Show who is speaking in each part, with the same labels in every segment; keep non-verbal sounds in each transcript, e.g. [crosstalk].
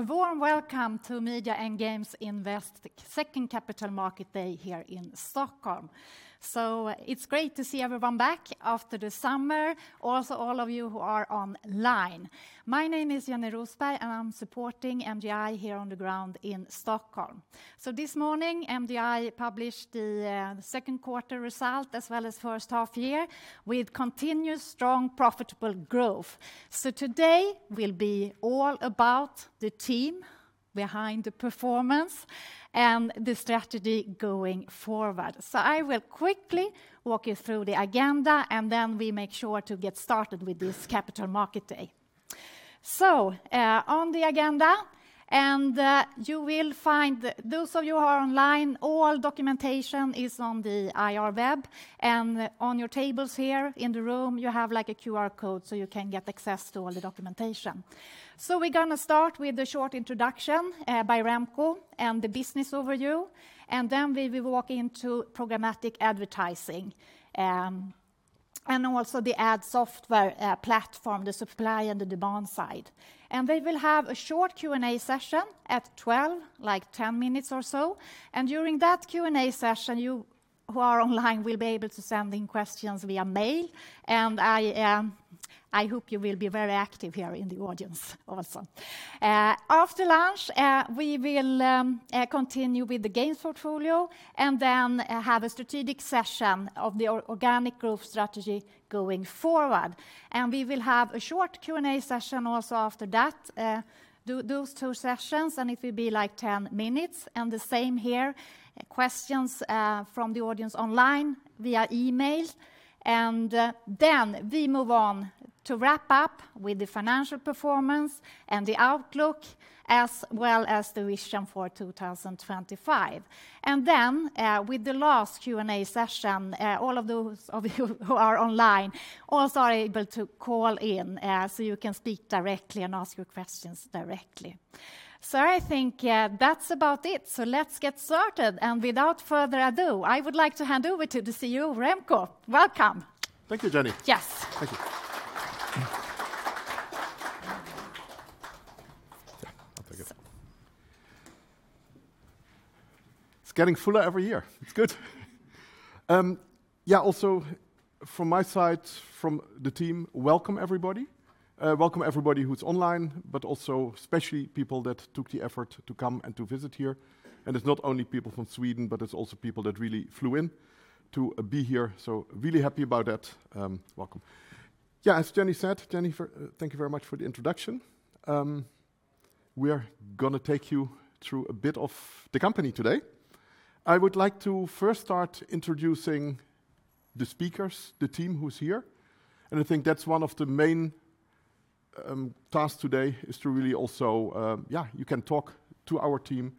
Speaker 1: A warm welcome to Media and Games Invest, the second Capital Market Day here in Stockholm. It's great to see everyone back after the summer, also all of you who are online. My name is Jenny Rosberg, and I'm supporting MGI here on the ground in Stockholm. Those of you who are online, all documentation is on the IR web and on your tables here in the room. You have like a QR code, so you can get access to all the documentation. We're gonna start with a short introduction by Remco and the business overview, and then we will walk into programmatic advertising and also the ad software platform, the supply and the demand side. We will have a short Q&A session at 12:00PM, like 10 minutes or so. During that Q&A session, you who are online will be able to send in questions via mail. I hope you will be very active here in the audience also. After lunch, we will continue with the games portfolio and then have a strategic session of the organic growth strategy going forward. We will have a short Q&A session also after that, those two sessions, and it will be like 10 minutes. The same here, questions from the audience online via email. Then we move on to wrap up with the financial performance and the outlook, as well as the vision for 2025. Then, with the last Q&A session, all of those of you who are online also are able to call in, so you can speak directly and ask your questions directly. I think that's about it. Let's get started. Without further ado, I would like to hand over to the CEO, Remco. Welcome.
Speaker 2: Thank you, Jenny.
Speaker 1: Yes.
Speaker 2: Thank you. I'll take it. It's getting fuller every year. It's good. Yeah, also from my side, from the team, welcome everybody. Welcome everybody who's online, but also especially people that took the effort to come and to visit here. It's not only people from Sweden, but it's also people that really flew in to be here, so really happy about that. Welcome. Yeah, as Jenny said, Jenny, for, thank you very much for the introduction. We are gonna take you through a bit of the company today. I would like to first start introducing the speakers, the team who's here. I think that's one of the main tasks today is to really also you can talk to our team,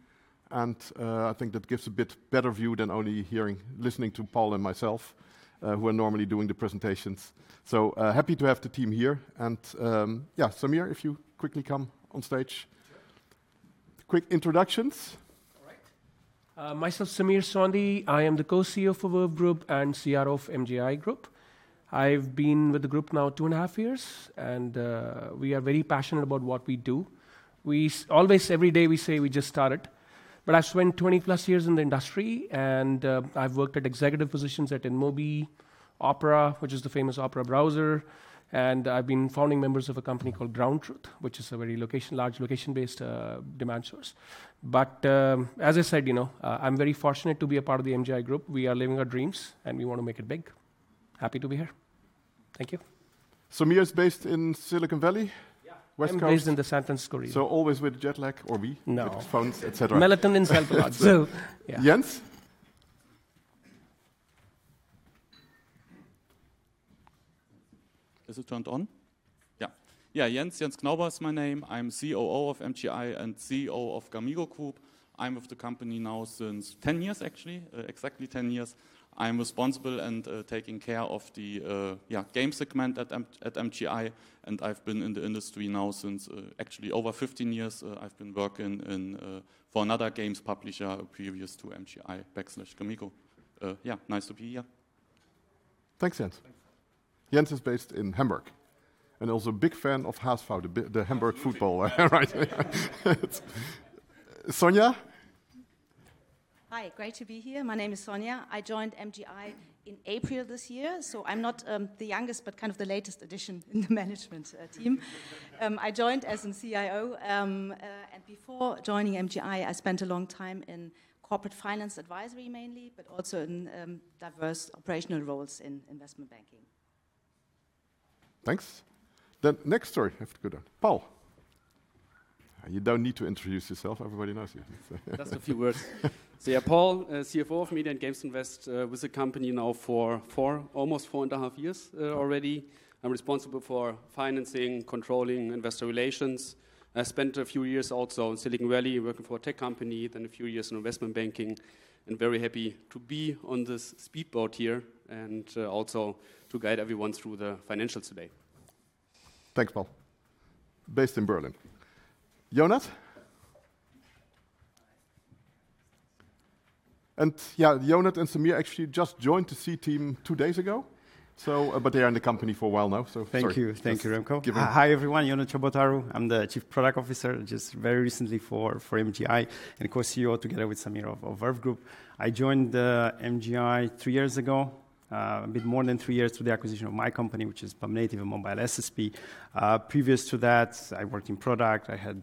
Speaker 2: and I think that gives a bit better view than only listening to Paul and myself who are normally doing the presentations. Happy to have the team here. Sameer, if you quickly come on stage.
Speaker 3: Sure.
Speaker 2: Quick introductions.
Speaker 3: All right. Myself, Sameer Sondhi. I am the co-CEO of Verve Group and CRO of MGI Group. I've been with the group now 2.5 years, and we are very passionate about what we do. We always every day we say we just started. I've spent 20-plus years in the industry, and I've worked at executive positions at InMobi, Opera, which is the famous Opera browser, and I've been founding members of a company called GroundTruth, which is a very large location-based demand source. As I said, you know, I'm very fortunate to be a part of the MGI Group. We are living our dreams, and we want to make it big. Happy to be here. Thank you.
Speaker 2: Sameer is based in Silicon Valley?
Speaker 3: Yeah.
Speaker 2: West Coast?
Speaker 3: I'm based in the San Francisco area.
Speaker 2: Always with jet lag?
Speaker 3: No.
Speaker 2: Different phones, et cetera.
Speaker 3: Melatonin helps a lot. Yeah.
Speaker 2: Jens?
Speaker 4: Is it turned on?
Speaker 2: Yeah.
Speaker 4: Yeah, Jens. Jens Knauber is my name. I'm COO of MGI and CEO of gamigo group. I'm with the company now since 10 years, actually. Exactly 10 years. I'm responsible and taking care of the game segment at MGI, and I've been in the industry now since actually over 15 years. I've been working in for another games publisher previous to MGI gamigo. Yeah, nice to be here.
Speaker 2: Thanks, Jens.
Speaker 4: Thanks.
Speaker 2: Jens is based in Hamburg and also a big fan of HSV, the Hamburg football. Right. Sonja.
Speaker 5: Hi. Great to be here. My name is Sonja. I joined MGI in April this year, so I'm not the youngest, but kind of the latest addition in the management team. I joined as a CIO. Before joining MGI, I spent a long time in corporate finance advisory mainly, but also in diverse operational roles in investment banking.
Speaker 2: Thanks. The next speaker, I have to go down. Paul. You don't need to introduce yourself. Everybody knows you.
Speaker 6: Just a few words. Yeah, Paul, CFO of Media and Games Invest. With the company now for 4, almost 4.5 years, already. I'm responsible for financing, controlling, investor relations. I spent a few years also in Silicon Valley working for a tech company, then a few years in investment banking, and very happy to be on this speed boat here and, also to guide everyone through the financials today.
Speaker 2: Thanks, Paul. Based in Berlin. Ionut. Yeah, Ionut and Sameer actually just joined the C-team two days ago, so, but they are in the company for a while now, so sorry.
Speaker 7: Thank you. Thank you, Remco.
Speaker 2: Give an... [crosstalk]
Speaker 7: Hi, everyone. Ionut Ciobotaru. I'm the Chief Product Officer, just very recently for MGI and, of course, CEO together with Sameer of Verve Group. I joined MGI three years ago, a bit more than three years through the acquisition of my company, which is Pubnative, a mobile SSP. Previous to that, I worked in product. I had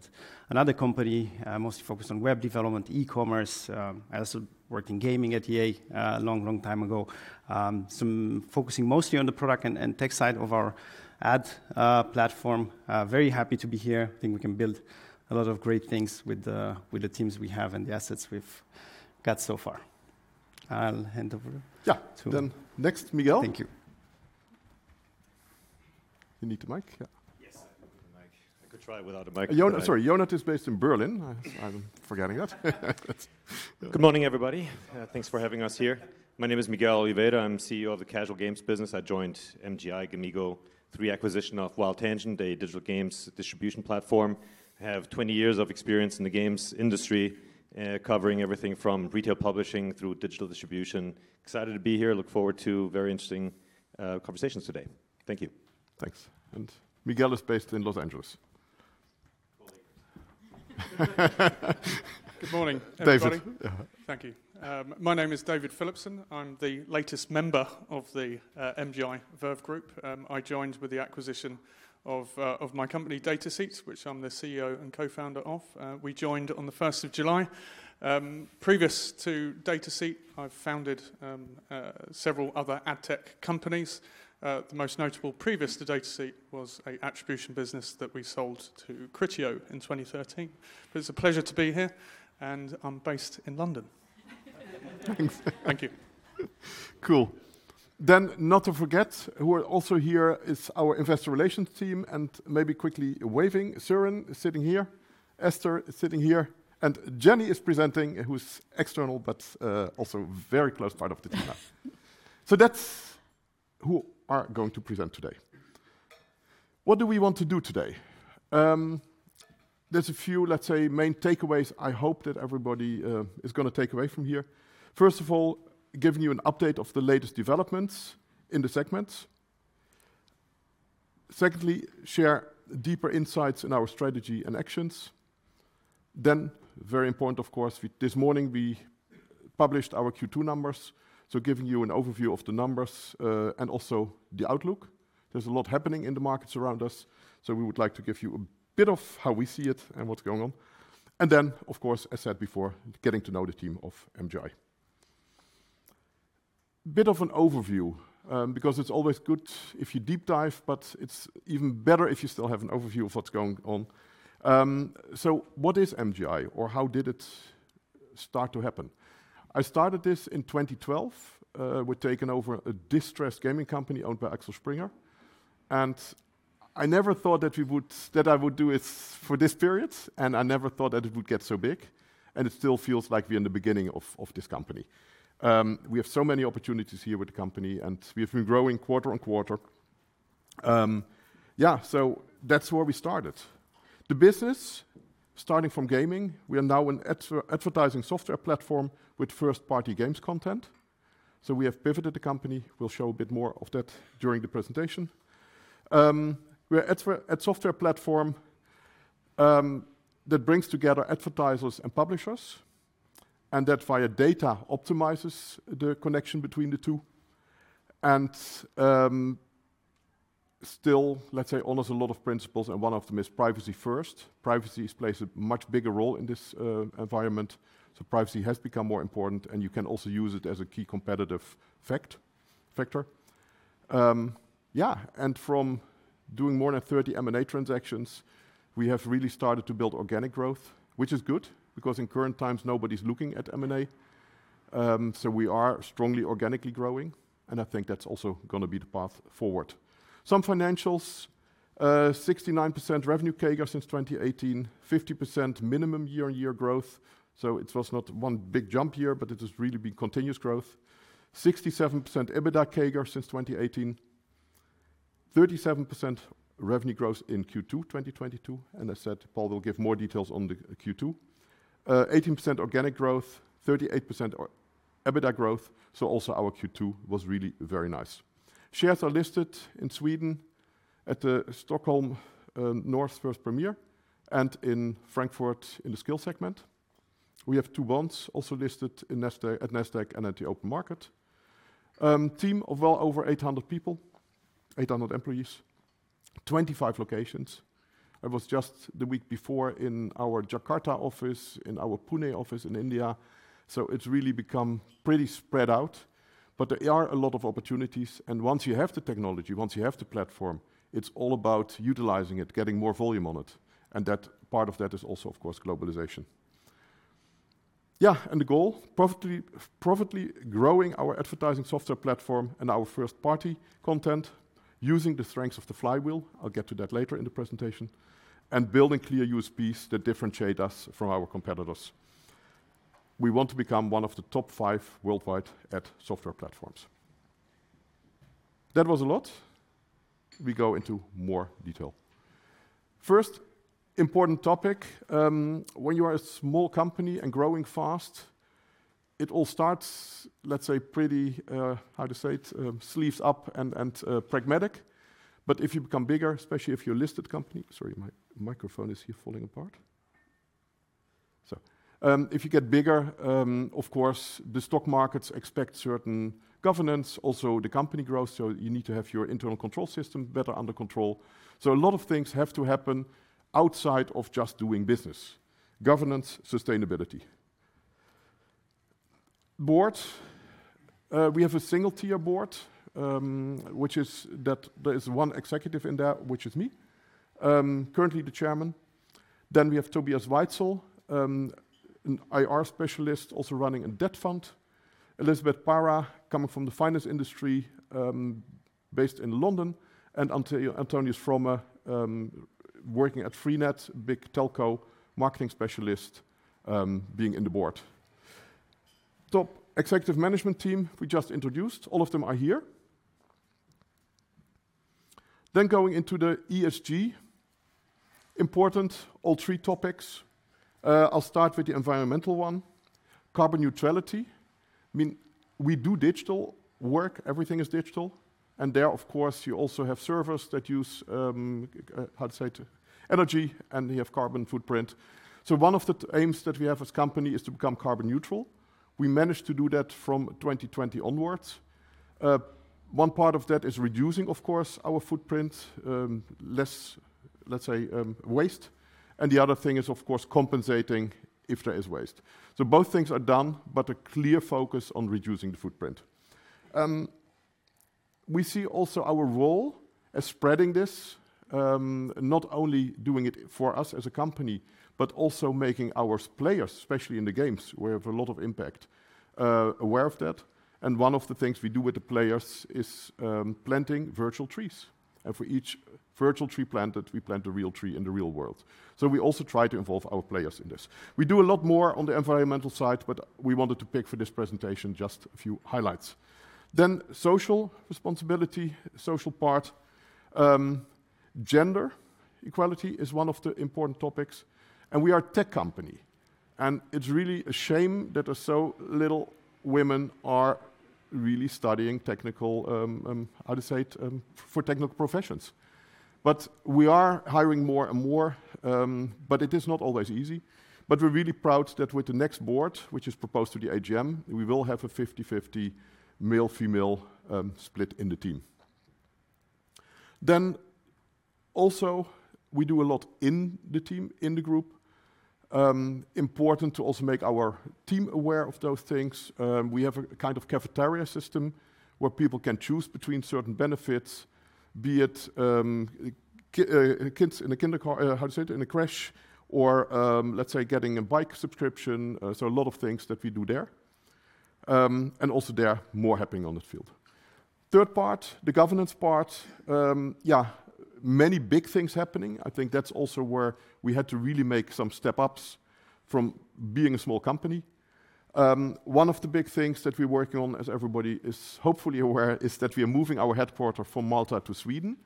Speaker 7: another company, mostly focused on web development, e-commerce. I also worked in gaming at EA a long time ago. So focusing mostly on the product and tech side of our ad platform. Very happy to be here. I think we can build a lot of great things with the teams we have and the assets we've got so far. I'll hand over.
Speaker 2: Yeah.
Speaker 7: To... [crosstalk]
Speaker 2: Next, Miguel.
Speaker 7: Thank you.
Speaker 2: You need the mic? Yeah.
Speaker 8: Yes, I need the mic. I could try without a mic.
Speaker 2: Sorry, Ionut is based in Berlin. I'm forgetting that.
Speaker 8: Good morning, everybody. Thanks for having us here. My name is Miguel Oliveira. I'm CEO of the Casual Games Business. I joined MGI gamigo through the acquisition of WildTangent, a digital games distribution platform. I have 20 years of experience in the games industry, covering everything from retail publishing through digital distribution. Excited to be here. Look forward to very interesting conversations today. Thank you.
Speaker 2: Thanks. Miguel is based in Los Angeles.
Speaker 9: Colleagues. Good morning, everybody.
Speaker 2: David. Uh-huh.
Speaker 9: Thank you. My name is David Philippson. I'm the latest member of the MGI Verve Group. I joined with the acquisition of my company, Dataseat, which I'm the CEO and co-founder of. We joined on the 1 July 2022. Previous to Dataseat, I've founded several other ad tech companies. The most notable previous to Dataseat was an attribution business that we sold to Criteo in 2013. It's a pleasure to be here, and I'm based in London.
Speaker 2: Thanks.
Speaker 9: Thank you.
Speaker 2: Cool. Not to forget, who are also here is our investor relations team and maybe quickly waving. Søren is sitting here. Esther is sitting here. Jenny is presenting, who's external, but also very close part of the team now. That's who are going to present today. What do we want to do today? There's a few, let's say, main takeaways I hope that everybody is gonna take away from here. First of all, giving you an update of the latest developments in the segments. Secondly, share deeper insights in our strategy and actions. Very important, of course, this morning we published our second quarter numbers, so giving you an overview of the numbers and also the outlook. There's a lot happening in the markets around us, so we would like to give you a bit of how we see it and what's going on. Then, of course, as said before, getting to know the team of MGI. Bit of an overview, because it's always good if you deep dive, but it's even better if you still have an overview of what's going on. What is MGI or how did it start to happen? I started this in 2012, with taking over a distressed gaming company owned by Axel Springer. I never thought that I would do it for this period, and I never thought that it would get so big, and it still feels like we're in the beginning of this company. We have so many opportunities here with the company, and we have been growing quarter on quarter. That's where we started. The business, starting from gaming, we are now an advertising software platform with first-party games content. We have pivoted the company. We'll show a bit more of that during the presentation. We're ad software platform that brings together advertisers and publishers and that via data optimizes the connection between the two. Still, let's say, honors a lot of principles, and one of them is privacy first. Privacy plays a much bigger role in this environment, privacy has become more important, and you can also use it as a key competitive factor. From doing more than 30 M&A transactions, we have really started to build organic growth, which is good because in current times, nobody's looking at M&A. We are strongly organically growing, and I think that's also gonna be the path forward. Some financials, 69% revenue CAGR since 2018, 50% minimum year-on-year growth. It was not one big jump year, but it has really been continuous growth. 67% EBITDA CAGR since 2018. 37% revenue growth in second quarter 2022. As said, Paul will give more details on the second quarter. 18% organic growth, 38% EBITDA growth, also our second quarter was really very nice. Shares are listed in Sweden at the Nasdaq First North Premier and in Frankfurt in the Scale segment. We have two bonds also listed in Nasdaq, at Nasdaq and at the open market. Team of well over 800 people, 800 employees, 25 locations. I was just the week before in our Jakarta office, in our Pune office in India. It's really become pretty spread out. There are a lot of opportunities, and once you have the technology, once you have the platform, it's all about utilizing it, getting more volume on it, and that part of that is also, of course, globalization. Yeah, the goal, profitably growing our advertising software platform and our first-party content using the strengths of the flywheel, I'll get to that later in the presentation, and building clear USPs that differentiate us from our competitors. We want to become one of the top five worldwide ad software platforms. That was a lot. We go into more detail. First important topic, when you are a small company and growing fast, it all starts, let's say pretty, sleeves up and pragmatic. If you become bigger, especially if you're a listed company. Sorry, my microphone is here falling apart. If you get bigger, of course, the stock markets expect certain governance. Also, the company grows, so you need to have your internal control system better under control. A lot of things have to happen outside of just doing business. Governance, sustainability. Board. We have a single tier board, which is that there is one executive in there, which is me, currently the chairman. Then we have Tobias Weitzel, an IR specialist, also running a debt fund. Elisabeth Parra, coming from the finance industry, based in London. Antonius Fromme, working at Freenet, big telco, marketing specialist, being in the board. Top executive management team, we just introduced. All of them are here. Then going into the ESG. Important all three topics. I'll start with the environmental one. Carbon neutrality. I mean, we do digital work. Everything is digital. There, of course, you also have servers that use energy, and we have carbon footprint. One of the aims that we have as a company is to become carbon neutral. We managed to do that from 2020 onwards. One part of that is reducing, of course, our footprint. Less, let's say, waste. The other thing is, of course, compensating if there is waste. Both things are done, but a clear focus on reducing the footprint. We see also our role as spreading this, not only doing it for us as a company, but also making our players, especially in the games we have a lot of impact, aware of that. One of the things we do with the players is planting virtual trees. For each virtual tree planted, we plant a real tree in the real world. We also try to involve our players in this. We do a lot more on the environmental side, but we wanted to pick for this presentation just a few highlights. Social responsibility, social part. Gender equality is one of the important topics, and we are a tech company, and it's really a shame that so little women are really studying for technical professions. We are hiring more and more, but it is not always easy. We're really proud that with the next board, which is proposed to the AGM, we will have a 50/50 male-female split in the team. We do a lot in the team, in the group. Important to also make our team aware of those things. We have a kind of cafeteria system where people can choose between certain benefits, be it kids in a crèche or, let's say getting a bike subscription. A lot of things that we do there. There are more happening on the field. Third part, the governance part. Many big things happening. I think that's also where we had to really make some step ups from being a small company. One of the big things that we're working on, as everybody is hopefully aware, is that we are moving our headquarters from Malta to Sweden.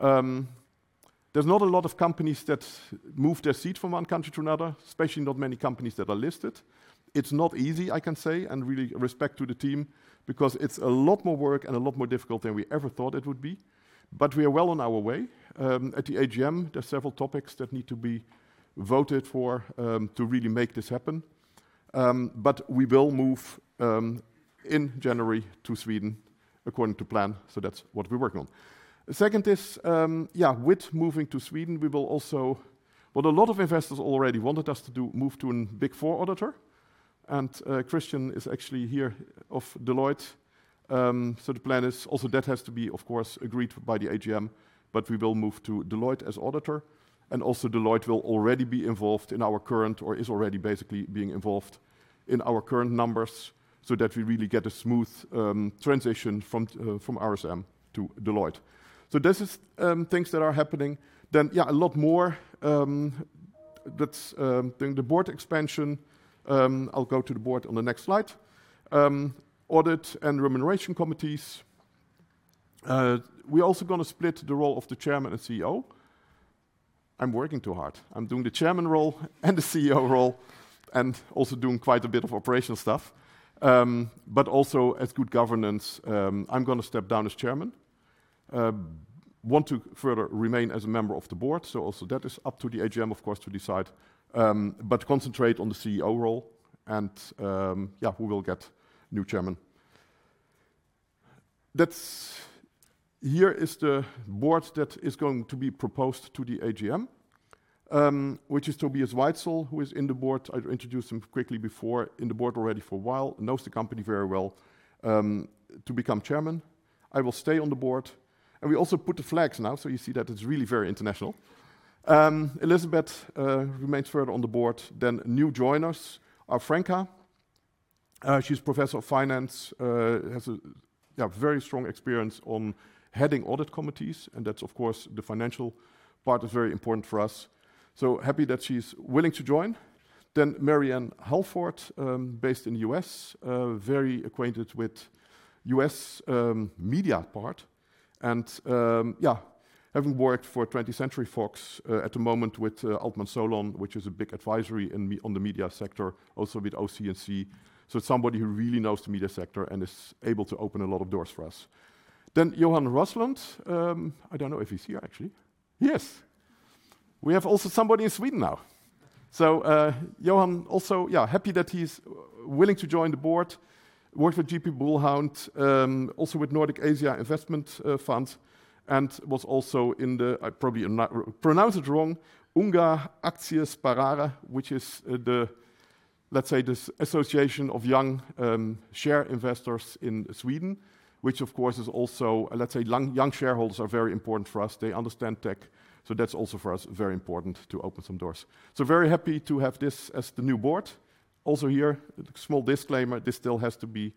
Speaker 2: There's not a lot of companies that move their seat from one country to another, especially not many companies that are listed. It's not easy, I can say, and I really respect the team because it's a lot more work and a lot more difficult than we ever thought it would be. We are well on our way. At the AGM, there are several topics that need to be voted for to really make this happen. We will move in January to Sweden according to plan. That's what we're working on. The second is with moving to Sweden, we will also move to a Big Four auditor. What a lot of investors already wanted us to do. Christian from Deloitte is actually here. The plan is also that has to be, of course, agreed by the AGM, but we will move to Deloitte as auditor, and also Deloitte will already be involved in our current or is already basically being involved in our current numbers so that we really get a smooth transition from RSM to Deloitte. This is things that are happening then, a lot more. That's then the board expansion. I'll go to the board on the next slide. Audit and remuneration committees. We're also gonna split the role of the chairman and CEO. I'm working too hard. I'm doing the chairman role and the CEO role and also doing quite a bit of operational stuff. Also as good governance, I'm gonna step down as chairman. Want to further remain as a member of the board. Also that is up to the AGM, of course, to decide. Concentrate on the CEO role and, yeah, we will get new chairman. Here is the board that is going to be proposed to the AGM, which is Tobias Weitzel, who is in the board. I introduced him quickly before in the board already for a while, knows the company very well, to become chairman. I will stay on the board and we also put the flags now, so you see that it's really very international. Elizabeth Para remains further on the board. New joiners are Franka. She's professor of finance, has very strong experience on heading audit committees, and that's of course, the financial part is very important for us. Happy that she's willing to join. Mary Ann Halford, based in the US, very acquainted with US media part and, having worked for 20th Century Fox, at the moment with Altman Solon, which is a big advisory in on the media sector, also with OCNC. Somebody who really knows the media sector and is able to open a lot of doors for us. Johan Roslund, I don't know if he's here actually. Yes. We have also somebody in Sweden now. Johan also, happy that he's willing to join the board. Worked with GP Bullhound, also with Nordic Asia Investment Fund, and was also in the, I probably pronounce it wrong, Unga Aktiesparare, which is, the, let's say, the association of young share investors in Sweden, which of course is also, let's say, young shareholders are very important for us. They understand tech, so that's also for us very important to open some doors. Very happy to have this as the new board. Also here, small disclaimer, this still has to be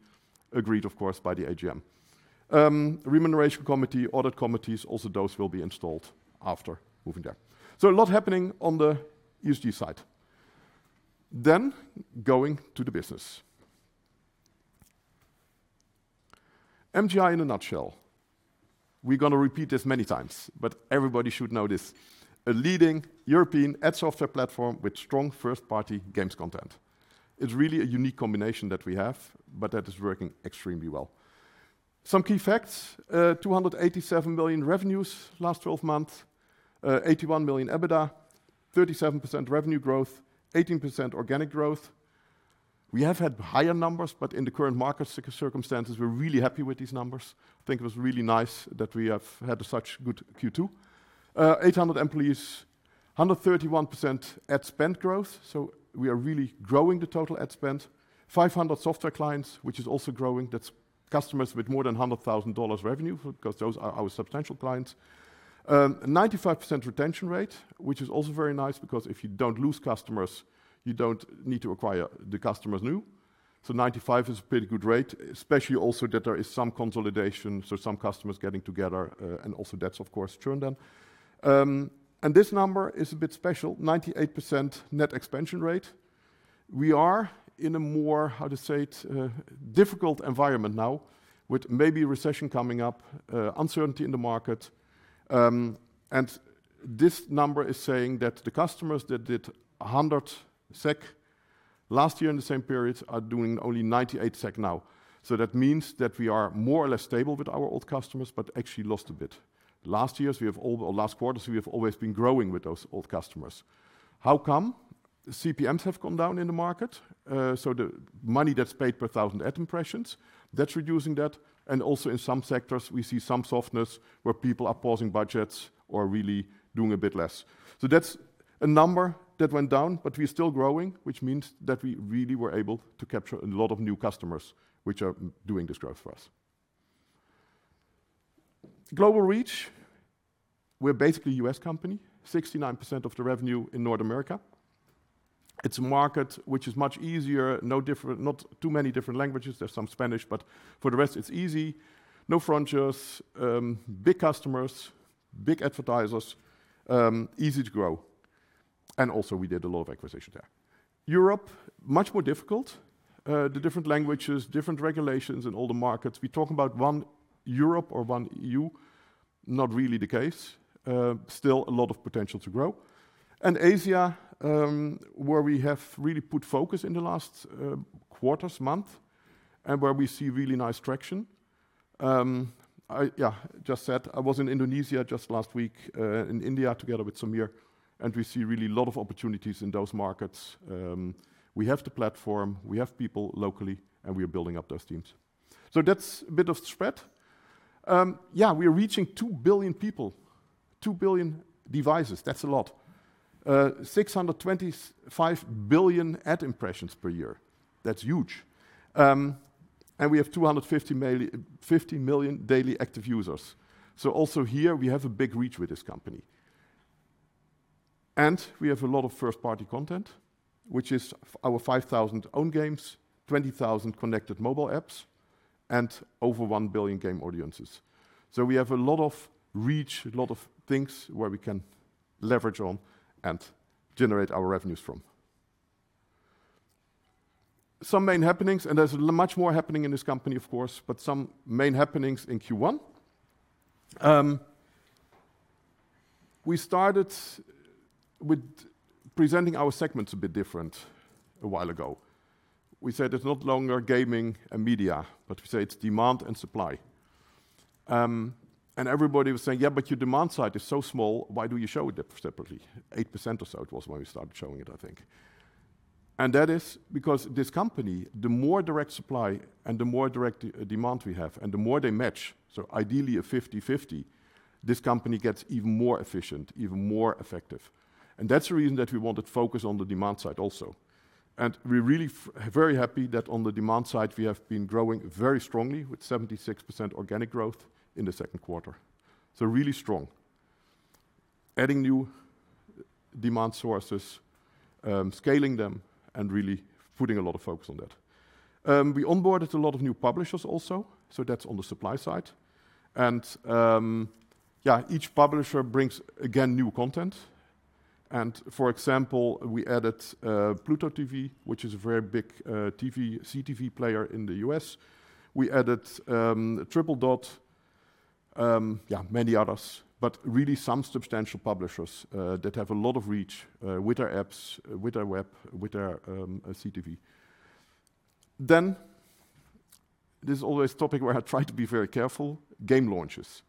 Speaker 2: agreed, of course, by the AGM. Remuneration committee, audit committees, also those will be installed after moving there. A lot happening on the ESG side. Going to the business. MGI in a nutshell. We're gonna repeat this many times, but everybody should know this. A leading European ad software platform with strong first-party games content. It's really a unique combination that we have, but that is working extremely well. Some key facts, 287 million revenues last 12 months, 81 million EBITDA, 37% revenue growth, 18% organic growth. We have had higher numbers, but in the current market circumstances, we're really happy with these numbers. I think it was really nice that we have had such good second quarter. 800 employees, 131% ad spend growth, so we are really growing the total ad spend. 500 software clients, which is also growing. That's customers with more than $100,000 revenue because those are our substantial clients. 95% retention rate, which is also very nice because if you don't lose customers, you don't need to acquire the customers new. 95 is a pretty good rate, especially also that there is some consolidation, so some customers getting together, and also that's of course churn them. This number is a bit special, 98% net expansion rate. We are in a more, how to say it, difficult environment now with maybe recession coming up, uncertainty in the market. This number is saying that the customers that did 100 SEK last year in the same periods are doing only 98 SEK now. That means that we are more or less stable with our old customers, but actually lost a bit. Last years, we have or last quarters, we have always been growing with those old customers. How come? CPMs have come down in the market, so the money that's paid per thousand ad impressions, that's reducing that. In some sectors, we see some softness where people are pausing budgets or really doing a bit less. That's a number that went down, but we're still growing, which means that we really were able to capture a lot of new customers which are doing this growth for us. Global reach. We're basically a US company, 69% of the revenue in North America. It's a market which is much easier, not too many different languages. There's some Spanish, but for the rest, it's easy. No frontiers, big customers, big advertisers, easy to grow. We did a lot of acquisition there. Europe, much more difficult. The different languages, different regulations in all the markets. We talk about one Europe or one EU, not really the case. Still a lot of potential to grow. Asia, where we have really put focus in the last quarters, month, and where we see really nice traction. I just said I was in Indonesia just last week in India together with Sameer, and we see really a lot of opportunities in those markets. We have the platform, we have people locally, and we are building up those teams. That's a bit of spread. We are reaching 2 billion people, 2 billion devices. That's a lot. 625 billion ad impressions per year. That's huge. We have 50 million daily active users. Also here, we have a big reach with this company. We have a lot of first-party content, which is our 5,000 own games, 20,000 connected mobile apps, and over 1 billion game audiences. We have a lot of reach, a lot of things where we can leverage on and generate our revenues from. Some main happenings, and there's much more happening in this company, of course, but some main happenings in first quarter. We started with presenting our segments a bit different a while ago. We said it's no longer gaming and media, but we say it's demand and supply. Everybody was saying, "Yeah, but your demand side is so small. Why do you show it separately?" 8% or so it was when we started showing it, I think. That is because this company, the more direct supply and the more direct demand we have, and the more they match, so ideally a 50/50, this company gets even more efficient, even more effective. That's the reason that we wanted focus on the demand side also. We're really very happy that on the demand side, we have been growing very strongly with 76% organic growth in the second quarter. Really strong. Adding new demand sources, scaling them, and really putting a lot of focus on that. We onboarded a lot of new publishers also, so that's on the supply side. Each publisher brings, again, new content. For example, we added Pluto TV, which is a very big TV, CTV player in the US. We added Tripledot. Yeah, many others, but really some substantial publishers that have a lot of reach with their apps, with their web, with their CTV. Then there's always topic where I try to be very careful, game launches.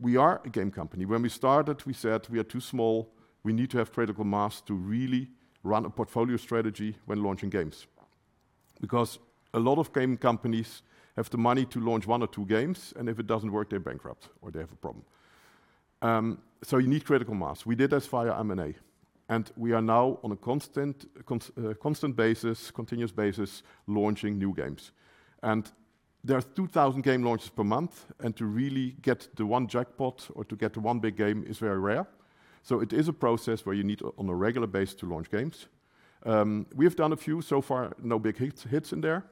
Speaker 2: We are a game company. When we started, we said we are too small. We need to have critical mass to really run a portfolio strategy when launching games. Because a lot of game companies have the money to launch one or two games, and if it doesn't work, they're bankrupt or they have a problem. You need critical mass. We did this via M&A, and we are now on a constant, continuous basis launching new games. There are 2,000 game launches per month. To really get the one jackpot or to get one big game is very rare. It is a process where you need on a regular basis to launch games. We have done a few so far, no big hits in there.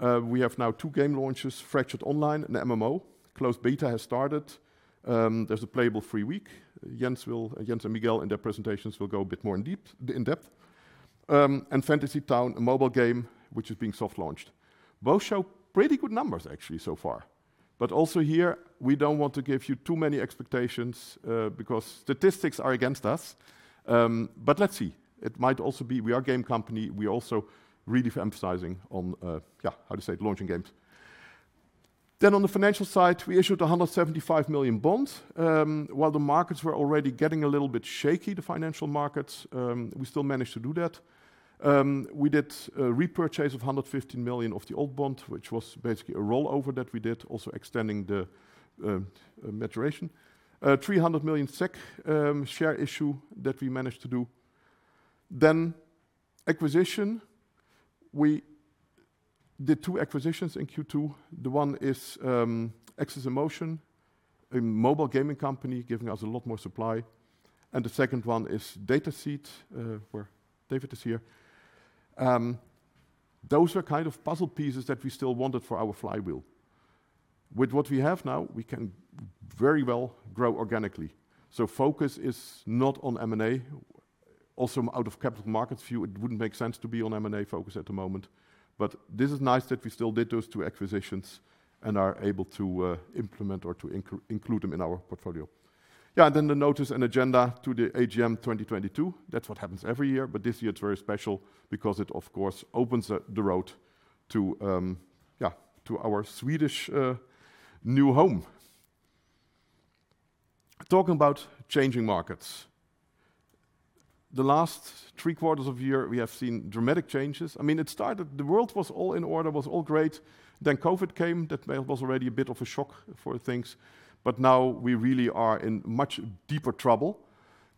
Speaker 2: We have now two game launches, Fractured Online, an MMO. Closed beta has started. There's a playable free week. Jens will. Jens and Miguel in their presentations will go a bit more in depth. Fantasy Town, a mobile game which is being soft launched. Both show pretty good numbers actually so far. Also here, we don't want to give you too many expectations, because statistics are against us. Let's see. It might also be we are game company. We also really emphasizing on, yeah, how to say, launching games. On the financial side, we issued 175 million bonds. While the markets were already getting a little bit shaky, the financial markets, we still managed to do that. We did a repurchase of 115 million of the old bond, which was basically a rollover that we did, also extending the maturation. 300 million SEK share issue that we managed to do. Acquisition. We did two acquisitions in second quarter. The one is AxesInMotion, a mobile gaming company giving us a lot more supply, and the second one is Dataseat, where David is here. Those are kind of puzzle pieces that we still wanted for our flywheel. With what we have now, we can very well grow organically. Focus is not on M&A. Also out of capital markets view, it wouldn't make sense to be on M&A focus at the moment. This is nice that we still did those two acquisitions and are able to implement or include them in our portfolio. Yeah. The notice and agenda to the AGM 2022. That's what happens every year, but this year it's very special because it of course opens the road to our Swedish new home. Talking about changing markets. The last three quarters of the year, we have seen dramatic changes. I mean, it started, the world was all in order, was all great. Then COVID came. That was already a bit of a shock for things, but now we really are in much deeper trouble.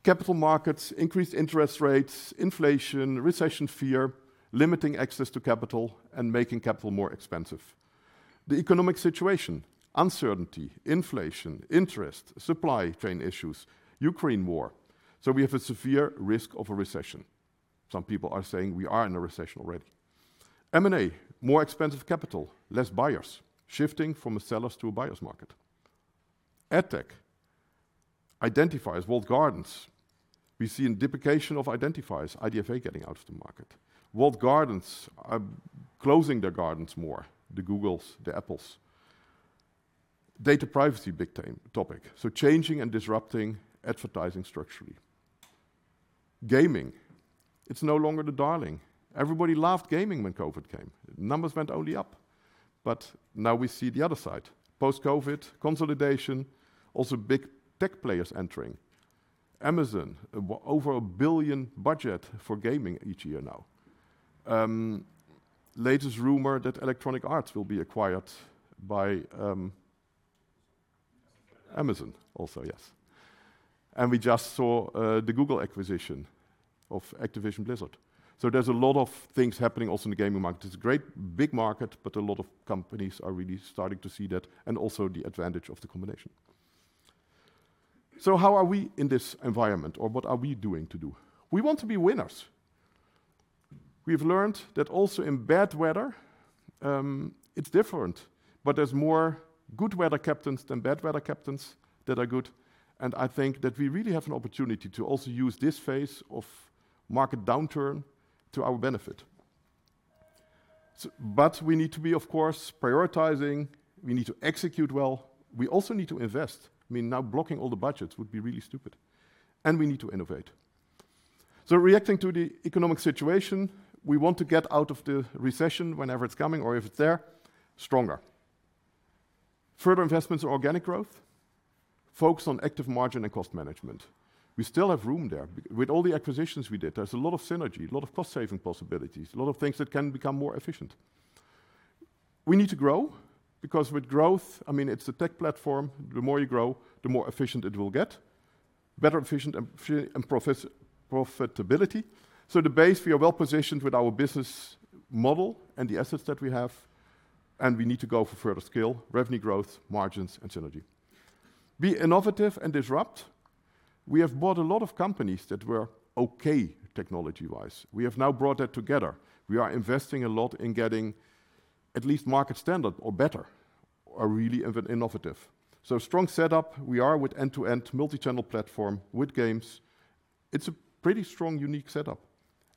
Speaker 2: Capital markets, increased interest rates, inflation, recession fear, limiting access to capital and making capital more expensive. The economic situation, uncertainty, inflation, interest, supply chain issues, Ukraine war. We have a severe risk of a recession. Some people are saying we are in a recession already. M&A, more expensive capital, less buyers, shifting from a seller's to a buyer's market. Ad tech, identifiers, walled gardens. We see the deprecation of identifiers, IDFA getting out of the market. Walled gardens are closing their gardens more, the Googles, the Apples. Data privacy, big time topic. Changing and disrupting advertising structurally. Gaming, it's no longer the darling. Everybody loved gaming when COVID came. Numbers went only up, but now we see the other side. Post-COVID consolidation, also big tech players entering. Amazon, over $1 billion budget for gaming each year now. Latest rumor that Electronic Arts will be acquired by Amazon also, yes. We just saw the Google acquisition of Activision Blizzard. There's a lot of things happening also in the gaming market. It's a great big market, but a lot of companies are really starting to see that and also the advantage of the combination. How are we in this environment or what are we doing to do? We want to be winners. We've learned that also in bad weather, it's different, but there's more good weather captains than bad weather captains that are good. I think that we really have an opportunity to also use this phase of market downturn to our benefit. We need to be, of course, prioritizing. We need to execute well. We also need to invest. I mean, now blocking all the budgets would be really stupid. We need to innovate. Reacting to the economic situation, we want to get out of the recession whenever it's coming or if it's there, stronger. Further investments or organic growth, focus on active margin and cost management. We still have room there. With all the acquisitions we did, there's a lot of synergy, a lot of cost saving possibilities, a lot of things that can become more efficient. We need to grow because with growth, I mean, it's a tech platform. The more you grow, the more efficient it will get. Better efficient and profitability. The base, we are well positioned with our business model and the assets that we have, and we need to go for further scale, revenue growth, margins and synergy. Be innovative and disrupt. We have bought a lot of companies that were okay technology-wise. We have now brought that together. We are investing a lot in getting at least market standard or better or really even innovative. Strong setup we are with end-to-end multi-channel platform with games. It's a pretty strong, unique setup,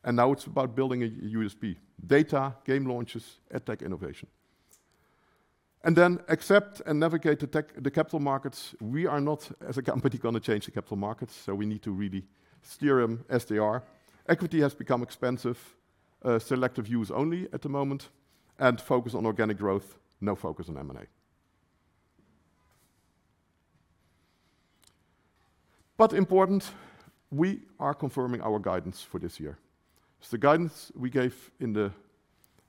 Speaker 2: and now it's about building a USP. Data, game launches, ad tech innovation. Then accept and navigate the capital markets. We are not, as a company, gonna change the capital markets, so we need to really steer them as they are. Equity has become expensive, selective use only at the moment and focus on organic growth, no focus on M&A. Important, we are confirming our guidance for this year. The guidance we gave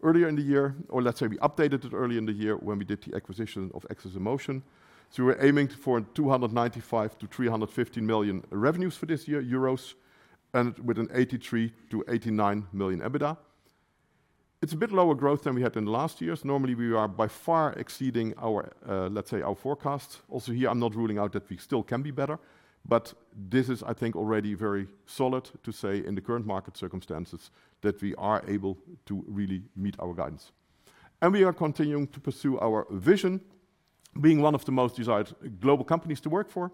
Speaker 2: earlier in the year, or let's say we updated it early in the year when we did the acquisition of AxesInMotion. We're aiming for 295 to 350 million revenues for this year, and with an 83 to 89 million EBITDA. It's a bit lower growth than we had in the last years. Normally, we are by far exceeding our, let's say our forecasts. Also here, I'm not ruling out that we still can be better, but this is, I think, already very solid to say in the current market circumstances that we are able to really meet our guidance. We are continuing to pursue our vision, being one of the most desired global companies to work for,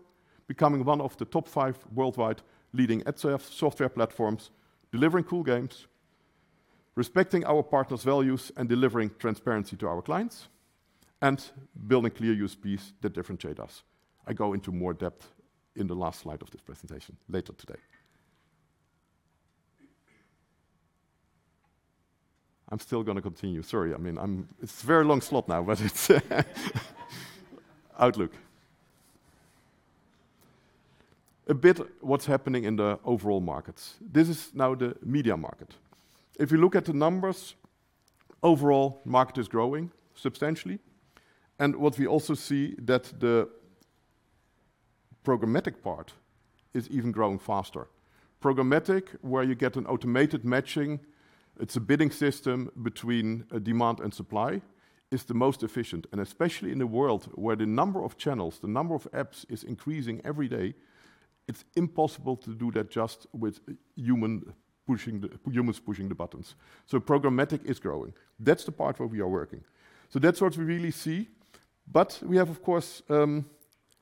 Speaker 2: becoming one of the top five worldwide leading ad software platforms, delivering cool games, respecting our partners' values, and delivering transparency to our clients, and building clear USPs that differentiate us. I go into more depth in the last slide of this presentation later today. I'm still gonna continue. Sorry. I mean, it's a very long slot now, but it's Outlook. A bit what's happening in the overall markets. This is now the media market. If you look at the numbers, overall market is growing substantially. What we also see that the programmatic part is even growing faster. Programmatic, where you get an automated matching, it's a bidding system between demand and supply, is the most efficient. Especially in a world where the number of channels, the number of apps is increasing every day, it's impossible to do that just with humans pushing the buttons. Programmatic is growing. That's the part where we are working. That's what we really see. We have, of course,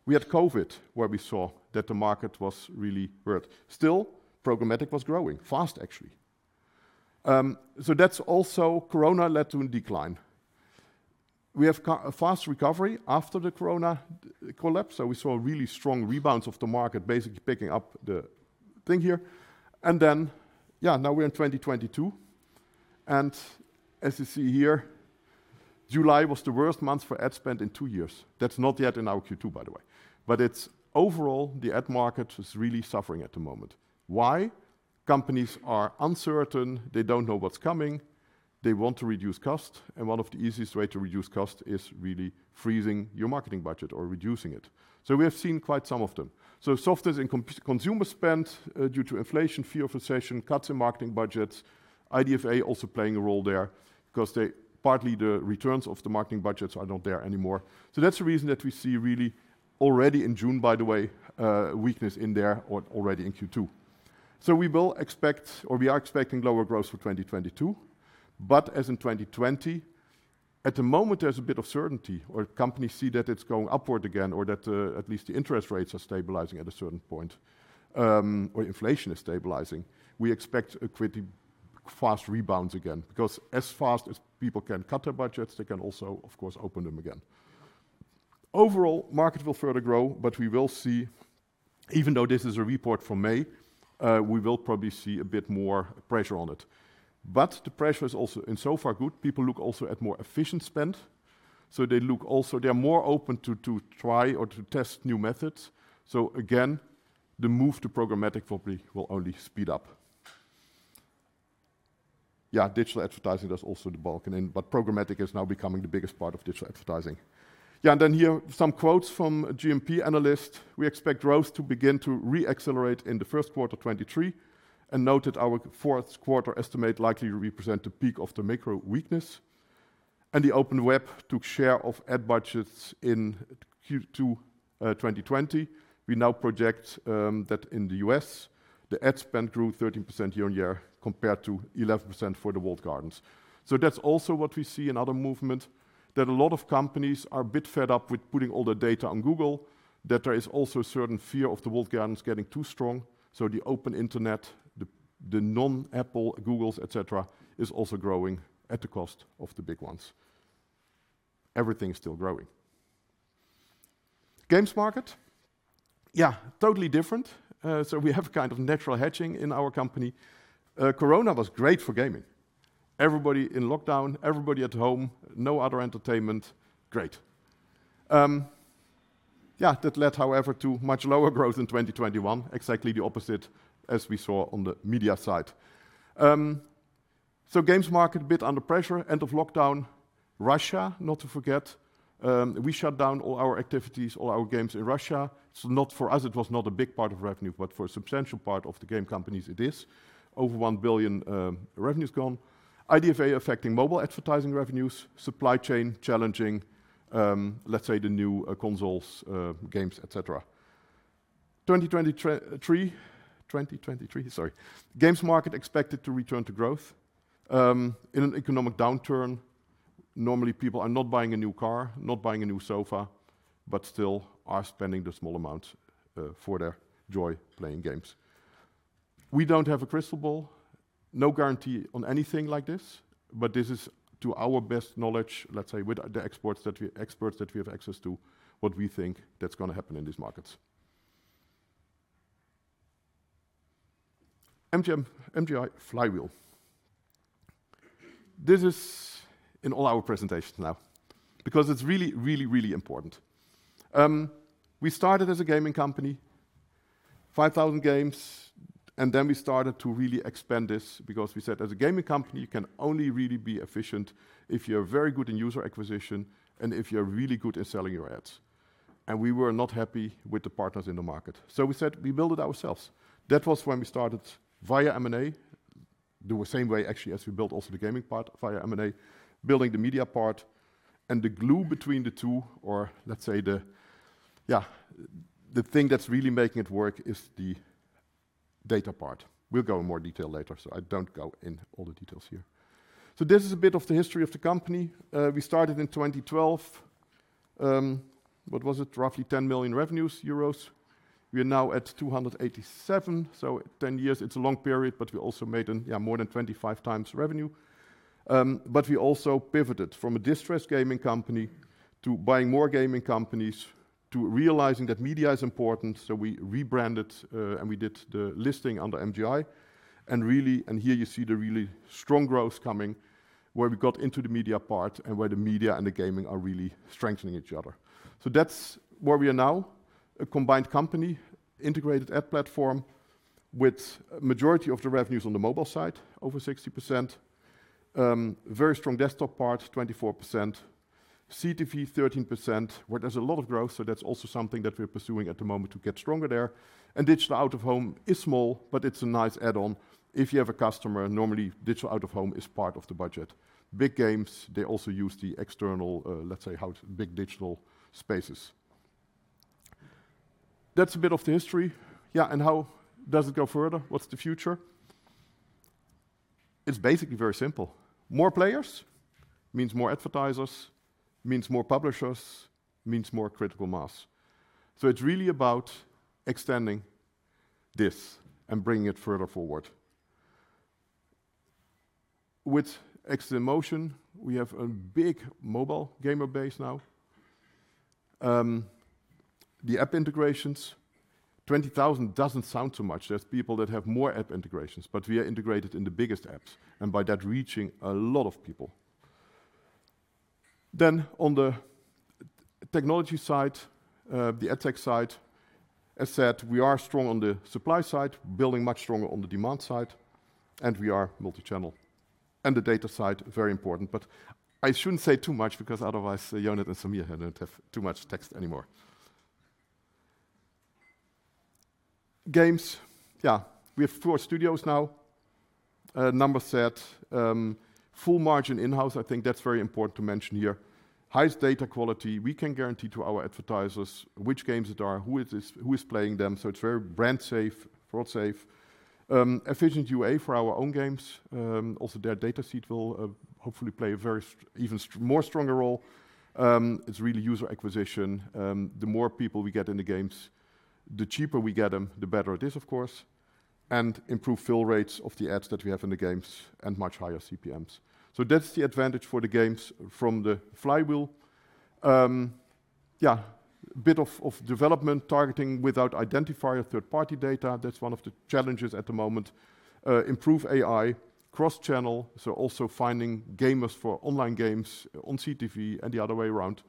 Speaker 2: we had COVID, where we saw that the market was really hurt. Still, programmatic was growing fast, actually. That's also COVID led to a decline. We have fast recovery after the COVID collapse. We saw a really strong rebounds of the market basically picking up the thing here. Then, yeah, now we're in 2022, and as you see here, July was the worst month for ad spend in two years. That's not yet in our second quarter, by the way. It's overall the ad market is really suffering at the moment. Why? Companies are uncertain. They don't know what's coming. They want to reduce cost, and one of the easiest way to reduce cost is really freezing your marketing budget or reducing it. We have seen quite some of them. Softness in consumer spend due to inflation, fear of recession, cuts in marketing budgets, IDFA also playing a role there because they partly the returns of the marketing budgets are not there anymore. That's the reason that we see really already in June, by the way, weakness in there or already in second quarter. We will expect or we are expecting lower growth for 2022. As in 2020, at the moment, there's a bit of certainty or companies see that it's going upward again or that, at least the interest rates are stabilizing at a certain point, or inflation is stabilizing. We expect a pretty fast rebounds again, because as fast as people can cut their budgets, they can also, of course, open them again. Overall, market will further grow, but we will see even though this is a report for May, we will probably see a bit more pressure on it. The pressure is also in so far good. People look also at more efficient spend, so they look also they are more open to try or to test new methods. Again, the move to programmatic probably will only speed up. Yeah, digital advertising is also the bulk. Programmatic is now becoming the biggest part of digital advertising. Yeah, here some quotes from a JMP analyst, "We expect growth to begin to re-accelerate in the first quarter 2023 and note that our fourth quarter estimate likely represent a peak of the macro weakness." The open web took share of ad budgets in second quarter 2020. We now project that in the US, the ad spend grew 13% year-on-year compared to 11% for the walled gardens. That's also what we see another movement, that a lot of companies are a bit fed up with putting all their data on Google, that there is also a certain fear of the walled gardens getting too strong. The open internet, the non-Apple, Googles, et cetera, is also growing at the cost of the big ones. Everything is still growing. Games market, yeah, totally different. So we have kind of natural hedging in our company. Corona was great for gaming. Everybody in lockdown, everybody at home, no other entertainment. Great. Yeah, that led, however, to much lower growth in 2021, exactly the opposite as we saw on the media side. So games market a bit under pressure. End of lockdown. Russia, not to forget. We shut down all our activities, all our games in Russia. So not for us, it was not a big part of revenue, but for a substantial part of the game companies, it is. Over 1 billion revenues gone. IDFA affecting mobile advertising revenues, supply chain challenging, let's say the new consoles, games, et cetera. 2023. Games market expected to return to growth. In an economic downturn, normally people are not buying a new car, not buying a new sofa, but still are spending the small amounts for their joy playing games. We don't have a crystal ball, no guarantee on anything like this, but this is to our best knowledge, let's say with the experts that we have access to, what we think that's gonna happen in these markets. MGI flywheel. This is in all our presentations now because it's really important. We started as a gaming company, 5,000 games, and then we started to really expand this because we said as a gaming company, you can only really be efficient if you're very good in user acquisition and if you're really good at selling your ads. We were not happy with the partners in the market. We said we build it ourselves. That was when we started via M&A, the same way actually as we built also the gaming part via M&A, building the media part and the glue between the two, or let's say the thing that's really making it work is the data part. We'll go in more detail later, so I don't go into all the details here. This is a bit of the history of the company. We started in 2012. Roughly 10 million revenues. We are now at 287 million. 10 years, it's a long period, but we also made an, more than 25x revenue. But we also pivoted from a distressed gaming company to buying more gaming companies to realizing that media is important. We rebranded and we did the listing under MGI. Here you see the really strong growth coming, where we got into the media part and where the media and the gaming are really strengthening each other. That's where we are now, a combined company, integrated ad platform with majority of the revenues on the mobile side, over 60%. Very strong desktop part, 24%. CTV, 13%, where there's a lot of growth, so that's also something that we're pursuing at the moment to get stronger there. Digital out-of-home is small, but it's a nice add-on. If you have a customer, normally digital out-of-home is part of the budget. Big games, they also use the external, let's say, big digital spaces. That's a bit of the history. How does it go further? What's the future? It's basically very simple. More players means more advertisers, means more publishers, means more critical mass. It's really about extending this and bringing it further forward. With AxesInMotion, we have a big mobile gamer base now. The app integrations, 20,000 doesn't sound too much. There's people that have more app integrations, but we are integrated in the biggest apps, and by that, reaching a lot of people. On the technology side, the tech side, as said, we are strong on the supply side, building much stronger on the demand side, and we are multi-channel. The data side, very important. I shouldn't say too much because otherwise Ionut and Sameer don't have too much text anymore. Games. Yeah, we have four studios now. A number set, full margin in-house. I think that's very important to mention here. Highest data quality. We can guarantee to our advertisers which games they are, who is playing them. It's very brand safe, fraud safe. Efficient UA for our own games. Also, Dataseat will hopefully play a very even more stronger role. It's really user acquisition. The more people we get in the games, the cheaper we get them, the better it is, of course. Improve fill rates of the ads that we have in the games and much higher CPMs. That's the advantage for the games from the flywheel. Bit of development targeting without identifier third-party data. That's one of the challenges at the moment. Improve AI cross-channel, also finding gamers for online games on CTV and the other way around.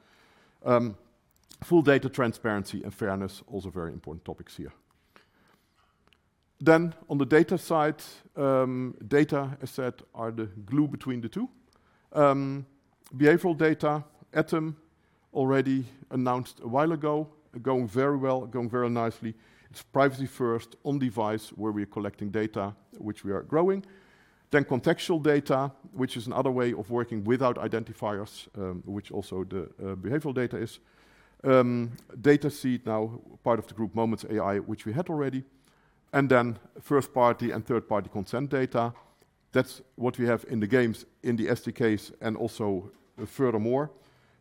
Speaker 2: Full data transparency and fairness, also very important topics here. On the data side, data, as said, are the glue between the two. Behavioral data, ATOM already announced a while ago, going very well, going very nicely. It's privacy first on device where we're collecting data, which we are growing. Contextual data, which is another way of working without identifiers, which also the behavioral data is. Dataseat now part of the group Moments.AI, which we had already. First-party and third-party consent data. That's what we have in the games, in the SDKs, and also furthermore,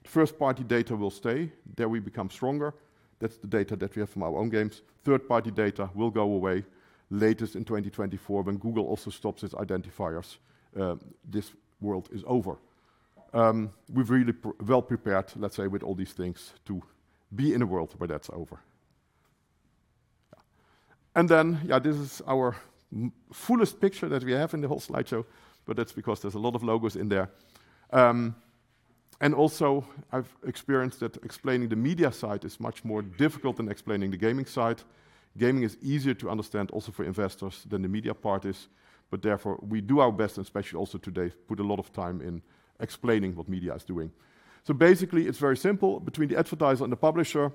Speaker 2: first-party data will stay. There we become stronger. That's the data that we have from our own games. Third-party data will go away latest in 2024 when Google also stops its identifiers. This world is over. We've really well prepared, let's say, with all these things to be in a world where that's over. Yeah, this is our fullest picture that we have in the whole slideshow, but that's because there's a lot of logos in there. Also I've experienced that explaining the media side is much more difficult than explaining the gaming side. Gaming is easier to understand also for investors than the media part is, but therefore, we do our best, and especially also today, put a lot of time in explaining what media is doing. Basically, it's very simple between the advertiser and the publisher.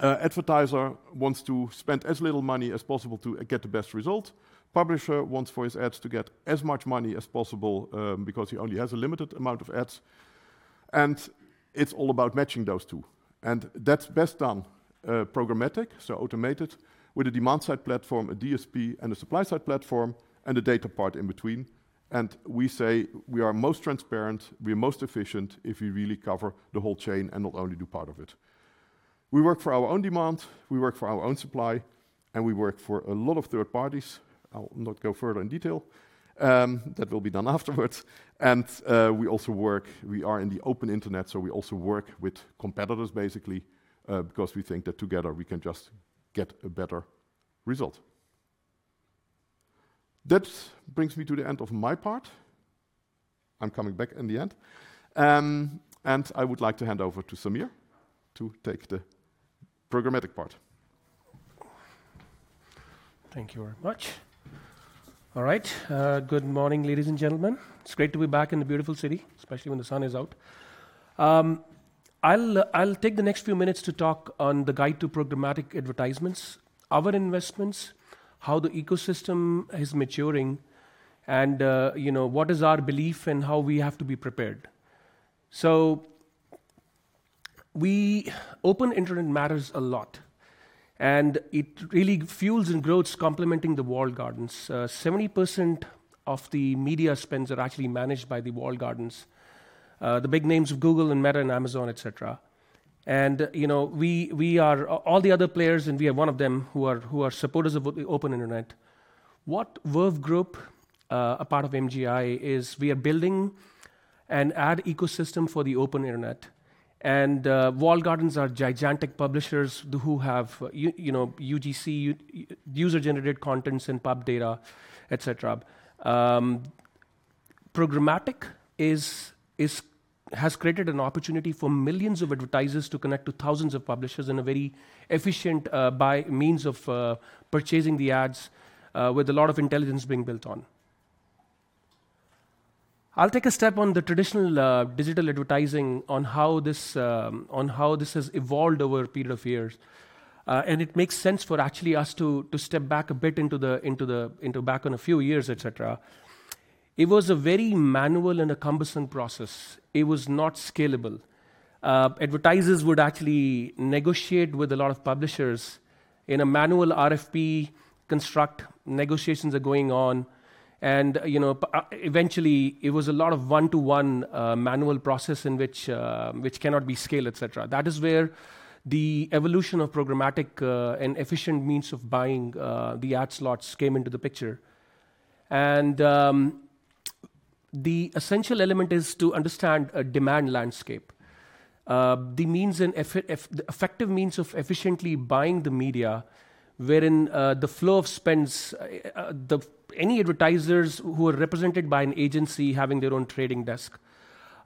Speaker 2: Advertiser wants to spend as little money as possible to get the best result. Publisher wants for his ads to get as much money as possible, because he only has a limited amount of ads. It's all about matching those two. That's best done programmatic, so automated with a demand side platform, a DSP, and a supply side platform, and a data part in between. We say we are most transparent, we are most efficient if you really cover the whole chain and not only do part of it. We work for our own demand, we work for our own supply, and we work for a lot of third parties. I'll not go further in detail, that will be done afterwards. We are in the open internet, so we also work with competitors basically, because we think that together we can just get a better result. That brings me to the end of my part. I'm coming back in the end. I would like to hand over to Sameer to take the programmatic part.
Speaker 3: Thank you very much. All right. Good morning, ladies and gentlemen. It's great to be back in the beautiful city, especially when the sun is out. I'll take the next few minutes to talk on the guide to programmatic advertisements, our investments, how the ecosystem is maturing, and, you know, what is our belief and how we have to be prepared. Open internet matters a lot, and it really fuels and grows complementing the walled gardens. 70% of the media spends are actually managed by the walled gardens. The big names of Google and Meta and Amazon, et cetera. You know, we are all the other players, and we are one of them who are supporters of open internet. What Verve Group, a part of MGI, is we are building an ad ecosystem for the open internet. Walled gardens are gigantic publishers who have you know, UGC, user generated contents and pub data, et cetera. Programmatic has created an opportunity for millions of advertisers to connect to thousands of publishers in a very efficient by means of purchasing the ads with a lot of intelligence being built on. I'll take a step on the traditional digital advertising on how this has evolved over a period of years. It makes sense for actually us to step back a bit into the back on a few years, et cetera. It was a very manual and a cumbersome process. It was not scalable. Advertisers would actually negotiate with a lot of publishers in a manual RFP construct. Negotiations are going on and, you know, eventually it was a lot of one-to-one, manual process in which cannot be scaled, et cetera. That is where the evolution of programmatic and efficient means of buying the ad slots came into the picture. The essential element is to understand a demand landscape. The means and the effective means of efficiently buying the media wherein, the flow of spends. Any advertisers who are represented by an agency having their own trading desk.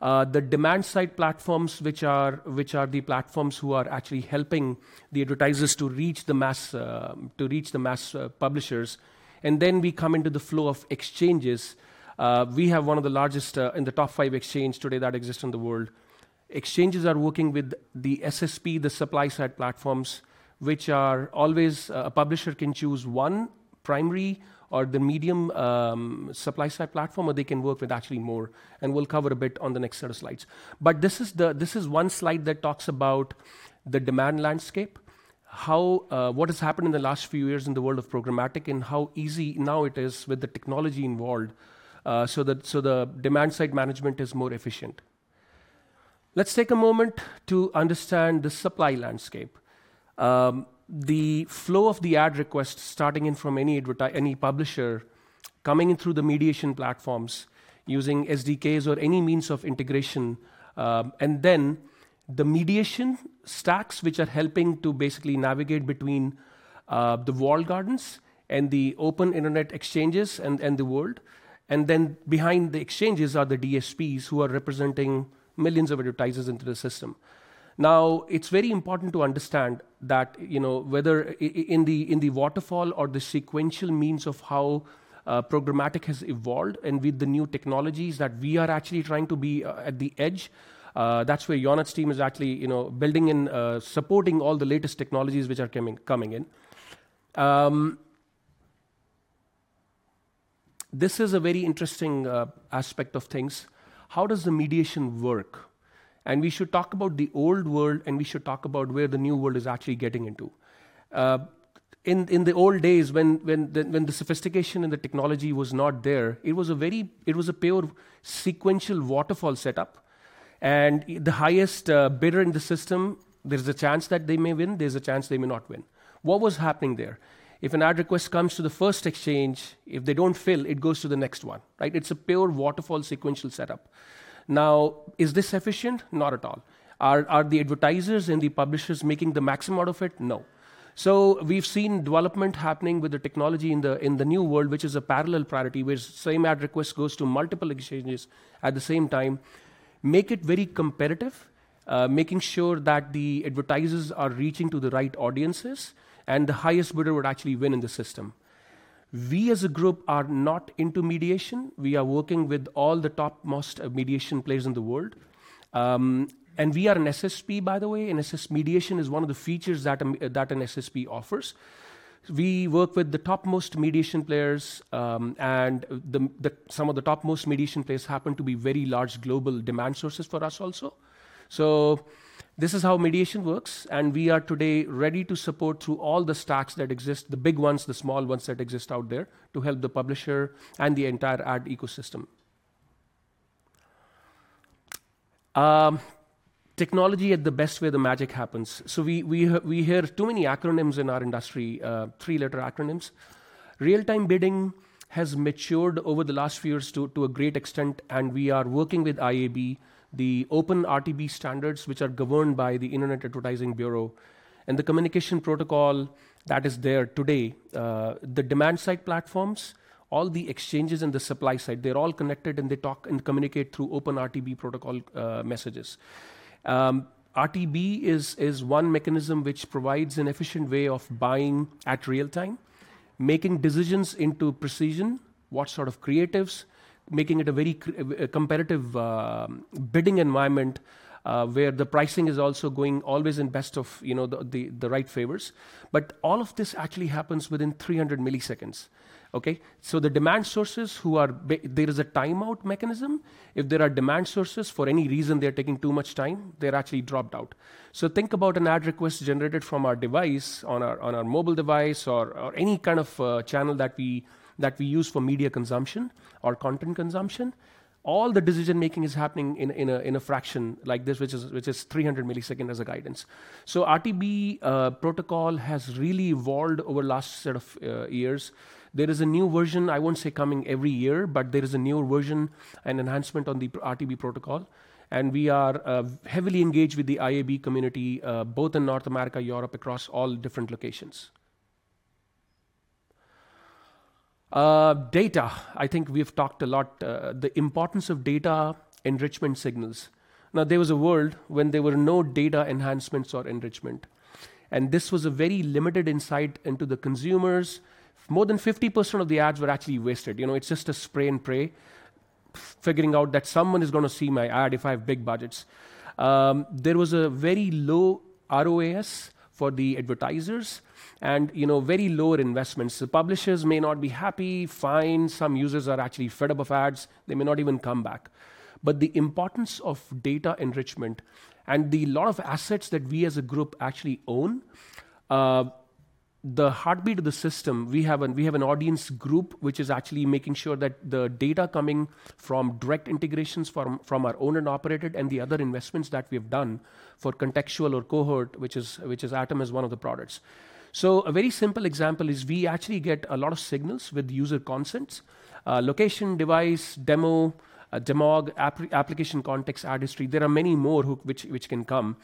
Speaker 3: The demand side platforms, which are the platforms who are actually helping the advertisers to reach the mass publishers. Then we come into the flow of exchanges. We have one of the largest, in the top five exchange today that exists in the world. Exchanges are working with the SSP, the supply-side platforms, which are always, a publisher can choose one primary or the medium, supply-side platform, or they can work with actually more, and we'll cover a bit on the next set of slides. This is one slide that talks about the demand landscape, how, what has happened in the last few years in the world of programmatic, and how easy now it is with the technology involved, so the, so the demand-side management is more efficient. Let's take a moment to understand the supply landscape. The flow of the ad requests starting in from any publisher coming in through the mediation platforms using SDKs or any means of integration. The mediation stacks, which are helping to basically navigate between the walled gardens and the open internet exchanges and the world. Behind the exchanges are the DSPs who are representing millions of advertisers into the system. Now, it's very important to understand that, you know, whether in the waterfall or the sequential means of how programmatic has evolved and with the new technologies that we are actually trying to be at the edge. That's where Ionut's team is actually, you know, building and supporting all the latest technologies which are coming in. This is a very interesting aspect of things. How does the mediation work? We should talk about the old world, and we should talk about where the new world is actually getting into. In the old days when the sophistication and the technology was not there, it was a pure sequential waterfall setup. The highest bidder in the system, there's a chance that they may win, there's a chance they may not win. What was happening there? If an ad request comes to the first exchange, if they don't fill, it goes to the next one, right? It's a pure waterfall sequential setup. Now, is this efficient? Not at all. Are the advertisers and the publishers making the maximum out of it? No. We've seen development happening with the technology in the new world, which is a parallel priority, where same ad request goes to multiple exchanges at the same time, make it very competitive, making sure that the advertisers are reaching to the right audiences and the highest bidder would actually win in the system. We as a group are not into mediation. We are working with all the topmost mediation players in the world. We are an SSP, by the way. Mediation is one of the features that an SSP offers. We work with the topmost mediation players, and some of the topmost mediation players happen to be very large global demand sources for us also. This is how mediation works, and we are today ready to support through all the stacks that exist, the big ones, the small ones that exist out there to help the publisher and the entire ad ecosystem. Technology in the best way the magic happens. We hear too many acronyms in our industry, three-letter acronyms. Real-time bidding has matured over the last few years to a great extent, and we are working with IAB, the OpenRTB standards, which are governed by the Interactive Advertising Bureau, and the communication protocol that is there today. The demand-side platforms, all the exchanges in the supply-side, they're all connected, and they talk and communicate through OpenRTB protocol messages. RTB is one mechanism which provides an efficient way of buying at real time, making decisions into precision, what sort of creatives, making it a very a competitive bidding environment, where the pricing is also going always in best of, you know, the right favors. All of this actually happens within 300 milliseconds. Okay? There is a timeout mechanism. If there are demand sources, for any reason they're taking too much time, they're actually dropped out. Think about an ad request generated from our device on our mobile device or any kind of channel that we use for media consumption or content consumption. All the decision-making is happening in a fraction like this, which is 300 milliseconds as a guidance. RTB protocol has really evolved over last sort of years. There is a new version, I won't say coming every year, but there is a newer version and enhancement on the RTB protocol, and we are heavily engaged with the IAB community both in North America, Europe, across all different locations. Data, I think we've talked a lot, the importance of data enrichment signals. Now, there was a world when there were no data enhancements or enrichment, and this was a very limited insight into the consumers. More than 50% of the ads were actually wasted. You know, it's just a spray and pray, figuring out that someone is gonna see my ad if I have big budgets. There was a very low ROAS for the advertisers and, you know, very low investments. The publishers may not be happy, fine. Some users are actually fed up of ads. They may not even come back. The importance of data enrichment and a lot of assets that we as a group actually own, the heartbeat of the system, we have an audience group, which is actually making sure that the data coming from direct integrations from our owned and operated and the other investments that we've done for contextual or cohort, which is ATOM, is one of the products. A very simple example is we actually get a lot of signals with user consents, location, device, demographic, application context, ad history. There are many more which can come,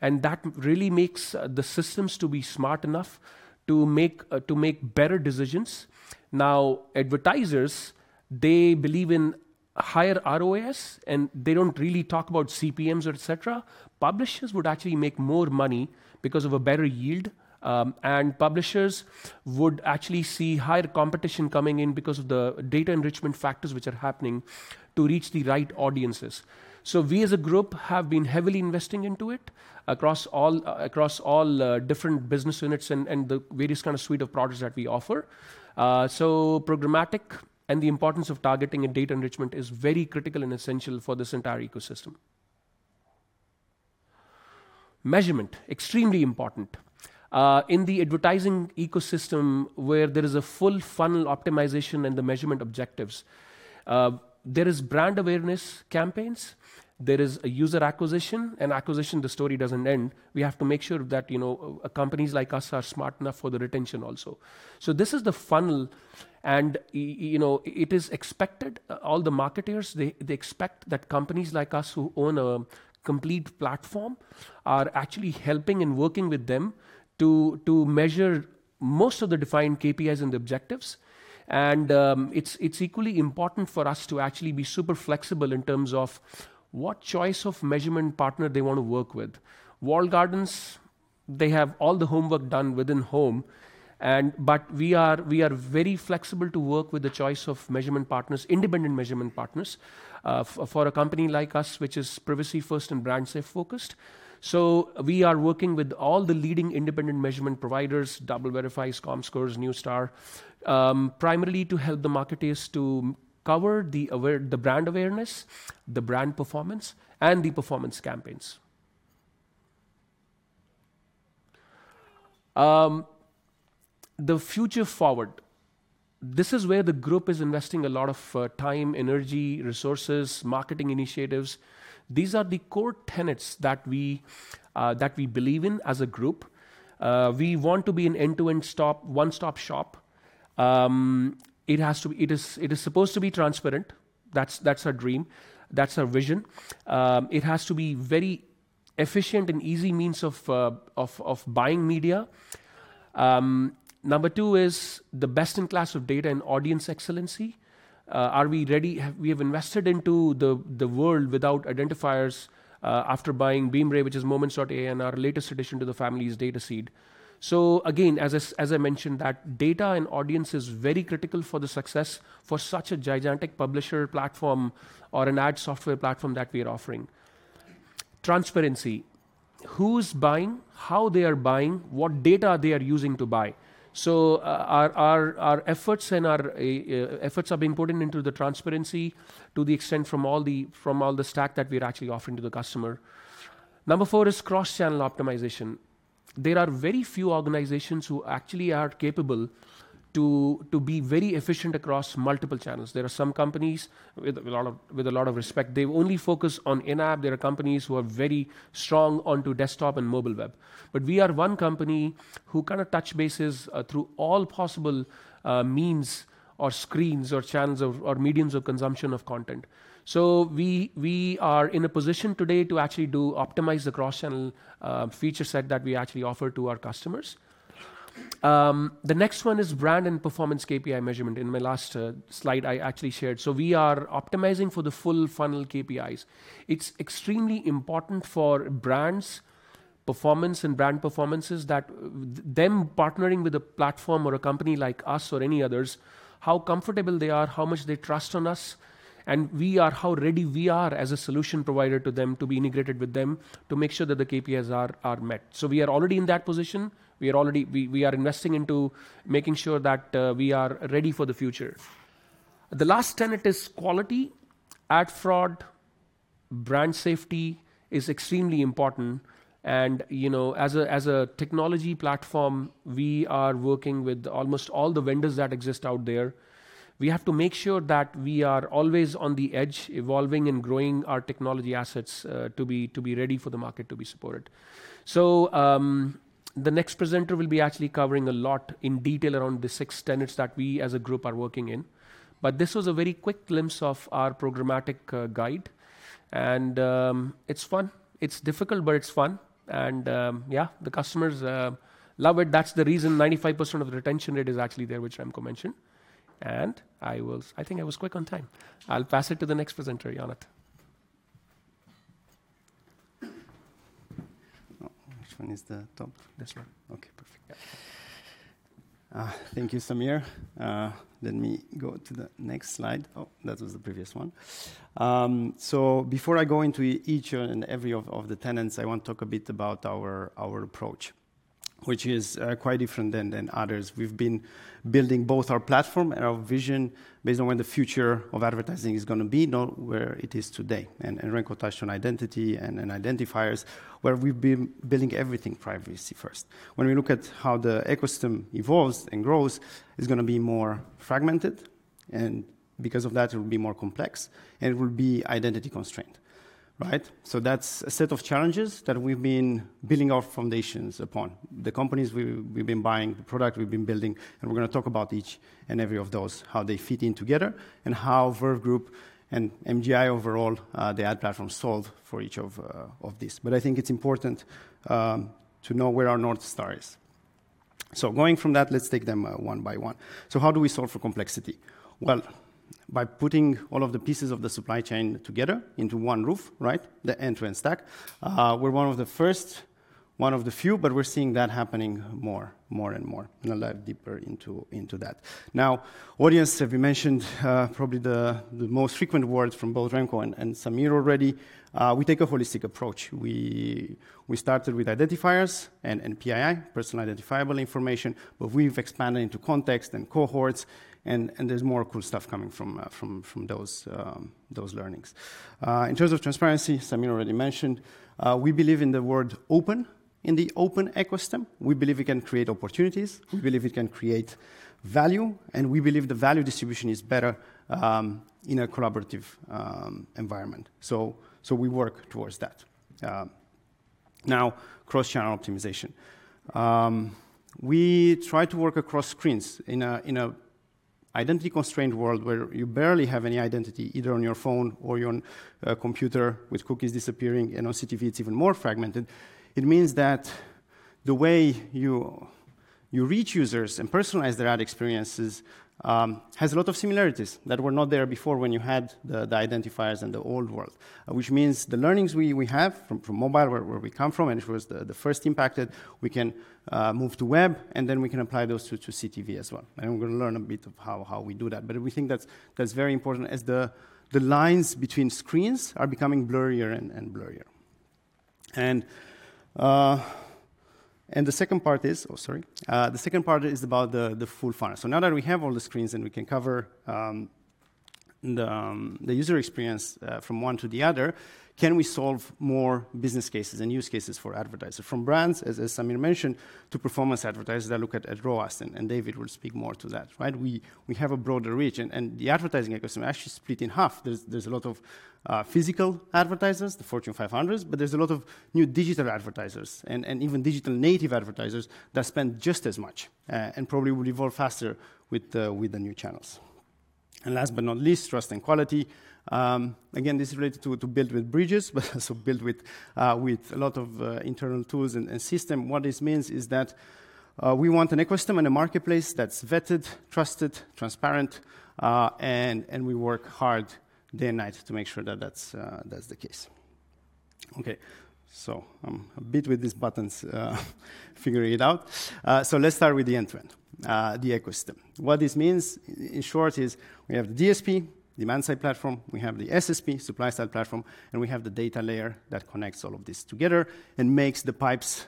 Speaker 3: and that really makes the systems to be smart enough to make better decisions. Now, advertisers, they believe in higher ROAS, and they don't really talk about CPMs, et cetera. Publishers would actually make more money because of a better yield, and publishers would actually see higher competition coming in because of the data enrichment factors which are happening to reach the right audiences. We as a group have been heavily investing into it across all different business units and the various kinda suite of products that we offer. Programmatic and the importance of targeting and data enrichment is very critical and essential for this entire ecosystem. Measurement, extremely important. In the advertising ecosystem where there is a full funnel optimization and the measurement objectives, there is brand awareness campaigns, there is user acquisition, and the story doesn't end. We have to make sure that, you know, companies like us are smart enough for the retention also. This is the funnel, and you know, it is expected all the marketers, they expect that companies like us who own a complete platform are actually helping and working with them to measure most of the defined KPIs and objectives. It's equally important for us to actually be super flexible in terms of what choice of measurement partner they wanna work with. Walled gardens, they have all the homework done within home, but we are very flexible to work with the choice of measurement partners, independent measurement partners, for a company like us, which is privacy-first and brand-safe focused. We are working with all the leading independent measurement providers, DoubleVerify, Comscore, Nexstar, primarily to help the marketers to cover the brand awareness, the brand performance, and the performance campaigns. The future forward, this is where the group is investing a lot of time, energy, resources, marketing initiatives. These are the core tenets that we believe in as a group. We want to be an end-to-end, one-stop shop. It is supposed to be transparent. That's our dream. That's our vision. It has to be very efficient and easy means of buying media. Number two is the best in class of data and audience excellence. Are we ready? We have invested into the world without identifiers, after buying Beemray, which is Moments.AI, and our latest addition to the family is Dataseat. Again, as I mentioned, that data and audience is very critical for the success for such a gigantic publisher platform or an ad software platform that we are offering. Transparency. Who's buying? How they are buying? What data they are using to buy? Our efforts are being put into the transparency to the extent from all the stack that we're actually offering to the customer. Number four is cross-channel optimization. There are very few organizations who actually are capable to be very efficient across multiple channels. There are some companies with a lot of respect, they only focus on in-app. There are companies who are very strong onto desktop and mobile web. We are one company who kinda touch bases through all possible means or screens or channels or mediums of consumption of content. We are in a position today to actually do optimize the cross-channel feature set that we actually offer to our customers. The next one is brand and performance KPI measurement. In my last slide, I actually shared. We are optimizing for the full funnel KPIs. It's extremely important for brands' performance and brand performances that them partnering with a platform or a company like us or any others, how comfortable they are, how much they trust on us, and we are how ready we are as a solution provider to them to be integrated with them to make sure that the KPIs are met. We are already in that position. We are investing into making sure that we are ready for the future. The last tenet is quality, ad fraud, brand safety is extremely important. You know, as a technology platform, we are working with almost all the vendors that exist out there. We have to make sure that we are always on the edge, evolving and growing our technology assets to be ready for the market to be supported. The next presenter will be actually covering a lot in detail around the six tenets that we as a group are working in. This was a very quick glimpse of our programmatic guide. It's fun. It's difficult, but it's fun. The customers love it. That's the reason 95% of the retention rate is actually there, which Remco mentioned. I think I was quick on time. I'll pass it to the next presenter, Ionut.
Speaker 7: Which one is the top?
Speaker 3: This one.
Speaker 7: Okay, perfect. Thank you, Sameer. Let me go to the next slide. That was the previous one. Before I go into each and every of the tenets, I want to talk a bit about our approach, which is quite different than others. We've been building both our platform and our vision based on where the future of advertising is gonna be, not where it is today. Remco touched on identity and identifiers, where we've been building everything privacy first. When we look at how the ecosystem evolves and grows, it's gonna be more fragmented, and because of that, it will be more complex, and it will be identity constrained. Right? That's a set of challenges that we've been building our foundations upon. The companies we've been buying, the product we've been building, and we're gonna talk about each and every of those, how they fit in together, and how Verve Group and MGI overall, the ad platform solve for each of these. I think it's important to know where our North Star is. Going from that, let's take them one by one. How do we solve for complexity? Well, by putting all of the pieces of the supply chain together under one roof, right? The end-to-end stack. We're one of the first, one of the few, but we're seeing that happening more and more. I'll dive deeper into that. Now, audience, we mentioned probably the most frequent words from both Remco and Sameer already. We take a holistic approach. We started with identifiers and PII, Personally Identifiable Information, but we've expanded into context and cohorts and there's more cool stuff coming from those learnings. In terms of transparency, Sameer already mentioned, we believe in the word open, in the open ecosystem. We believe we can create opportunities. We believe we can create value, and we believe the value distribution is better in a collaborative environment. We work towards that. Now cross-channel optimization. We try to work across screens in a identity-constrained world where you barely have any identity, either on your phone or your computer with cookies disappearing. In CTV, it's even more fragmented. It means that the way you reach users and personalize their ad experiences has a lot of similarities that were not there before when you had the identifiers in the old world. Which means the learnings we have from mobile where we come from, and it was the first impacted, we can move to web, and then we can apply those to CTV as well. We're gonna learn a bit of how we do that. But we think that's very important as the lines between screens are becoming blurrier and blurrier. The second part is about the full funnel. Now that we have all the screens and we can cover the user experience from one to the other, can we solve more business cases and use cases for advertisers? From brands, as Sameer mentioned, to performance advertisers that look at ROAS, and David will speak more to that, right? We have a broader reach, and the advertising ecosystem actually split in half. There's a lot of physical advertisers, the Fortune 500, but there's a lot of new digital advertisers and even digital native advertisers that spend just as much, and probably will evolve faster with the new channels. Last but not least, trust and quality. Again, this is related to building with brands, but also building with a lot of internal tools and systems. What this means is that, we want an ecosystem and a marketplace that's vetted, trusted, transparent, and we work hard day and night to make sure that that's the case. Okay. I'm a bit with these buttons, figuring it out. Let's start with the end-to-end, the ecosystem. What this means in short is we have the DSP, demand side platform, we have the SSP, supply side platform, and we have the data layer that connects all of this together and makes the pipes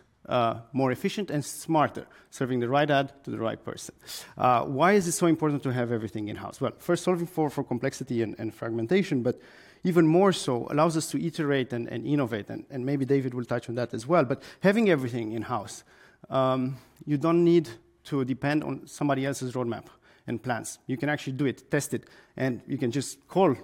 Speaker 7: more efficient and smarter, serving the right ad to the right person. Why is it so important to have everything in-house? Well, first solving for complexity and fragmentation, but even more so allows us to iterate and innovate and maybe David will touch on that as well. Having everything in-house, you don't need to depend on somebody else's roadmap and plans. You can actually do it, test it, and you can just call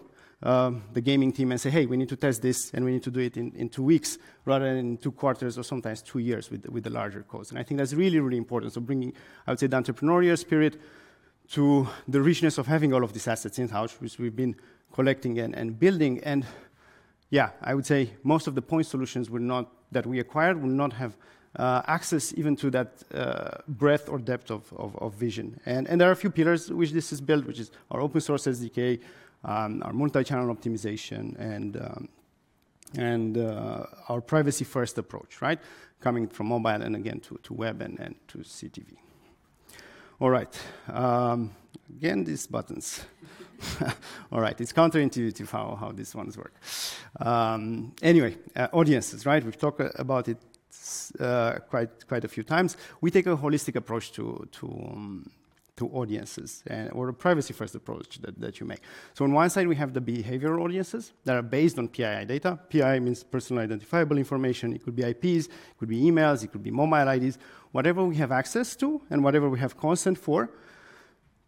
Speaker 7: the gaming team and say, "Hey, we need to test this, and we need to do it in two weeks rather than in two quarters or sometimes two years with the larger codes." I think that's really important. Bringing, I would say, the entrepreneurial spirit to the richness of having all of these assets in-house, which we've been collecting and building. Yeah, I would say most of the point solutions that we acquired will not have access even to that breadth or depth of vision. There are a few pillars which this is built, which is our open source SDK, our multi-channel optimization, and our privacy first approach, right? Coming from mobile and again to web and to CTV. All right. Again, these buttons. All right, it's counterintuitive how these ones work. Anyway, audiences, right? We've talked about it quite a few times. We take a holistic approach to audiences or a privacy first approach that you make. On one side, we have the behavioral audiences that are based on PII data. PII means personally identifiable information. It could be IPs, it could be emails, it could be mobile IDs, whatever we have access to and whatever we have consent for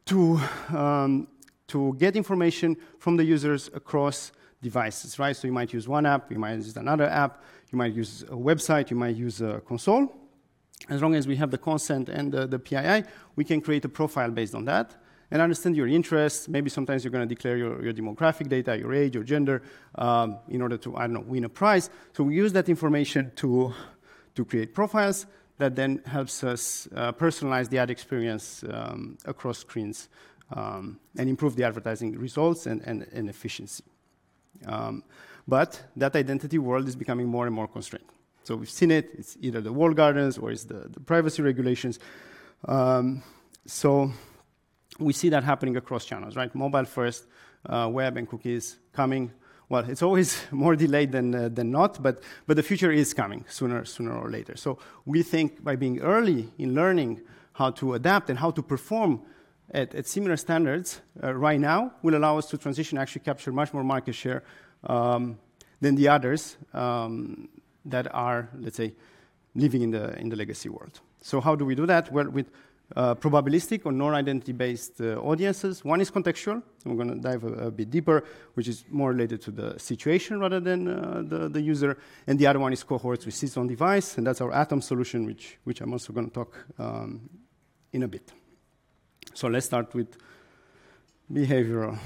Speaker 7: to get information from the users across devices, right? You might use one app, you might use another app, you might use a website, you might use a console. As long as we have the consent and the PII, we can create a profile based on that and understand your interests. Maybe sometimes you're gonna declare your demographic data, your age, your gender, in order to, I don't know, win a prize. We use that information to create profiles that then helps us personalize the ad experience across screens and improve the advertising results and efficiency. That identity world is becoming more and more constrained. We've seen it's either the walled gardens or it's the privacy regulations. We see that happening across channels, right? Mobile first, web and cookies coming. Well, it's always more delayed than not, but the future is coming sooner or later. We think by being early in learning how to adapt and how to perform at similar standards right now will allow us to transition, actually capture much more market share than the others that are, let's say, living in the legacy world. How do we do that? Well, with probabilistic or non-identity based audiences. One is contextual, so we're gonna dive a bit deeper, which is more related to the situation rather than the user. The other one is cohorts with [inaudible] on device, and that's our ATOM solution, which I'm also gonna talk in a bit. Let's start with behavioral.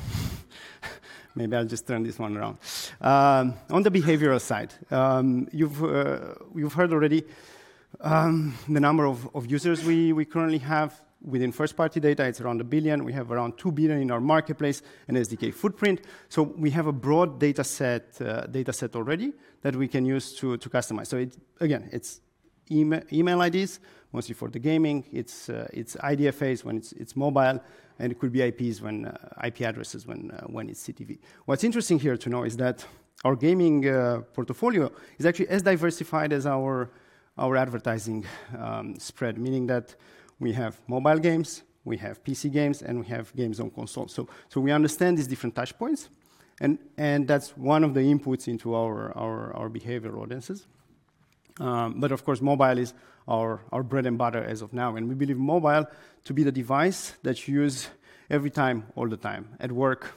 Speaker 7: Maybe I'll just turn this one around. On the behavioral side, you've heard already the number of users we currently have within first-party data, it's around 1 billion. We have around 2 billion in our marketplace and SDK footprint. We have a broad data set already that we can use to customize. Again, it's email IDs, mostly for the gaming. It's IDFA when it's mobile, and it could be IPs, IP addresses, when it's CTV. What's interesting here to know is that our gaming portfolio is actually as diversified as our advertising spread, meaning that we have mobile games, we have PC games, and we have games on consoles. We understand these different touch points and that's one of the inputs into our behavioral audiences. Of course, mobile is our bread and butter as of now, and we believe mobile to be the device that you use every time, all the time, at work,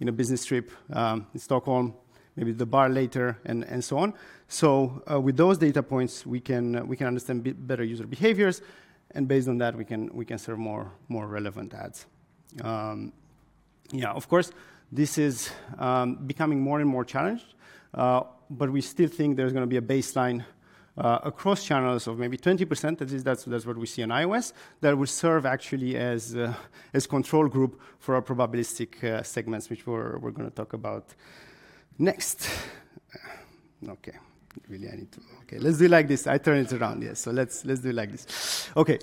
Speaker 7: in a business trip, in Stockholm, maybe the bar later, and so on. With those data points, we can understand better user behaviors, and based on that, we can serve more relevant ads. Yeah, of course, this is becoming more and more challenged, but we still think there's gonna be a baseline across channels of maybe 20%. At least that's what we see on iOS, that will serve actually as control group for our probabilistic segments, which we're gonna talk about next. Okay. Really, I need to. Okay, let's do like this. I turn it around. Yeah. Let's do it like this. Okay.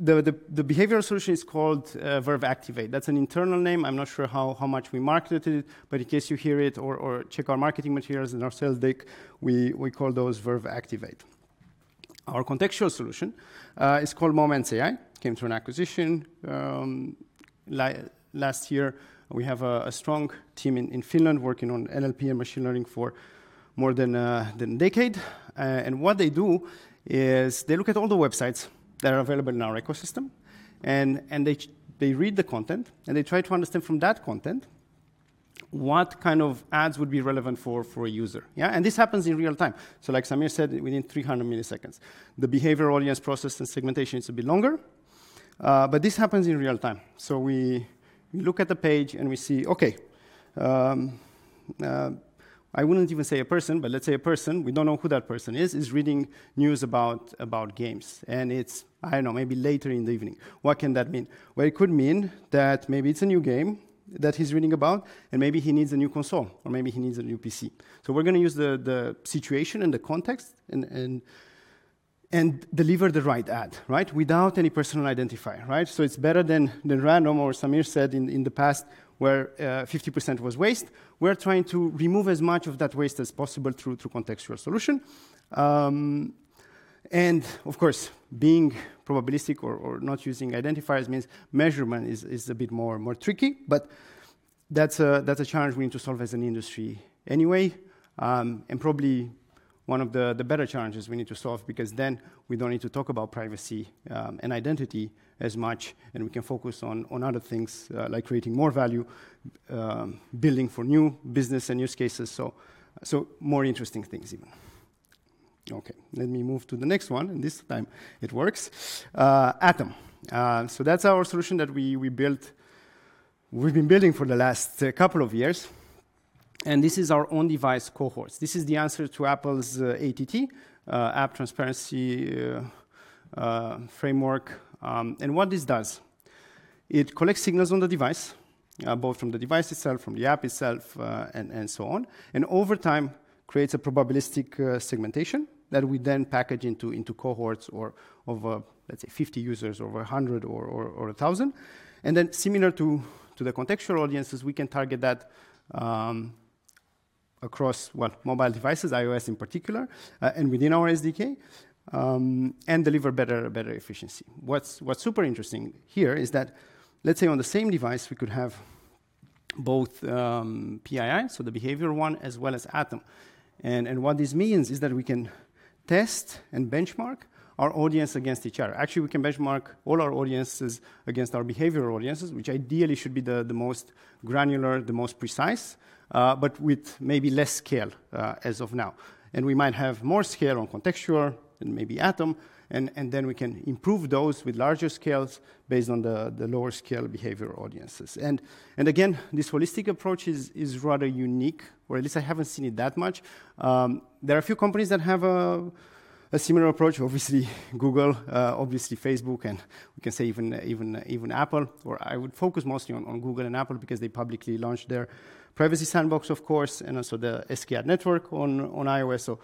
Speaker 7: The behavioral solution is called Verve Activate. That's an internal name. I'm not sure how much we marketed it, but in case you hear it or check our marketing materials and our sales deck, we call those Verve Activate. Our contextual solution is called Moments.AI, came through an acquisition, last year. We have a strong team in Finland working on NLP and machine learning for more than a decade. What they do is they look at all the websites that are available in our ecosystem and they read the content, and they try to understand from that content what kind of ads would be relevant for a user, yeah. This happens in real time. Like Sameer said, within 300 milliseconds. The behavioral audience process and segmentation is a bit longer, but this happens in real time. We look at the page and we see I wouldn't even say a person, but let's say a person we don't know who that person is is reading news about games. It's, I don't know, maybe later in the evening. What can that mean? Well, it could mean that maybe it's a new game that he's reading about, and maybe he needs a new console, or maybe he needs a new PC. We're gonna use the situation and the context and deliver the right ad, right? Without any personal identifier, right? It's better than random or Sameer said in the past, where 50% was waste. We're trying to remove as much of that waste as possible through contextual solution. Of course, being probabilistic or not using identifiers means measurement is a bit more tricky. That's a challenge we need to solve as an industry anyway, and probably one of the better challenges we need to solve because then we don't need to talk about privacy and identity as much, and we can focus on other things, like creating more value, building for new business and use cases. More interesting things even. Okay. Let me move to the next one, and this time it works. ATOM. So that's our solution that we built. We've been building for the last couple of years, and this is our on-device cohorts. This is the answer to Apple's ATT, App Tracking Transparency framework. What this does, it collects signals on the device, both from the device itself, from the app itself, and so on, and over time creates a probabilistic segmentation that we then package into cohorts or of, let's say, 50 users, 100, or 1,000. Then similar to the contextual audiences, we can target that across, well, mobile devices, iOS in particular, and within our SDK, and deliver better efficiency. What's super interesting here is that, let's say on the same device, we could have both PII, so the behavior one, as well as ATOM. What this means is that we can test and benchmark our audience against each other. Actually, we can benchmark all our audiences against our behavioral audiences, which ideally should be the most granular, the most precise, but with maybe less scale, as of now. We might have more scale on contextual than maybe ATOM, and then we can improve those with larger scales based on the lower scale behavioral audiences. Again, this holistic approach is rather unique, or at least I haven't seen it that much. There are a few companies that have a similar approach, obviously Google, obviously Facebook, and we can say even Apple. Or I would focus mostly on Google and Apple because they publicly launched their Privacy Sandbox, of course, and also the SKAdNetwork on iOS.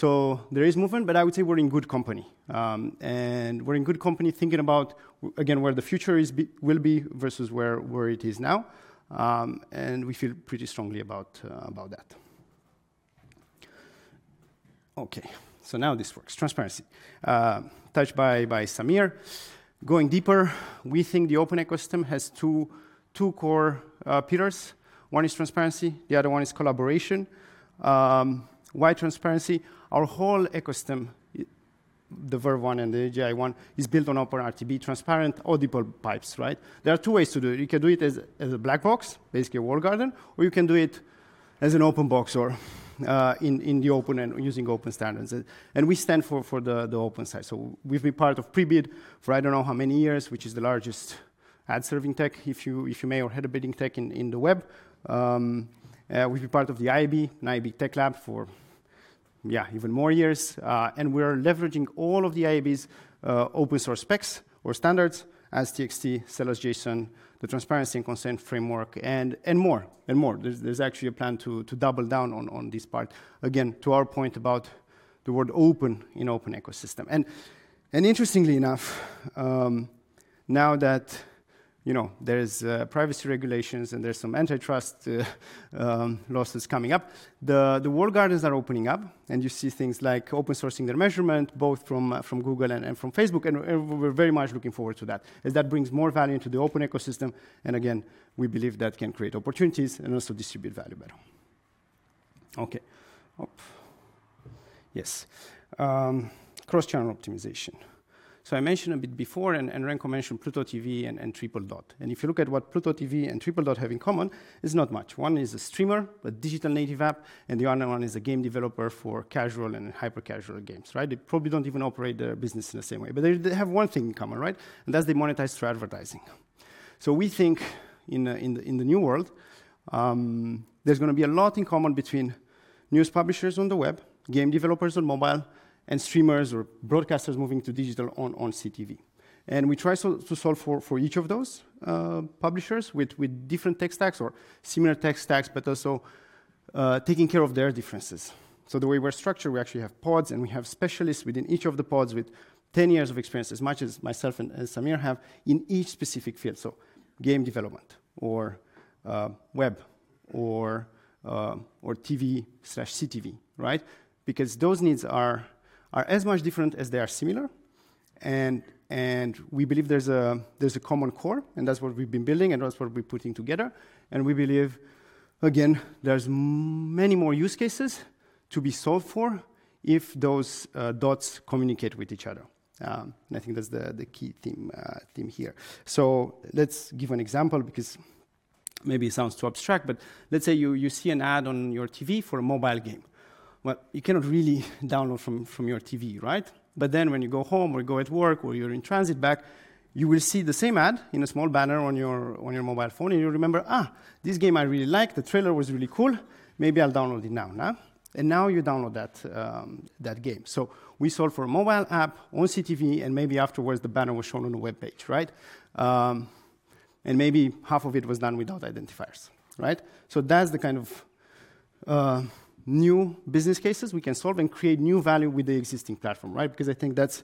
Speaker 7: There is movement, but I would say we're in good company. We're in good company thinking about again where the future will be versus where it is now, and we feel pretty strongly about that. Okay. So now this works. Transparency. Touched by Sameer. Going deeper, we think the open ecosystem has two core pillars. One is transparency, the other one is collaboration. Why transparency? Our whole ecosystem, the Verve one and the MGI one, is built on OpenRTB transparent auditable pipes, right? There are two ways to do it. You can do it as a black box, basically a walled garden, or you can do it as an open box or in the open and using open standards. We stand for the open side. We've been part of Prebid for I don't know how many years, which is the largest ad serving tech, if you may, or header bidding tech in the web. We've been part of the IAB and IAB Tech Lab for, yeah, even more years. We are leveraging all of the IAB's open source specs or standards, ads.txt, sellers.json, the Transparency and Consent Framework, and more. There's actually a plan to double down on this part, again, to our point about the word open in open ecosystem. Interestingly enough, now that, you know, there is privacy regulations and there's some antitrust lawsuits coming up, the walled gardens are opening up and you see things like open sourcing their measurement, both from Google and from Facebook, and we're very much looking forward to that, as that brings more value into the open ecosystem. We believe that can create opportunities and also distribute value better. Cross-channel optimization. I mentioned a bit before and Remco mentioned Pluto TV and Tripledot. If you look at what Pluto TV and Tripledot have in common, it's not much. One is a streamer, a digital native app, and the other one is a game developer for casual and hyper-casual games, right? They probably don't even operate their business in the same way. They have one thing in common, right? That's that they monetize through advertising. We think in the new world, there's gonna be a lot in common between news publishers on the web, game developers on mobile, and streamers or broadcasters moving to digital on CTV. We try to solve for each of those publishers with different tech stacks or similar tech stacks, but also taking care of their differences. The way we're structured, we actually have pods, and we have specialists within each of the pods with 10 years of experience, as much as myself and Sameer have, in each specific field. Game development or web or TV/CTV, right? Because those needs are as much different as they are similar and we believe there's a common core, and that's what we've been building and that's what we're putting together. We believe, again, there's many more use cases to be solved for if those dots communicate with each other. I think that's the key theme here. Let's give an example because maybe it sounds too abstract, but let's say you see an ad on your TV for a mobile game. Well, you cannot really download from your TV, right? But then when you go home or go at work or you're in transit back, you will see the same ad in a small banner on your mobile phone, and you remember, "Ah, this game I really like. The trailer was really cool. Maybe I'll download it now, nah? And now you download that game. We solve for a mobile app on CTV, and maybe afterwards the banner was shown on a webpage, right? Maybe half of it was done without identifiers, right? That's the kind of new business cases we can solve and create new value with the existing platform, right? Because I think that's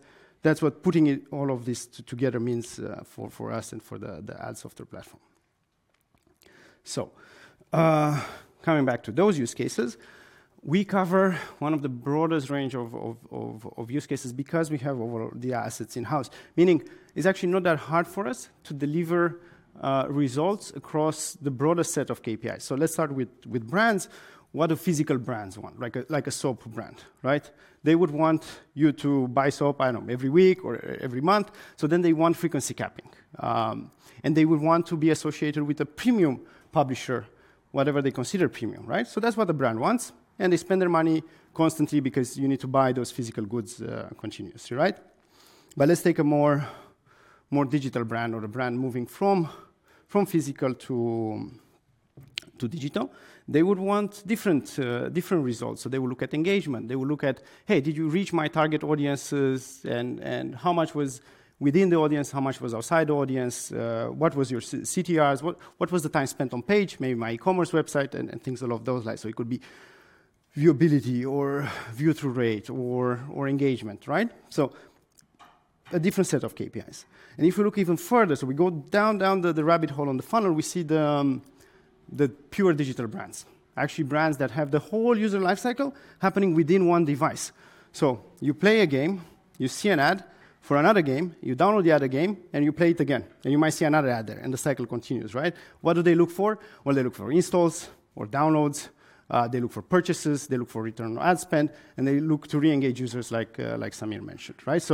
Speaker 7: what putting it all of this together means, for us and for the ad-software platform. Coming back to those use cases, we cover one of the broadest range of use cases because we have all the assets in-house. Meaning it's actually not that hard for us to deliver results across the broader set of KPIs. Let's start with brands. What do physical brands want? Like a soap brand, right? They would want you to buy soap, I don't know, every week or every month, they want frequency capping. They would want to be associated with a premium publisher, whatever they consider premium, right? That's what the brand wants, and they spend their money constantly because you need to buy those physical goods continuously, right? Let's take a more digital brand or a brand moving from physical to digital. They would want different results. They will look at engagement. They will look at, "Hey, did you reach my target audiences and how much was within the audience? How much was outside the audience? What was your CTR? What was the time spent on page, maybe my e-commerce website?" And things along those lines. It could be viewability or view-through rate or engagement, right? A different set of KPIs. If we look even further, we go down the rabbit hole on the funnel, we see the pure digital brands. Actually, brands that have the whole user lifecycle happening within one device. You play a game, you see an ad for another game, you download the other game, and you play it again. You might see another ad there, and the cycle continues, right? What do they look for? Well, they look for installs or downloads. They look for purchases, they look for return on ad spend, and they look to re-engage users like Sameer mentioned, right?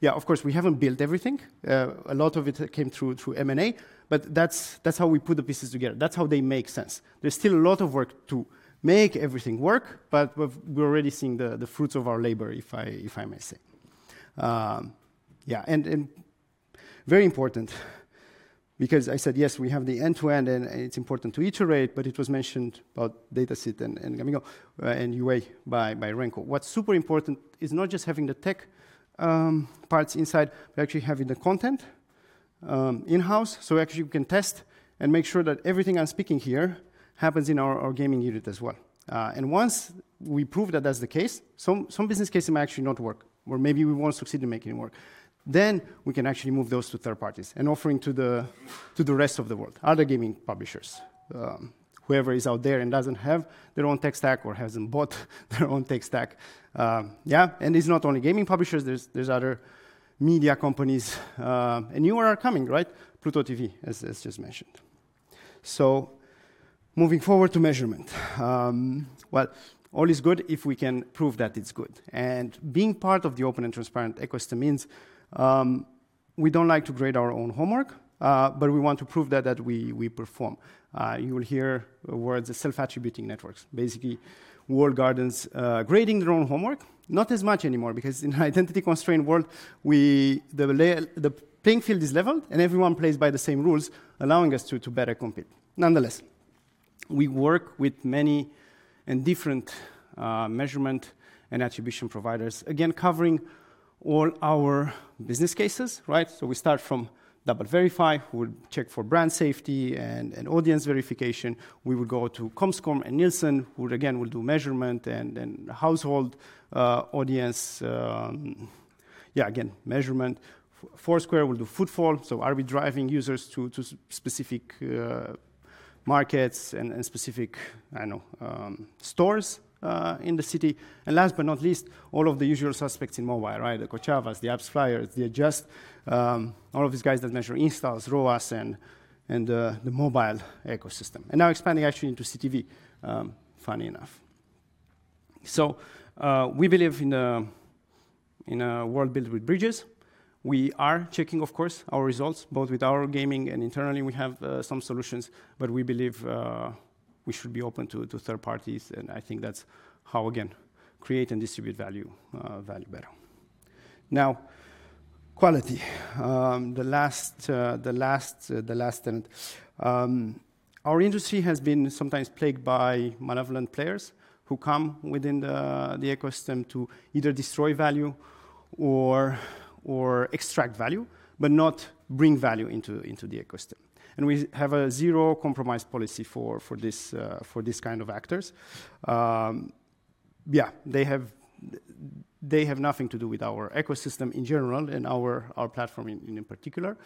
Speaker 7: Yeah, of course, we haven't built everything. A lot of it came through M&A, but that's how we put the pieces together. That's how they make sense. There's still a lot of work to make everything work, but we're already seeing the fruits of our labor, if I may say. Yeah, and very important because I said, yes, we have the end-to-end and it's important to iterate, but it was mentioned about Dataseat and gamigo and UA by Remco. What's super important is not just having the tech parts inside, but actually having the content in-house. Actually, we can test and make sure that everything I'm speaking here happens in our gaming unit as well. Once we prove that that's the case, some business cases may actually not work, or maybe we won't succeed in making it work. We can actually move those to third parties and offering to the rest of the world, other gaming publishers, whoever is out there and doesn't have their own tech stack or hasn't bought their own tech stack. Yeah, and it's not only gaming publishers, there's other media companies, and you are coming, right? Pluto TV, as just mentioned. Moving forward to measurement. Well, all is good if we can prove that it's good. Being part of the open and transparent ecosystem means, we don't like to grade our own homework, but we want to prove that we perform. You will hear words self-attributing networks. Basically, walled gardens grading their own homework, not as much anymore because in an identity-constrained world, the playing field is leveled, and everyone plays by the same rules, allowing us to better compete. Nonetheless, we work with many and different measurement and attribution providers, again, covering all our business cases, right? We start from DoubleVerify, who will check for brand safety and audience verification. We would go to Comscore and Nielsen, who again will do measurement and then household audience, again, measurement. Foursquare will do footfall. Are we driving users to specific markets and specific, I don't know, stores in the city? Last but not least, all of the usual suspects in mobile, right? The Kochava, the AppsFlyer, the Adjust, all of these guys that measure installs, ROAS, and the mobile ecosystem. Now expanding actually into CTV, funny enough. We believe in a world built with bridges. We are checking, of course, our results, both with our gaming and internally we have some solutions, but we believe we should be open to third parties, and I think that's how, again, create and distribute value better. Now, quality. Our industry has been sometimes plagued by malevolent players who come within the ecosystem to either destroy value or extract value, but not bring value into the ecosystem. We have a zero compromise policy for this kind of actors. They have nothing to do with our ecosystem in general and our platform in particular.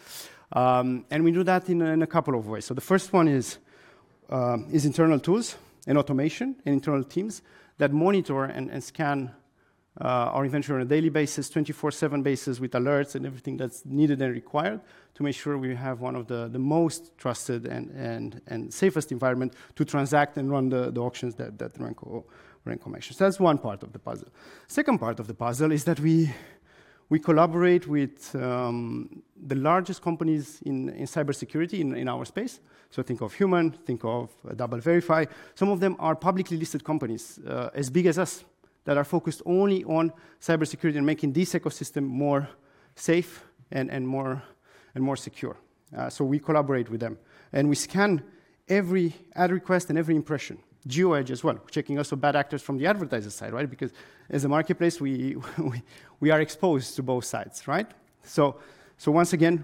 Speaker 7: We do that in a couple of ways. The first one is internal tools and automation and internal teams that monitor and scan our inventory on a daily 24/7 basis with alerts and everything that's needed and required to make sure we have one of the most trusted and safest environment to transact and run the auctions that Remco mentions. That's one part of the puzzle. Second part of the puzzle is that we collaborate with the largest companies in cybersecurity in our space. Think of HUMAN. Think of DoubleVerify. Some of them are publicly listed companies, as big as us that are focused only on cybersecurity and making this ecosystem more safe and more secure. We collaborate with them, and we scan every ad request and every impression. GeoEdge as well, checking also bad actors from the advertiser side, right? Because as a marketplace, we are exposed to both sides, right? Once again,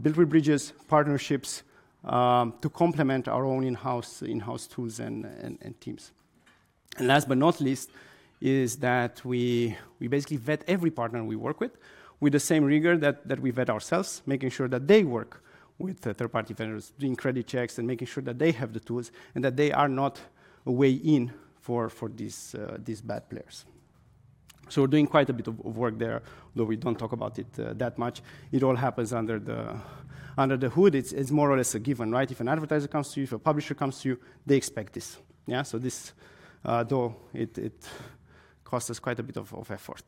Speaker 7: build bridges, partnerships, to complement our own in-house tools and teams. Last but not least is that we basically vet every partner we work with with the same rigor that we vet ourselves, making sure that they work with third-party vendors, doing credit checks and making sure that they have the tools and that they are not a way in for these bad players. We're doing quite a bit of work there, though we don't talk about it that much. It all happens under the hood. It's more or less a given, right? If an advertiser comes to you, if a publisher comes to you, they expect this. Yeah. This though it costs us quite a bit of effort.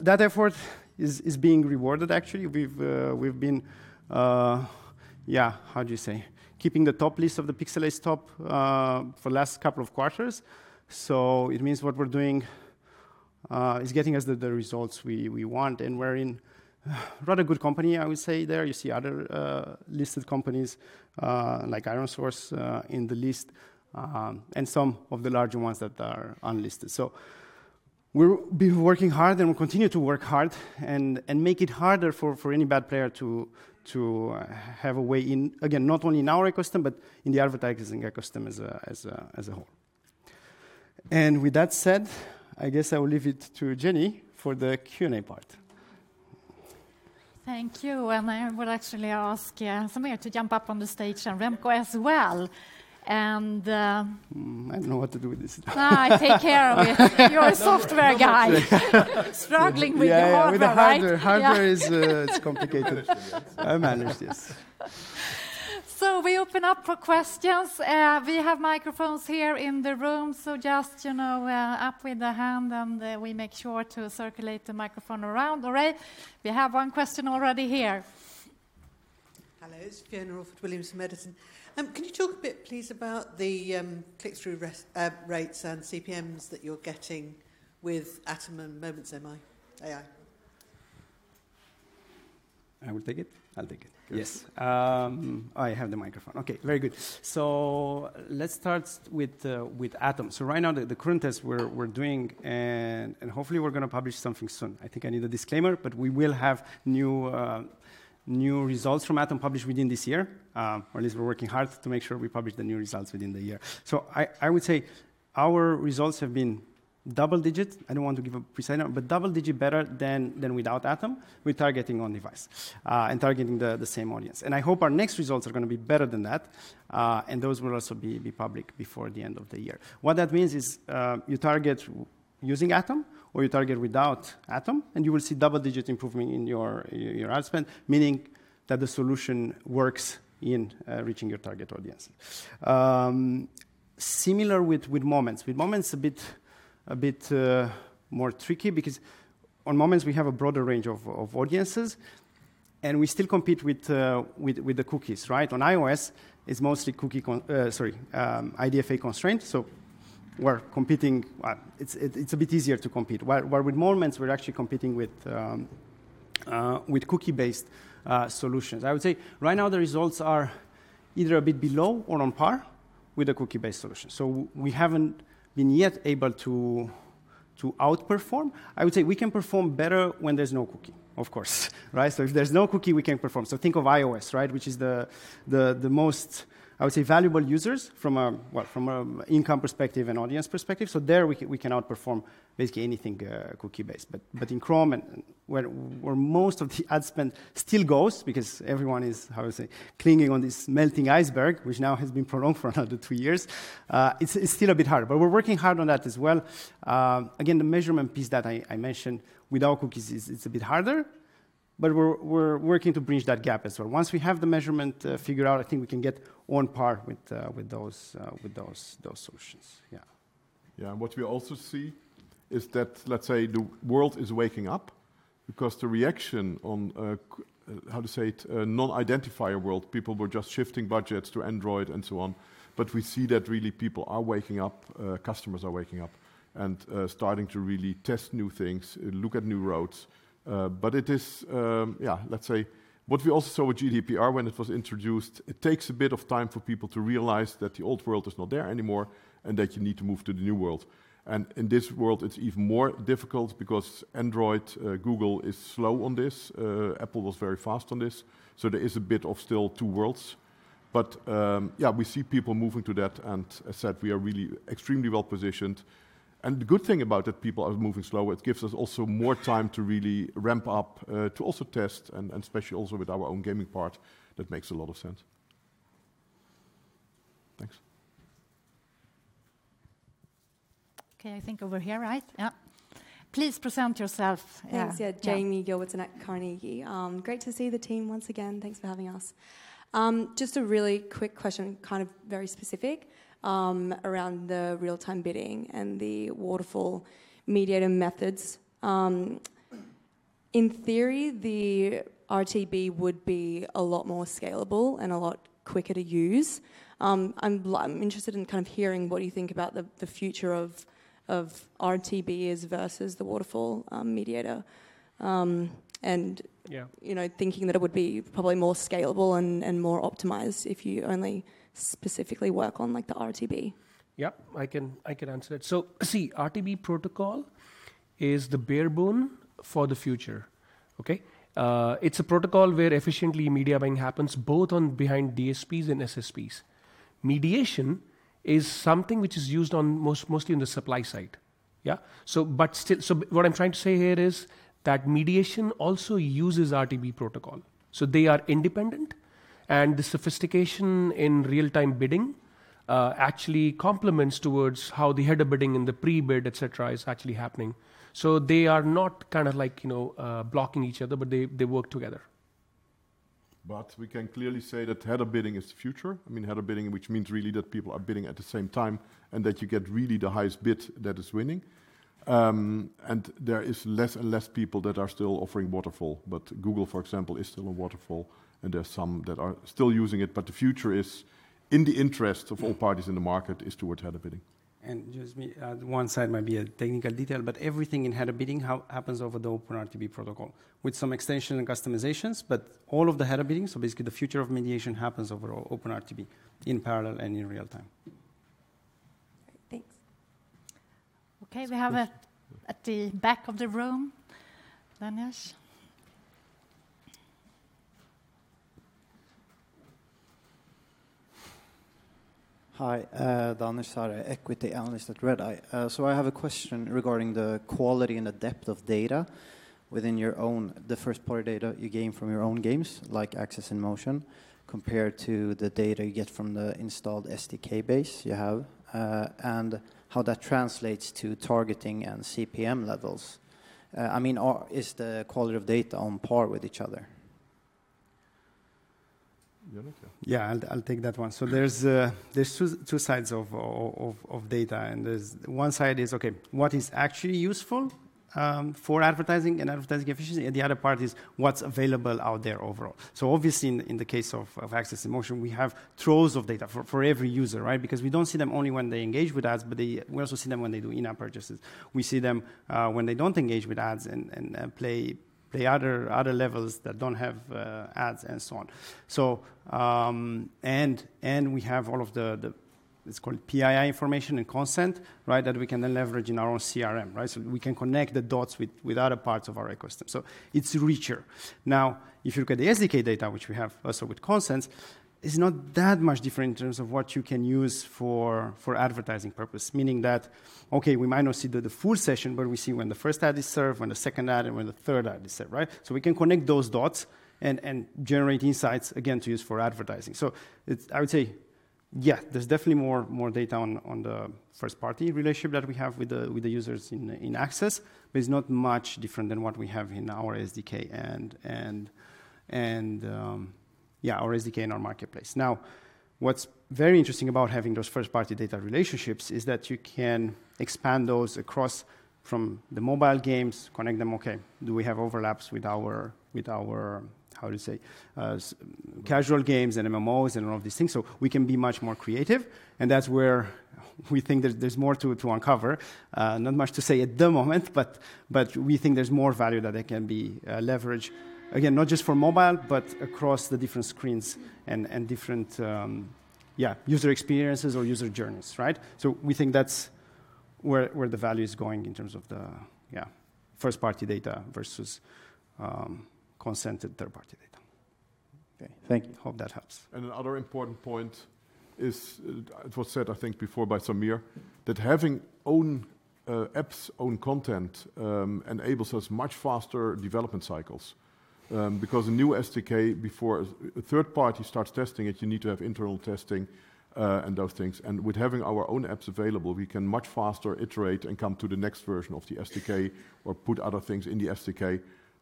Speaker 7: That effort is being rewarded actually. We've been keeping the top list of the Pixalate top for the last couple of quarters. It means what we're doing is getting us the results we want and we're in rather good company, I would say there. You see other listed companies like ironSource in the list and some of the larger ones that are unlisted. We're working hard, and we'll continue to work hard and make it harder for any bad player to have a way in. Again, not only in our ecosystem, but in the advertising ecosystem as a whole. With that said, I guess I will leave it to Jenny for the Q&A part.
Speaker 1: Thank you. I will actually ask, yeah, Sameer to jump up on the stage and Remco as well.
Speaker 7: I don't know what to do with this.
Speaker 1: No, I take care of it. You're a software guy. Struggling with the hardware, right?
Speaker 7: Yeah, yeah. With the hardware.
Speaker 1: Yeah.
Speaker 7: Hardware is. It's complicated. I'll manage this.
Speaker 1: We open up for questions. We have microphones here in the room, so just, you know, up with the hand and we make sure to circulate the microphone around. All right. We have one question already here.
Speaker 10: Hello. It's Fiona Williams from Edison. Can you talk a bit please about the click-through rates and CPMs that you're getting with ATOM and Moments.AI?
Speaker 7: I will take it?
Speaker 2: I'll take it. Yes.
Speaker 7: I have the microphone. Okay. Very good. Let's start with ATOM. Right now, the current test we're doing and hopefully we're gonna publish something soon. I think I need a disclaimer, but we will have new results from ATOM published within this year. Or at least we're working hard to make sure we publish the new results within the year. I would say our results have been double-digit. I don't want to give a percentage, but double-digit better than without ATOM with targeting on device and targeting the same audience. I hope our next results are gonna be better than that. Those will also be public before the end of the year. What that means is, you target using ATOM or you target without ATOM, and you will see double-digit improvement in your ad spend, meaning that the solution works in reaching your target audience. Similar with Moments. With Moments a bit more tricky because on Moments we have a broader range of audiences and we still compete with the cookies, right? On iOS it's mostly IDFA constraint, so we're competing. Well, it's a bit easier to compete. While with Moments, we're actually competing with cookie-based solutions. I would say right now the results are either a bit below or on par with the cookie-based solution. We haven't been yet able to outperform. I would say we can perform better when there's no cookie, of course, right? If there's no cookie we can perform. Think of iOS, right? Which is the most, I would say, valuable users from a, well, from a income perspective and audience perspective. There we can outperform basically anything cookie-based. In Chrome and where most of the ad spend still goes because everyone is, how do you say, clinging on this melting iceberg, which now has been prolonged for another two years, it's still a bit harder. We're working hard on that as well. Again, the measurement piece that I mentioned without cookies is a bit harder, but we're working to bridge that gap as well. Once we have the measurement figured out, I think we can get on par with those solutions. Yeah.
Speaker 2: Yeah. What we also see is that, let's say the world is waking up because the reaction on a non-identifier world, people were just shifting budgets to Android and so on. We see that really people are waking up, customers are waking up and starting to really test new things, look at new roads. It is, yeah. Let's say what we also saw with GDPR when it was introduced, it takes a bit of time for people to realize that the old world is not there anymore and that you need to move to the new world. In this world it's even more difficult because Android, Google is slow on this. Apple was very fast on this, so there is a bit of still two worlds. Yeah, we see people moving to that and as said, we are really extremely well positioned. The good thing about that people are moving slow, it gives us also more time to really ramp up, to also test and especially also with our own gaming part, that makes a lot of sense. Thanks.
Speaker 1: Okay. I think over here, right? Yeah. Please present yourself.
Speaker 11: Thanks. Yeah. Jaimee Gilbertson at Carnegie. Great to see the team once again. Thanks for having us. Just a really quick question, kind of very specific, around the real-time bidding and the waterfall mediation methods. In theory, the RTB would be a lot more scalable and a lot quicker to use. I'm interested in kind of hearing what you think about the future of RTB versus the waterfall mediation.
Speaker 7: Yeah.
Speaker 11: You know, thinking that it would be probably more scalable and more optimized if you only specifically work on like the RTB.
Speaker 3: Yeah, I can answer that. See, RTB protocol is the bare bones for the future. Okay? It's a protocol where efficient media buying happens both behind DSPs and SSPs. Mediation is something which is used mostly in the supply side. What I'm trying to say here is that mediation also uses RTB protocol, so they are independent, and the sophistication in real-time bidding actually complements towards how the header bidding and the Prebid, et cetera, is actually happening. They are not kind of like, you know, blocking each other, but they work together.
Speaker 2: We can clearly say that Header Bidding is the future. I mean, Header Bidding, which means really that people are bidding at the same time, and that you get really the highest bid that is winning. There is less and less people that are still offering waterfall. Google, for example, is still a waterfall, and there's some that are still using it, but the future is in the interest of all parties in the market is towards Header Bidding.
Speaker 7: Just one side might be a technical detail, but everything in header bidding happens over the OpenRTB protocol with some extension and customizations. All of the header biddings, so basically the future of mediation happens over OpenRTB in parallel and in real time.
Speaker 11: Thanks.
Speaker 1: Okay. We have at the back of the room. Danesh.
Speaker 12: Hi. Danesh Sahar, equity analyst at Redeye. I have a question regarding the quality and the depth of data within the first-party data you gain from your own games, like AxesInMotion, compared to the data you get from the installed SDK base you have, and how that translates to targeting and CPM levels. I mean, is the quality of data on par with each other?
Speaker 2: Ionut, yeah.
Speaker 7: Yeah, I'll take that one. There's two sides of data, and one side is what is actually useful for advertising and advertising efficiency, and the other part is what's available out there overall. Obviously in the case of AxesInMotion, we have troves of data for every user, right? Because we don't see them only when they engage with ads, but we also see them when they do in-app purchases. We see them when they don't engage with ads and play other levels that don't have ads and so on. We have all of the PII information and consent, right? That we can then leverage in our own CRM, right? We can connect the dots with other parts of our ecosystem. It's richer. Now, if you look at the SDK data, which we have also with consent, it's not that much different in terms of what you can use for advertising purpose. Meaning that, okay, we might not see the full session, but we see when the first ad is served, when the second ad, and when the third ad is served, right? We can connect those dots and generate insights again to use for advertising. It's. I would say, yeah, there's definitely more data on the first-party relationship that we have with the users in Access, but it's not much different than what we have in our SDK and our marketplace. Now, what's very interesting about having those first-party data relationships is that you can expand those across from the mobile games, connect them, okay. Do we have overlaps with our casual games and MMOs and all of these things? We can be much more creative, and that's where we think there's more to uncover. Not much to say at the moment, but we think there's more value that it can be leveraged. Again, not just for mobile, but across the different screens and different user experiences or user journeys, right? We think that's where the value is going in terms of the first-party data versus consented third-party data.
Speaker 12: Okay. Thank you.
Speaker 7: Hope that helps.
Speaker 2: Another important point is, it was said, I think before by Sameer, that having own apps, own content enables us much faster development cycles. Because a new SDK before a third party starts testing it, you need to have internal testing and those things. With having our own apps available, we can much faster iterate and come to the next version of the SDK or put other things in the SDK.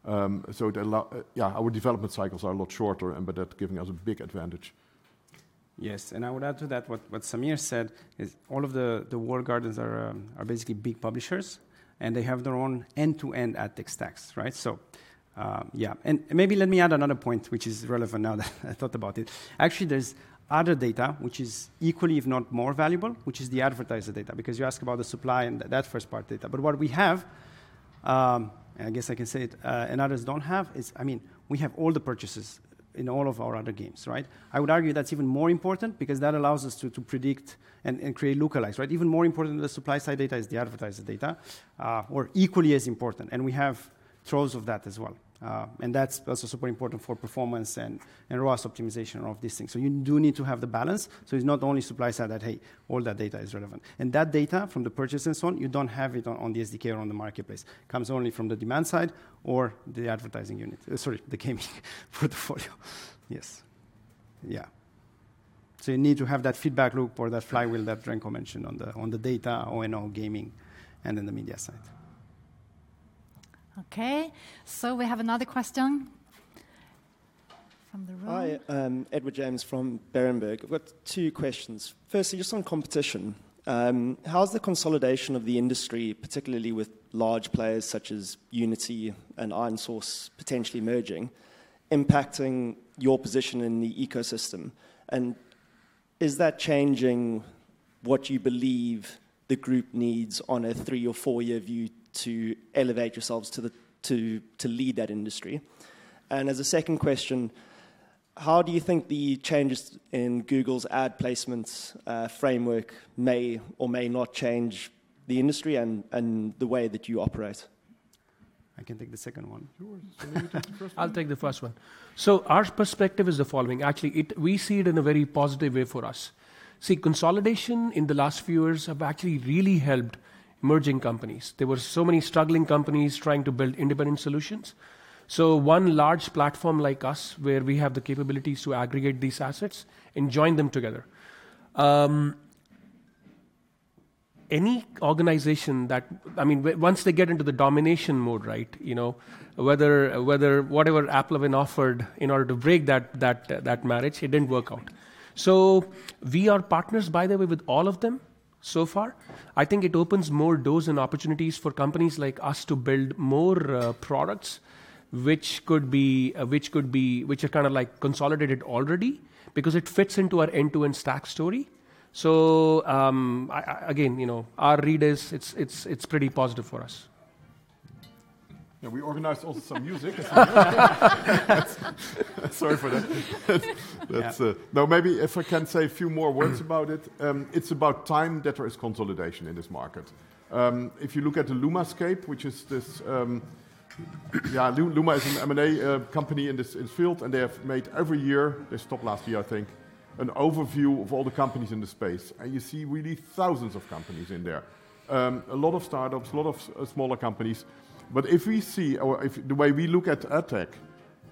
Speaker 2: It allow our development cycles are a lot shorter and by that giving us a big advantage.
Speaker 7: Yes. I would add to that what Sameer said is all of the walled gardens are basically big publishers, and they have their own end-to-end ad tech stacks, right? Maybe let me add another point which is relevant now that I thought about it. Actually, there's other data which is equally, if not more valuable, which is the advertiser data, because you ask about the supply and that first-party data. What we have, and I guess I can say it, and others don't have, is, I mean, we have all the purchases in all of our other games, right? I would argue that's even more important because that allows us to predict and create localized, right? Even more important than the supply side data is the advertiser data, or equally as important. We have troves of that as well. That's also super important for performance and ROAS optimization of these things. You do need to have the balance. It's not only supply side that, hey, all that data is relevant. That data from the purchase and so on, you don't have it on the SDK or on the marketplace. It comes only from the demand side or the advertising unit, the gaming portfolio. Yes. Yeah. You need to have that feedback loop or that flywheel that Remco mentioned on the data O&O gaming and then the media side.
Speaker 1: Okay. We have another question.
Speaker 13: Hi, Edward James from Berenberg. I've got two questions. Firstly, just on competition, how's the consolidation of the industry, particularly with large players such as Unity and ironSource potentially merging, impacting your position in the ecosystem? And is that changing what you believe the group needs on a three or four-year view to elevate yourselves to lead that industry? And as a second question, how do you think the changes in Google's ad placements framework may or may not change the industry and the way that you operate?
Speaker 7: I can take the second one.
Speaker 2: Sure. Maybe you take the first one.
Speaker 3: I'll take the first one. Our perspective is the following. Actually, we see it in a very positive way for us. See, consolidation in the last few years have actually really helped emerging companies. There were so many struggling companies trying to build independent solutions. One large platform like us, where we have the capabilities to aggregate these assets and join them together. Any organization that I mean once they get into the domination mode, right? You know, whether whatever AppLovin offered in order to break that marriage, it didn't work out. We are partners, by the way, with all of them so far. I think it opens more doors and opportunities for companies like us to build more products which are kind of like consolidated already because it fits into our end-to-end stack story. Again, you know, our read is it's pretty positive for us.
Speaker 2: Yeah, we organized also some music as well. Sorry for that. That's. No, maybe if I can say a few more words about it. It's about time that there is consolidation in this market. If you look at the Lumascape, which is this, yeah, Luma is an M&A company in this field, and they have made every year, they stopped last year, I think, an overview of all the companies in the space. You see really thousands of companies in there. A lot of startups, a lot of smaller companies. The way we look at AdTech,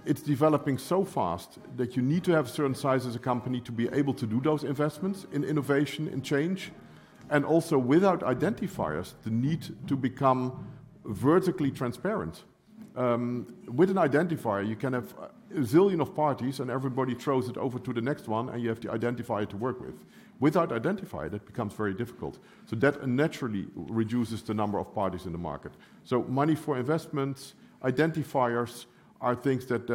Speaker 2: it's developing so fast that you need to have certain size as a company to be able to do those investments in innovation and change. Also without identifiers, the need to become vertically transparent. With an identifier, you can have a zillion of parties, and everybody throws it over to the next one, and you have the identifier to work with. Without identifier, that becomes very difficult. That naturally reduces the number of parties in the market. Money for investments, identifiers are things that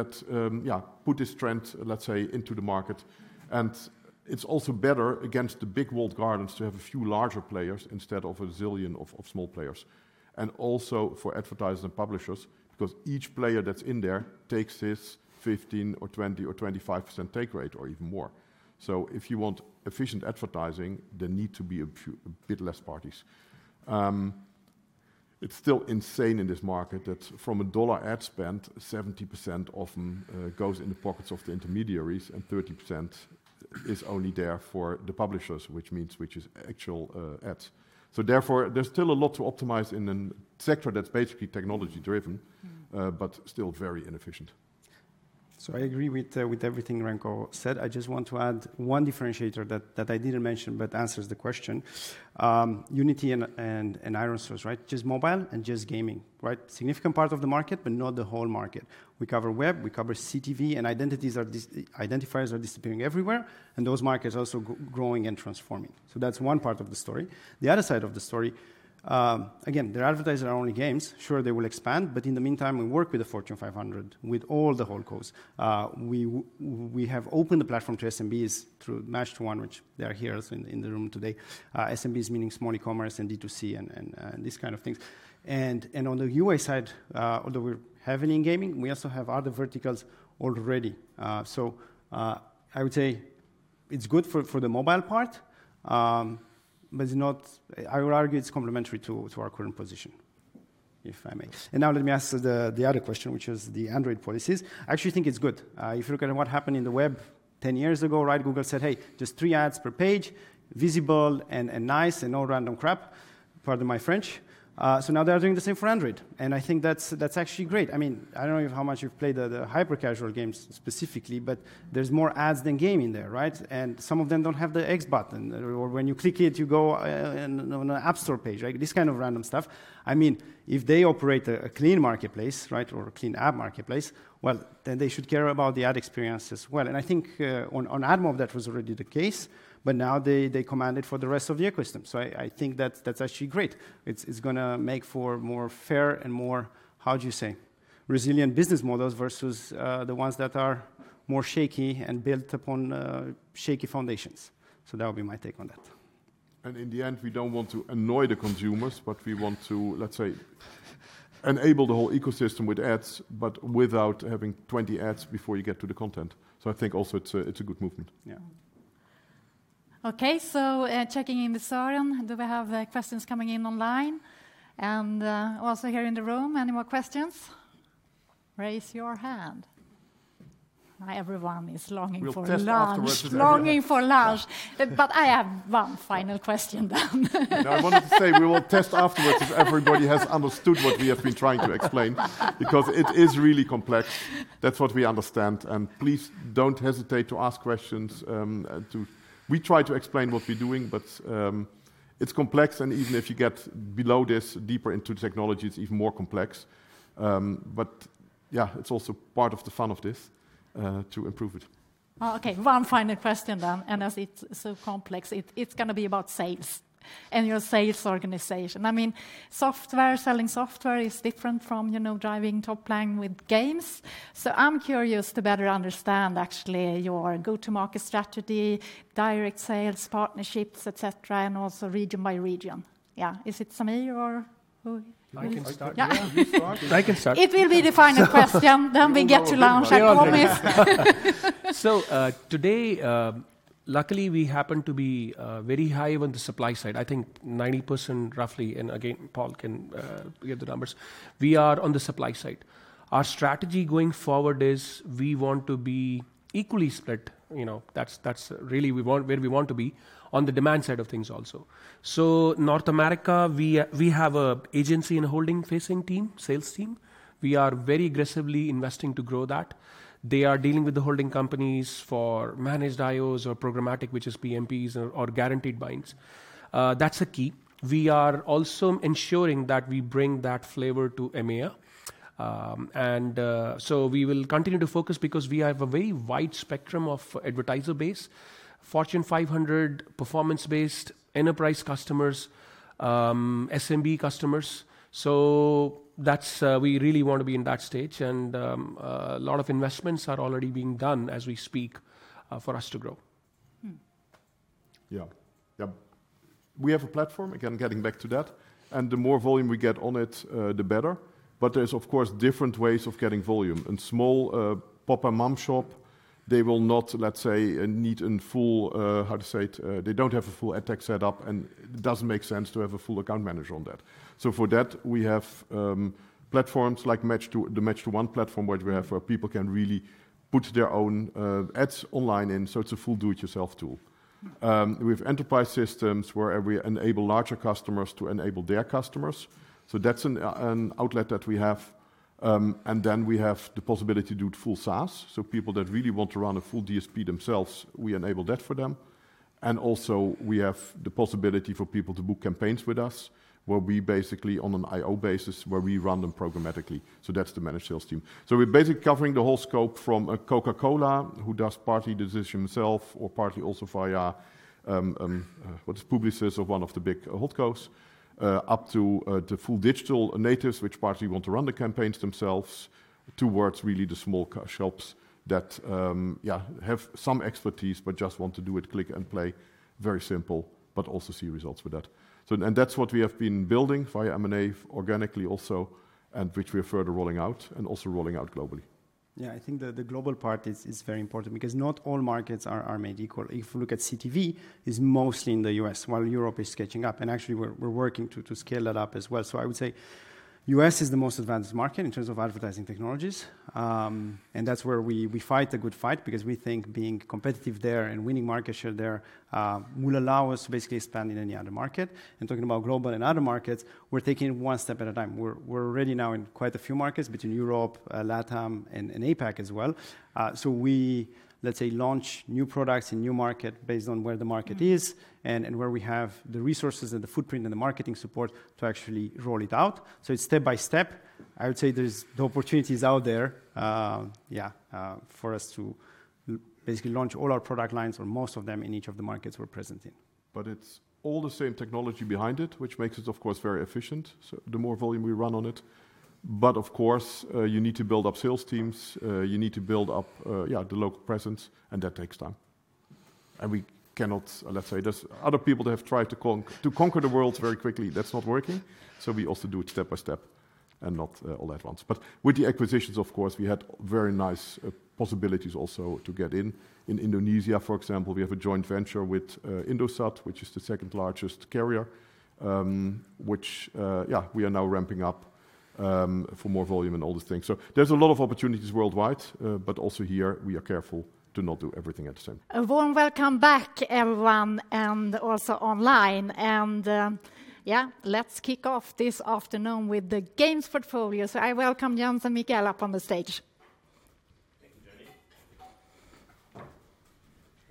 Speaker 2: put this trend, let's say, into the market. It's also better against the big walled gardens to have a few larger players instead of a zillion of small players, and also for advertisers and publishers, because each player that's in there takes this 15% or 20% or 25% take rate or even more. If you want efficient advertising, there need to be a few, a bit less parties. It's still insane in this market that from $1 ad spend, 70% often goes in the pockets of the intermediaries and 30% is only there for the publishers, which is actual ads. There's still a lot to optimize in a sector that's basically technology driven.
Speaker 1: Mm-hmm.
Speaker 2: Still very inefficient.
Speaker 7: I agree with everything Remco said. I just want to add one differentiator that I didn't mention but answers the question. Unity and ironSource, right? Just mobile and just gaming, right? Significant part of the market, but not the whole market. We cover web, we cover CTV, and identifiers are disappearing everywhere, and those markets are also growing and transforming. That's one part of the story. The other side of the story, again, their advertisers are only games. Sure, they will expand, but in the meantime, we work with the Fortune 500, with all the world's. We have opened the platform to SMBs through Match2One, which they are here as in the room today. SMBs meaning small e-commerce and D2C and these kind of things. On the UA side, although we're heavily in gaming, we also have other verticals already. I would say it's good for the mobile part, but it's not. I would argue it's complementary to our current position, if I may. Now let me answer the other question, which is the Android policies. I actually think it's good. If you look at what happened in the web 10 years ago, right? Google said, "Hey, just three ads per page, visible and nice and no random crap." Pardon my French. Now they are doing the same for Android. I think that's actually great. I mean, I don't know how much you've played the hyper-casual games specifically, but there's more ads than game in there, right? Some of them don't have the X button, or when you click it, you go on an App Store page, right? This kind of random stuff. I mean, if they operate a clean marketplace, right, or a clean ad marketplace, well, then they should care about the ad experience as well. I think on AdMob, that was already the case, but now they command it for the rest of the ecosystem. I think that's actually great. It's gonna make for more fair and more, how do you say, resilient business models versus the ones that are more shaky and built upon shaky foundations. That would be my take on that.
Speaker 2: In the end, we don't want to annoy the consumers, but we want to, let's say, enable the whole ecosystem with ads, but without having 20 ads before you get to the content. I think also it's a good movement.
Speaker 1: Mm-hmm.
Speaker 7: Yeah.
Speaker 1: Okay. Checking in with Søren, do we have questions coming in online? Also here in the room, any more questions? Raise your hand. Everyone is longing for lunch.
Speaker 2: We'll test afterwards if everybody.
Speaker 1: Longing for lunch. I have one final question then.
Speaker 2: I wanted to say we will test afterwards if everybody has understood what we have been trying to explain, because it is really complex. That's what we understand. Please don't hesitate to ask questions. We try to explain what we're doing, but it's complex, and even if you get below this, deeper into technology, it's even more complex. But yeah, it's also part of the fun of this to improve it.
Speaker 1: Okay, one final question then. As it's so complex, it's gonna be about sales and your sales organization. I mean, software, selling software is different from, you know, driving top line with games. I'm curious to better understand actually your go-to-market strategy, direct sales, partnerships, et cetera, and also region by region. Yeah. Is it Sameer or who?
Speaker 3: I can start.
Speaker 1: Yeah.
Speaker 2: You start.
Speaker 3: I can start.
Speaker 1: It will be the final question, then we get to lunch, I promise.
Speaker 3: Today, luckily we happen to be very high on the supply side. I think 90% roughly, and again, Paul can give the numbers. We are on the supply side. Our strategy going forward is we want to be equally split. You know, that's really where we want to be on the demand side of things also. North America, we have a agency and a holding facing team, sales team. We are very aggressively investing to grow that. They are dealing with the holding companies for managed IOs or programmatic, which is PMPs or guaranteed binds. That's a key. We are also ensuring that we bring that flavor to EMEA. We will continue to focus because we have a very wide spectrum of advertiser base. Fortune 500 performance-based enterprise customers, SMB customers. That's. We really wanna be in that stage and a lot of investments are already being done as we speak for us to grow.
Speaker 1: Mm-hmm.
Speaker 2: Yeah. Yep. We have a platform, again, getting back to that, and the more volume we get on it, the better. There's of course different ways of getting volume. In small mom-and-pop shop, they will not, let's say, need a full, how to say it? They don't have a full ad tech set up, and it doesn't make sense to have a full account manager on that. For that, we have platforms like the Matcsecond halfOne platform, where people can really put their own ads online in. It's a full do it yourself tool. We have enterprise systems where we enable larger customers to enable their customers. That's an outlet that we have. We have the possibility to do it full SaaS. People that really want to run a full DSP themselves, we enable that for them. Also we have the possibility for people to book campaigns with us, where we basically on an IO basis, where we run them programmatically. That's the managed sales team. We're basically covering the whole scope from a Coca-Cola who does partly this itself or partly also via what's Publicis of one of the big holdcos, up to full digital natives, which partly want to run the campaigns themselves, towards really the small shops that have some expertise, but just want to do it plug and play very simple, but also see results with that. That's what we have been building via M&A organically also, and which we are further rolling out and also rolling out globally.
Speaker 3: Yeah. I think the global part is very important because not all markets are made equal. If you look at CTV, it's mostly in the US, while Europe is catching up. Actually we're working to scale that up as well. I would say US is the most advanced market in terms of advertising technologies. That's where we fight the good fight because we think being competitive there and winning market share there will allow us to basically expand in any other market. Talking about global and other markets, we're taking it one step at a time. We're already now in quite a few markets between Europe, LatAm and APAC as well. We, let's say, launch new products in new market based on where the market is.
Speaker 1: Mm-hmm.
Speaker 3: Where we have the resources and the footprint and the marketing support to actually roll it out. It's step by step. I would say there's the opportunities out there, for us to basically launch all our product lines or most of them in each of the markets we're present in.
Speaker 2: It's all the same technology behind it, which makes it, of course, very efficient. The more volume we run on it. Of course, you need to build up sales teams. You need to build up the local presence, and that takes time. We cannot, let's say, there's other people that have tried to conquer the world very quickly. That's not working. We also do it step by step and not all at once. With the acquisitions, of course, we had very nice possibilities also to get in. In Indonesia, for example, we have a joint venture with Indosat, which is the second largest carrier, which we are now ramping up for more volume and all those things. There's a lot of opportunities worldwide. Also here we are careful to not do everything at the same time.
Speaker 1: A warm welcome back, everyone, and also online. Yeah, let's kick off this afternoon with the games portfolio. I welcome Jens and Miguel up on the stage.
Speaker 8: Thank you, Jenny.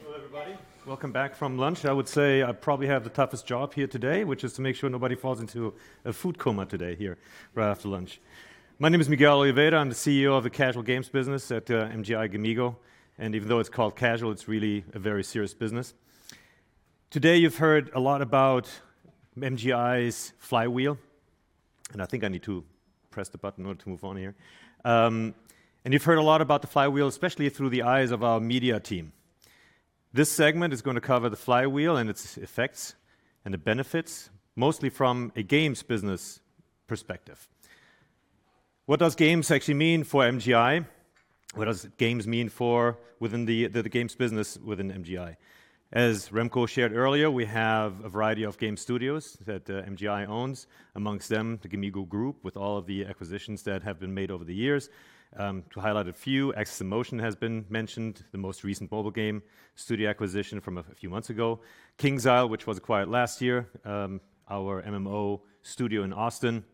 Speaker 8: Hello, everybody. Welcome back from lunch. I would say I probably have the toughest job here today, which is to make sure nobody falls into a food coma today here right after lunch. My name is Miguel Oliveira. I'm the CEO of the Casual Games business at MGI gamigo. Even though it's called Casual, it's really a very serious business. Today, you've heard a lot about MGI's flywheel, and I think I need to press the button in order to move on here. You've heard a lot about the flywheel, especially through the eyes of our media team. This segment is gonna cover the flywheel and its effects and the benefits, mostly from a games business perspective. What does games actually mean for MGI? What does games mean for within the games business within MGI? As Remco shared earlier, we have a variety of game studios that MGI owns, amongst them, the gamigo group, with all of the acquisitions that have been made over the years. To highlight a few, AxesInMotion has been mentioned, the most recent mobile game studio acquisition from a few months ago. KingsIsle, which was acquired last year, our MMO studio in Austin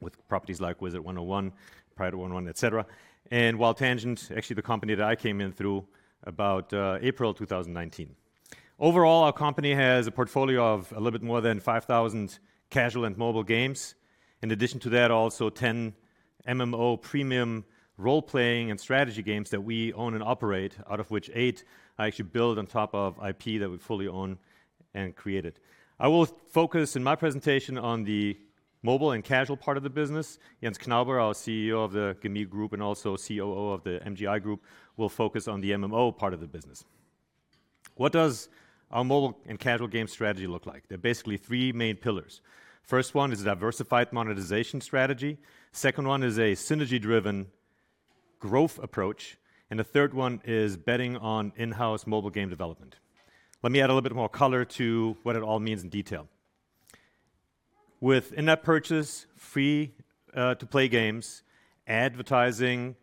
Speaker 8: with properties like Wizard101, Pirate101, et cetera. WildTangent, actually the company that I came in through about April 2019. Overall, our company has a portfolio of a little bit more than 5,000 casual and mobile games. In addition to that, also 10 MMO premium role-playing and strategy games that we own and operate, out of which eight are actually built on top of IP that we fully own and created. I will focus in my presentation on the mobile and casual part of the business. Jens Knauber, our CEO of the gamigo group and also COO of the MGI Group, will focus on the MMO part of the business. What does our mobile and casual game strategy look like? There are basically three main pillars. First one is a diversified monetization strategy, second one is a synergy-driven growth approach, and the third one is betting on in-house mobile game development. Let me add a little bit more color to what it all means in detail. With in-app purchase, free to play games, advertising,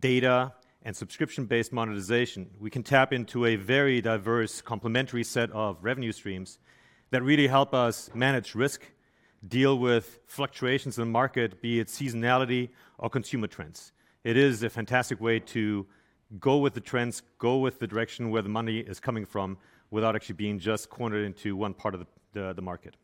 Speaker 8: data, and subscription-based monetization, we can tap into a very diverse complementary set of revenue streams that really help us manage risk, deal with fluctuations in the market, be it seasonality or consumer trends. It is a fantastic way to go with the trends, go with the direction where the money is coming from, without actually being just cornered into one part of the market.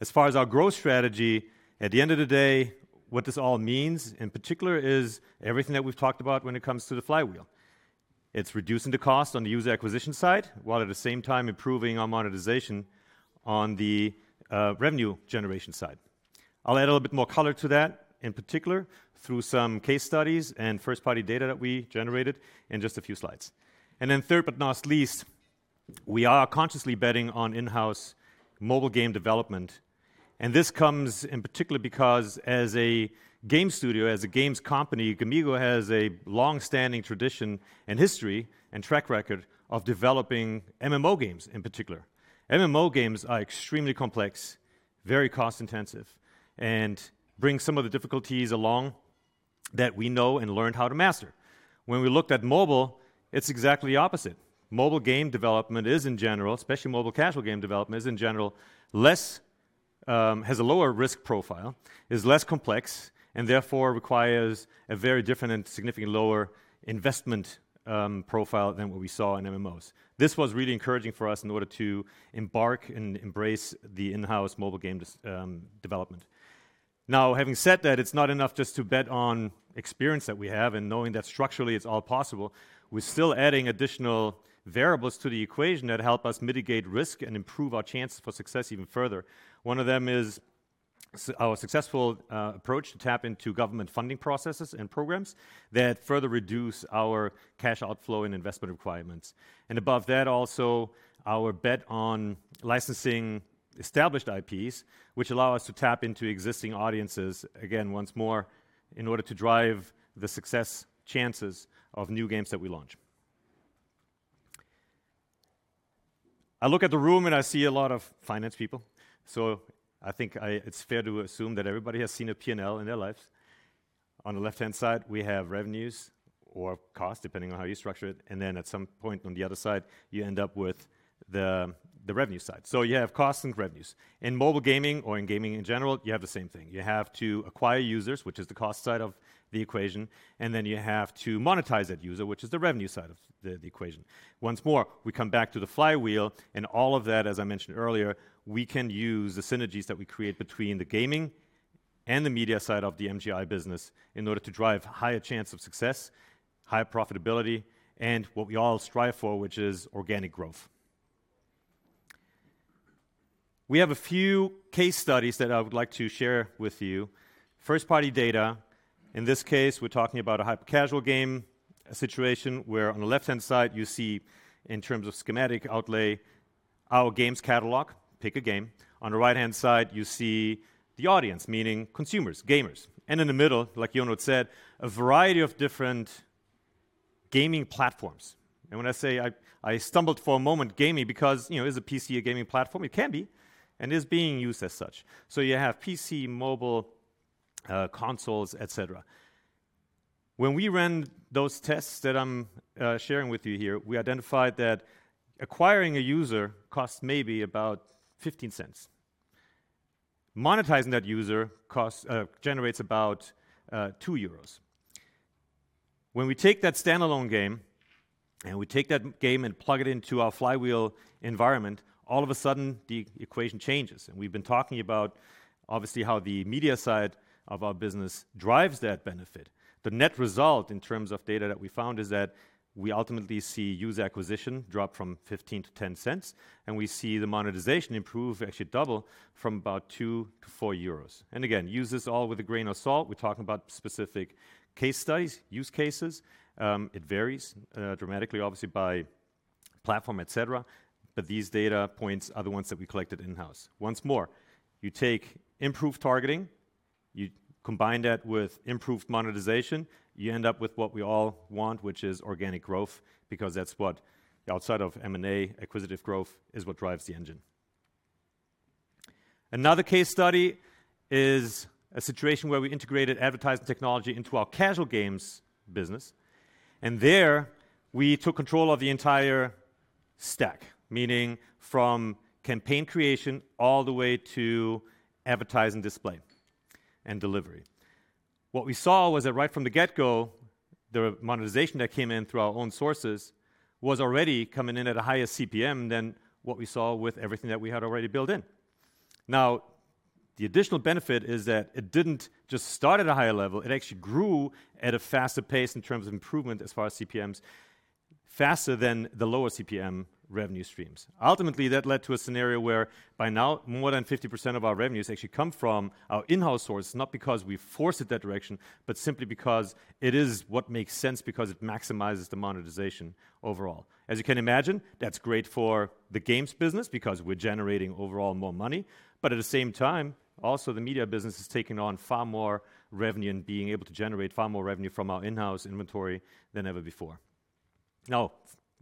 Speaker 8: As far as our growth strategy, at the end of the day, what this all means in particular is everything that we've talked about when it comes to the flywheel. It's reducing the cost on the user acquisition side, while at the same time improving our monetization on the revenue generation side. I'll add a little bit more color to that, in particular through some case studies and first-party data that we generated in just a few slides. Third but not least, we are consciously betting on in-house mobile game development, and this comes in particular because as a game studio, as a games company, gamigo has a long-standing tradition and history and track record of developing MMO games in particular. MMO games are extremely complex, very cost-intensive, and bring some of the difficulties along that we know and learned how to master. When we looked at mobile, it's exactly opposite. Mobile game development is in general, especially mobile casual game development, is in general less, has a lower risk profile, is less complex, and therefore requires a very different and significantly lower investment profile than what we saw in MMOs. This was really encouraging for us in order to embark and embrace the in-house mobile game development. Now, having said that, it's not enough just to bet on experience that we have and knowing that structurally it's all possible. We're still adding additional variables to the equation that help us mitigate risk and improve our chances for success even further. One of them is our successful approach to tap into government funding processes and programs that further reduce our cash outflow and investment requirements. Above that also, our bet on licensing established IPs, which allow us to tap into existing audiences again, once more, in order to drive the success chances of new games that we launch. I look at the room and I see a lot of finance people, so I think it's fair to assume that everybody has seen a P&L in their lives. On the left-hand side, we have revenues or cost, depending on how you structure it, and then at some point on the other side, you end up with the revenue side. You have costs and revenues. In mobile gaming or in gaming in general, you have the same thing. You have to acquire users, which is the cost side of the equation, and then you have to monetize that user, which is the revenue side of the equation. Once more, we come back to the flywheel and all of that, as I mentioned earlier, we can use the synergies that we create between the gaming and the media side of the MGI business in order to drive higher chance of success, higher profitability, and what we all strive for, which is organic growth. We have a few case studies that I would like to share with you. First-party data. In this case, we're talking about a hyper-casual game, a situation where on the left-hand side you see in terms of schematic outlay our games catalog, pick a game. On the right-hand side, you see the audience, meaning consumers, gamers. In the middle, like Ionut said, a variety of different gaming platforms. When I say gaming because, you know, is a PC a gaming platform? It can be, and is being used as such. You have PC, mobile, consoles, et cetera. When we ran those tests that I'm sharing with you here, we identified that acquiring a user costs maybe about 0.15. Monetizing that user costs generates about 2 euros. When we take that standalone game and we take that game and plug it into our flywheel environment, all of a sudden the equation changes. We've been talking about obviously how the media side of our business drives that benefit. The net result in terms of data that we found is that we ultimately see user acquisition drop from 0.15 to 0.10, and we see the monetization improve, actually double from about 2 to 4. Again, use this all with a grain of salt. We're talking about specific case studies, use cases. It varies dramatically obviously by platform, et cetera, but these data points are the ones that we collected in-house. Once more, you take improved targeting, you combine that with improved monetization, you end up with what we all want, which is organic growth, because that's what, outside of M&A, acquisitive growth is what drives the engine. Another case study is a situation where we integrated advertising technology into our casual games business, and there we took control of the entire stack, meaning from campaign creation all the way to advertising and display and delivery. What we saw was that right from the get-go, the monetization that came in through our own sources was already coming in at a higher CPM than what we saw with everything that we had already built in. Now, the additional benefit is that it didn't just start at a higher level, it actually grew at a faster pace in terms of improvement as far as CPMs, faster than the lower CPM revenue streams. Ultimately, that led to a scenario where by now, more than 50% of our revenues actually come from our in-house source, not because we forced it that direction, but simply because it is what makes sense because it maximizes the monetization overall. As you can imagine, that's great for the games business because we're generating overall more money, but at the same time, also the media business is taking on far more revenue and being able to generate far more revenue from our in-house inventory than ever before. Now,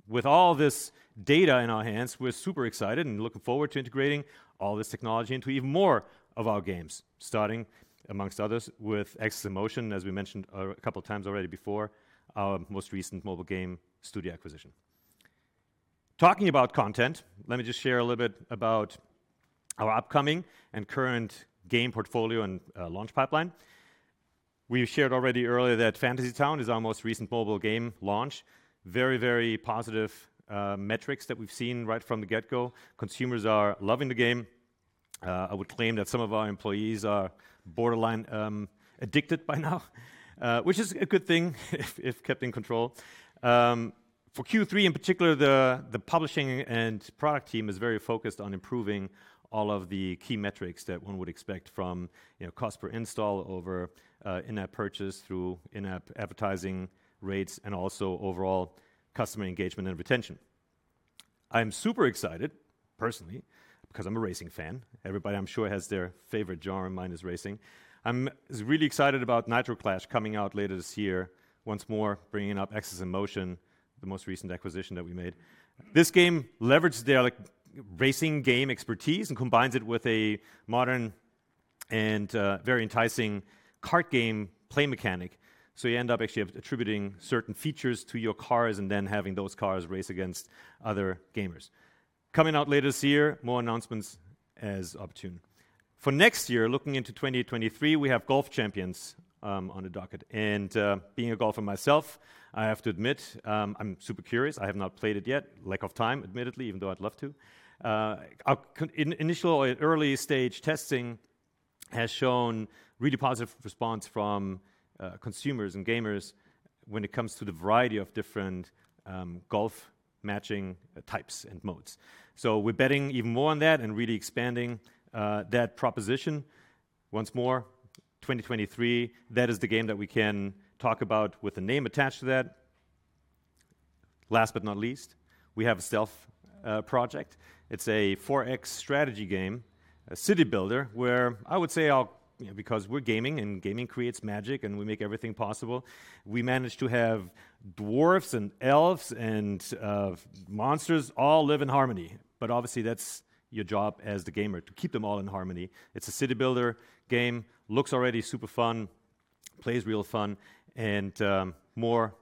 Speaker 8: with all this data in our hands, we're super excited and looking forward to integrating all this technology into even more of our games, starting amongst others with AxesInMotion, as we mentioned a couple of times already before, our most recent mobile game studio acquisition. Talking about content, let me just share a little bit about our upcoming and current game portfolio and launch pipeline. We shared already earlier that Fantasy Town is our most recent mobile game launch. Very, very positive metrics that we've seen right from the get-go. Consumers are loving the game. I would claim that some of our employees are borderline addicted by now, which is a good thing if kept in control. For third quarter in particular, the publishing and product team is very focused on improving all of the key metrics that one would expect from, you know, cost per install over in-app purchase through in-app advertising rates and also overall customer engagement and retention. I am super excited personally, because I'm a racing fan. Everybody, I'm sure, has their favorite genre, and mine is racing. I'm really excited about Nitro Clash coming out later this year, once more bringing up AxesInMotion, the most recent acquisition that we made. This game leverages their racing game expertise and combines it with a modern and very enticing kart game play mechanic. You end up actually attributing certain features to your cars and then having those cars race against other gamers. Coming out later this year, more announcements as opportune. For next year, looking into 2023, we have Golf Champions on the docket. Being a golfer myself, I have to admit, I'm super curious. I have not played it yet. Lack of time, admittedly, even though I'd love to. In initial early stage testing has shown really positive response from consumers and gamers when it comes to the variety of different golf matching types and modes. We're betting even more on that and really expanding that proposition. Once more, 2023, that is the game that we can talk about with a name attached to that. Last but not least, we have Stealth Project. It's a 4X strategy game, a city builder, where I would say you know, because we're gaming and gaming creates magic, and we make everything possible, we manage to have dwarfs and elves and monsters all live in harmony. Obviously, that's your job as the gamer, to keep them all in harmony. It's a city builder game. Looks already super fun, plays real fun, and more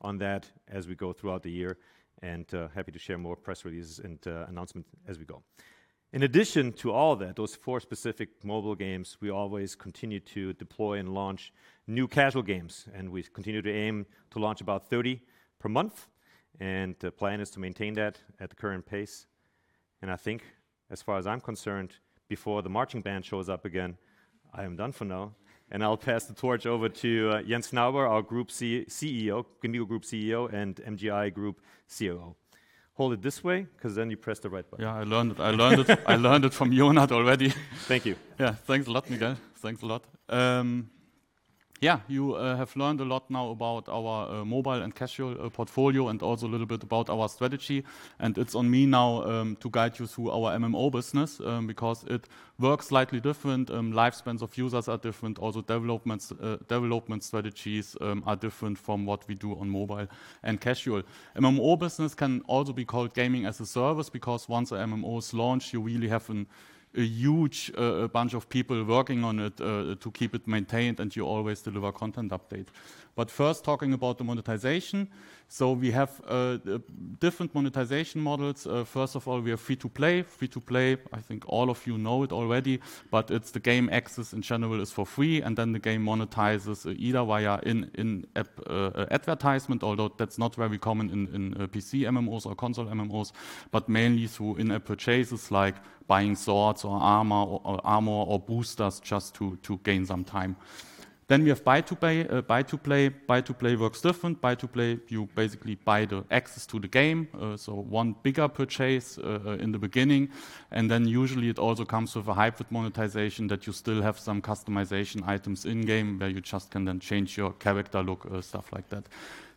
Speaker 8: on that as we go throughout the year, and happy to share more press releases and announcements as we go. In addition to all that, those four specific mobile games, we always continue to deploy and launch new casual games, and we continue to aim to launch about 30 per month, and the plan is to maintain that at the current pace. I think as far as I'm concerned, before the marching band shows up again, I am done for now, and I'll pass the torch over to Jens Knauber, our group Co-CEO, gamigo group CEO, and MGI Group COO. Hold it this way 'cause then you press the right button.
Speaker 4: Yeah, I learned it from Ionut already.
Speaker 8: Thank you.
Speaker 4: Yeah. Thanks a lot, Miguel. Yeah, you have learned a lot now about our mobile and casual portfolio and also a little bit about our strategy. It's on me now to guide you through our MMO business, because it works slightly different. Lifespans of users are different. Also, development strategies are different from what we do on mobile and casual. MMO business can also be called gaming as a service because once an MMO is launched, you really have a huge bunch of people working on it to keep it maintained, and you always deliver content update. First, talking about the monetization. We have different monetization models. First of all, we are free-to-play. Free-to-play, I think all of you know it already, but it's the game access in general is for free, and then the game monetizes either via in-app advertisement, although that's not very common in PC MMOs or console MMOs, but mainly through in-app purchases like buying swords or armor or boosters just to gain some time. We have buy-to-play. Buy-to-play works different. Buy-to-play, you basically buy the access to the game, so one bigger purchase in the beginning, and then usually it also comes with a hybrid monetization that you still have some customization items in-game where you just can then change your character look or stuff like that.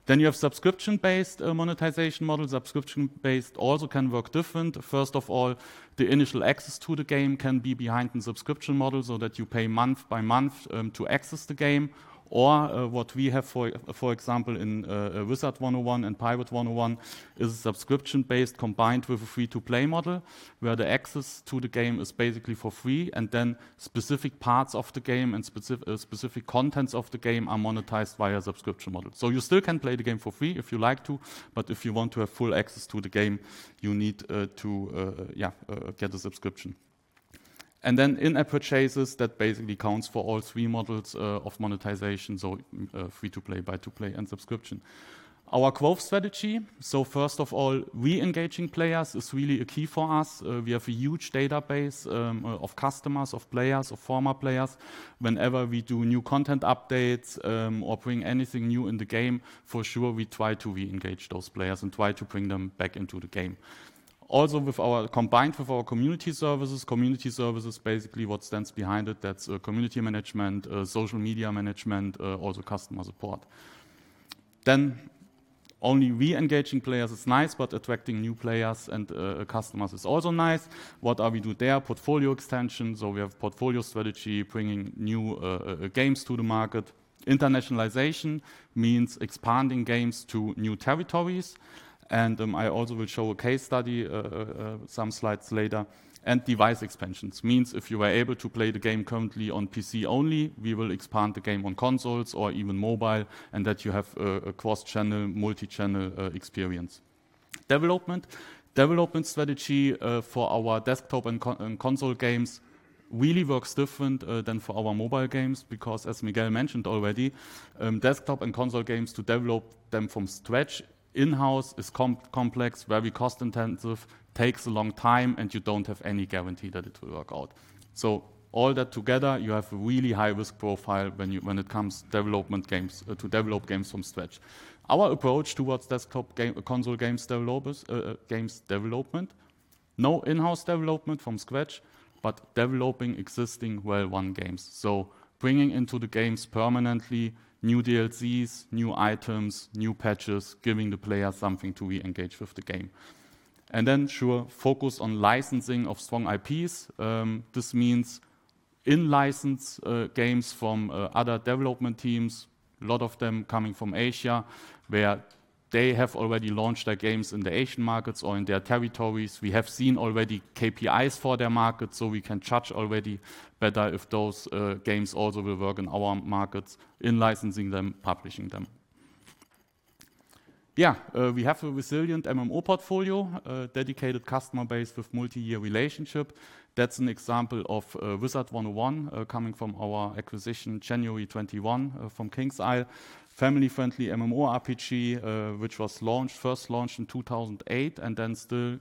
Speaker 4: You have subscription-based monetization models. Subscription-based also can work different. First of all, the initial access to the game can be behind the subscription model so that you pay month by month to access the game. Or, what we have, for example, in Wizard101 and Pirate101 is subscription-based combined with a free-to-play model, where the access to the game is basically for free, and then specific parts of the game and specific contents of the game are monetized via subscription model. You still can play the game for free if you like to, but if you want to have full access to the game, you need to get a subscription. And then in-app purchases, that basically counts for all three models of monetization, so free-to-play, buy-to-play, and subscription. Our growth strategy. First of all, re-engaging players is really a key for us. We have a huge database of customers, of players, of former players. Whenever we do new content updates or bring anything new in the game, for sure, we try to re-engage those players and try to bring them back into the game. Combined with our community services, basically what stands behind it, that's community management, social media management, also customer support. Only re-engaging players is nice, but attracting new players and customers is also nice. What do we do there? Portfolio extensions, we have portfolio strategy, bringing new games to the market. Internationalization means expanding games to new territories. I also will show a case study some slides later. Device expansions means if you are able to play the game currently on PC only, we will expand the game on consoles or even mobile, and that you have a cross-channel, multi-channel, experience. Development strategy for our desktop and console games really works different than for our mobile games because as Miguel mentioned already, desktop and console games to develop them from scratch in-house is complex, very cost-intensive, takes a long time, and you don't have any guarantee that it will work out. All that together, you have a really high-risk profile when it comes to developing games from scratch. Our approach towards desktop and console games development, no in-house development from scratch, but developing existing well-known games. Bringing into the games permanently new DLCs, new items, new patches, giving the player something to re-engage with the game. Sure, focus on licensing of strong IPs. This means in-license games from other development teams, a lot of them coming from Asia, where they have already launched their games in the Asian markets or in their territories. We have seen already KPIs for their market, so we can judge already better if those games also will work in our markets in licensing them, publishing them. We have a resilient MMO portfolio, a dedicated customer base with multi-year relationship. That's an example of Wizard101, coming from our acquisition January 2021 from KingsIsle. Family-friendly MMORPG, which was launched, first launched in 2008 and then still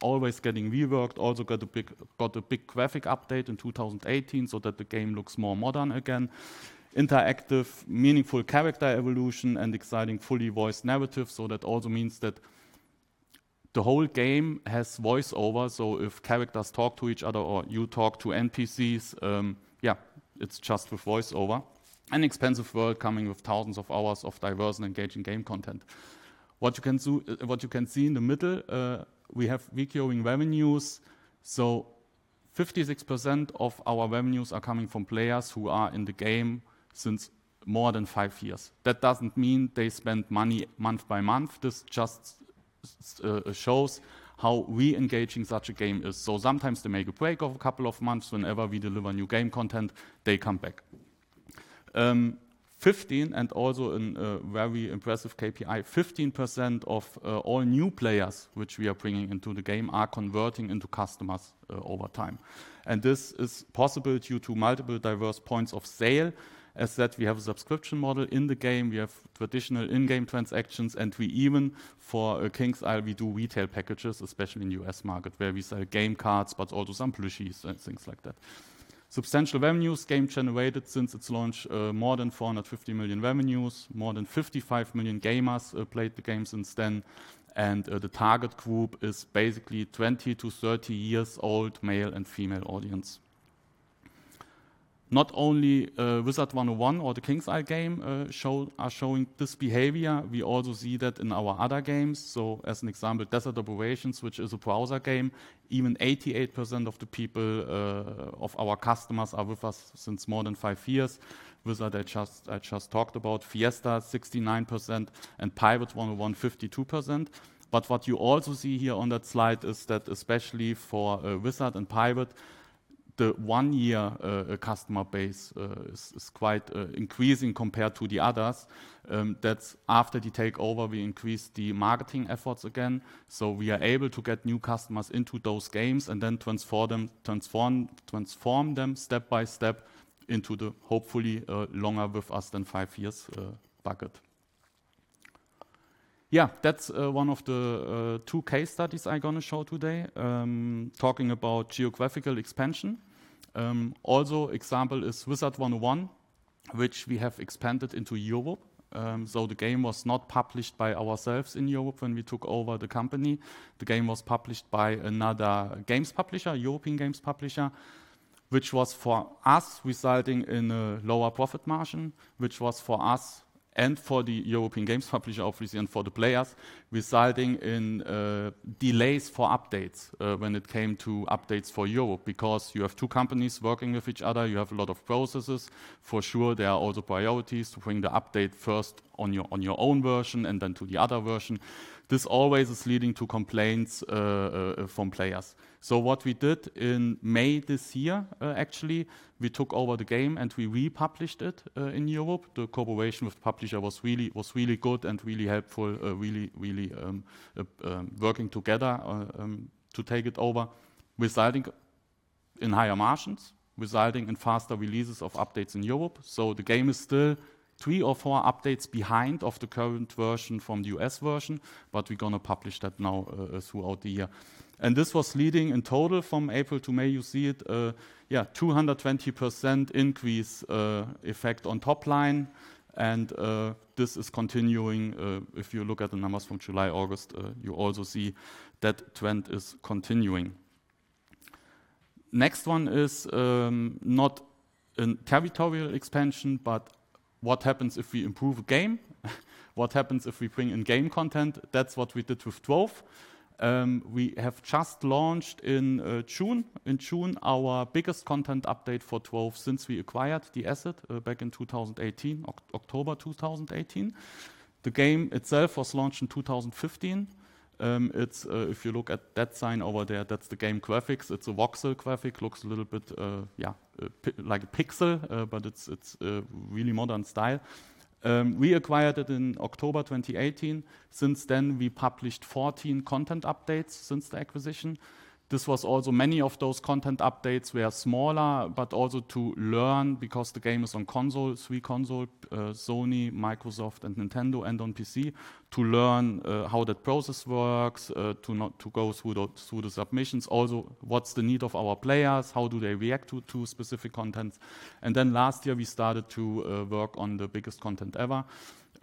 Speaker 4: always getting reworked. Also got a big graphic update in 2018 so that the game looks more modern again. Interactive, meaningful character evolution and exciting fully voiced narrative. That also means that the whole game has voice-over, so if characters talk to each other or you talk to NPCs, it's just with voice-over. An expansive world coming with thousands of hours of diverse and engaging game content. What you can see in the middle, we have recurring revenues. 56% of our revenues are coming from players who are in the game since more than five years. That doesn't mean they spend money month by month. This just shows how re-engaging such a game is. Sometimes they make a break of a couple of months. Whenever we deliver new game content, they come back. 15, and also a very impressive KPI, 15% of all new players which we are bringing into the game are converting into customers over time. This is possible due to multiple diverse points of sale, as we have a subscription model in the game, we have traditional in-game transactions, and we even for KingsIsle, we do retail packages, especially in US market, where we sell game cards, but also some plushies and things like that. Substantial revenues the game generated since its launch, more than 450 million revenues. More than 55 million gamers played the game since then. The target group is basically 20 to 30 years old, male and female audience. Not only Wizard101 or the KingsIsle game are showing this behavior, we also see that in our other games. As an example, Desert Operations, which is a browser game, even 88% of the people of our customers are with us since more than five years. Wizard101, I just talked about. Fiesta Online, 69%, and Pirate101, 52%. What you also see here on that slide is that especially for Wizard101 and Pirate101, the one-year customer base is quite increasing compared to the others. That's after the takeover, we increased the marketing efforts again. We are able to get new customers into those games and then transform them step by step into the hopefully longer with us than five years bucket. That's one of the two case studies I'm gonna show today, talking about geographical expansion. Also example is Wizard101, which we have expanded into Europe. The game was not published by ourselves in Europe when we took over the company. The game was published by another games publisher, European games publisher, which was for us, resulting in a lower profit margin, which was for us and for the European games publisher, obviously, and for the players, resulting in delays for updates when it came to updates for Europe, because you have two companies working with each other, you have a lot of processes. For sure, there are also priorities to bring the update first on your own version and then to the other version. This always is leading to complaints from players. What we did in May this year, actually, we took over the game and we republished it in Europe. The cooperation with the publisher was really good and really helpful, really working together to take it over, resulting in higher margins, resulting in faster releases of updates in Europe. The game is still three or four updates behind the current version from the US version, but we're gonna publish that now throughout the year. This was leading in total from April to May. You see it, 200% increase effect on top line and this is continuing. If you look at the numbers from July, August, you also see that trend is continuing. Next one is not in territorial expansion, but what happens if we improve a game? What happens if we bring in game content? That's what we did with Trove. We have just launched in June. In June, our biggest content update for Trove since we acquired the asset back in 2018, October 2018. The game itself was launched in 2015. It's if you look at that sign over there, that's the game graphics. It's a voxel graphic. Looks a little bit yeah like a pixel, but it's a really modern style. We acquired it in October 2018. Since then, we published 14 content updates since the acquisition. This was also many of those content updates were smaller, but also to learn because the game is on consoles, three consoles, Sony, Microsoft, and Nintendo, and on PC, to learn how that process works, to not go through the submissions. Also, what's the need of our players? How do they react to specific contents? Last year, we started to work on the biggest content ever,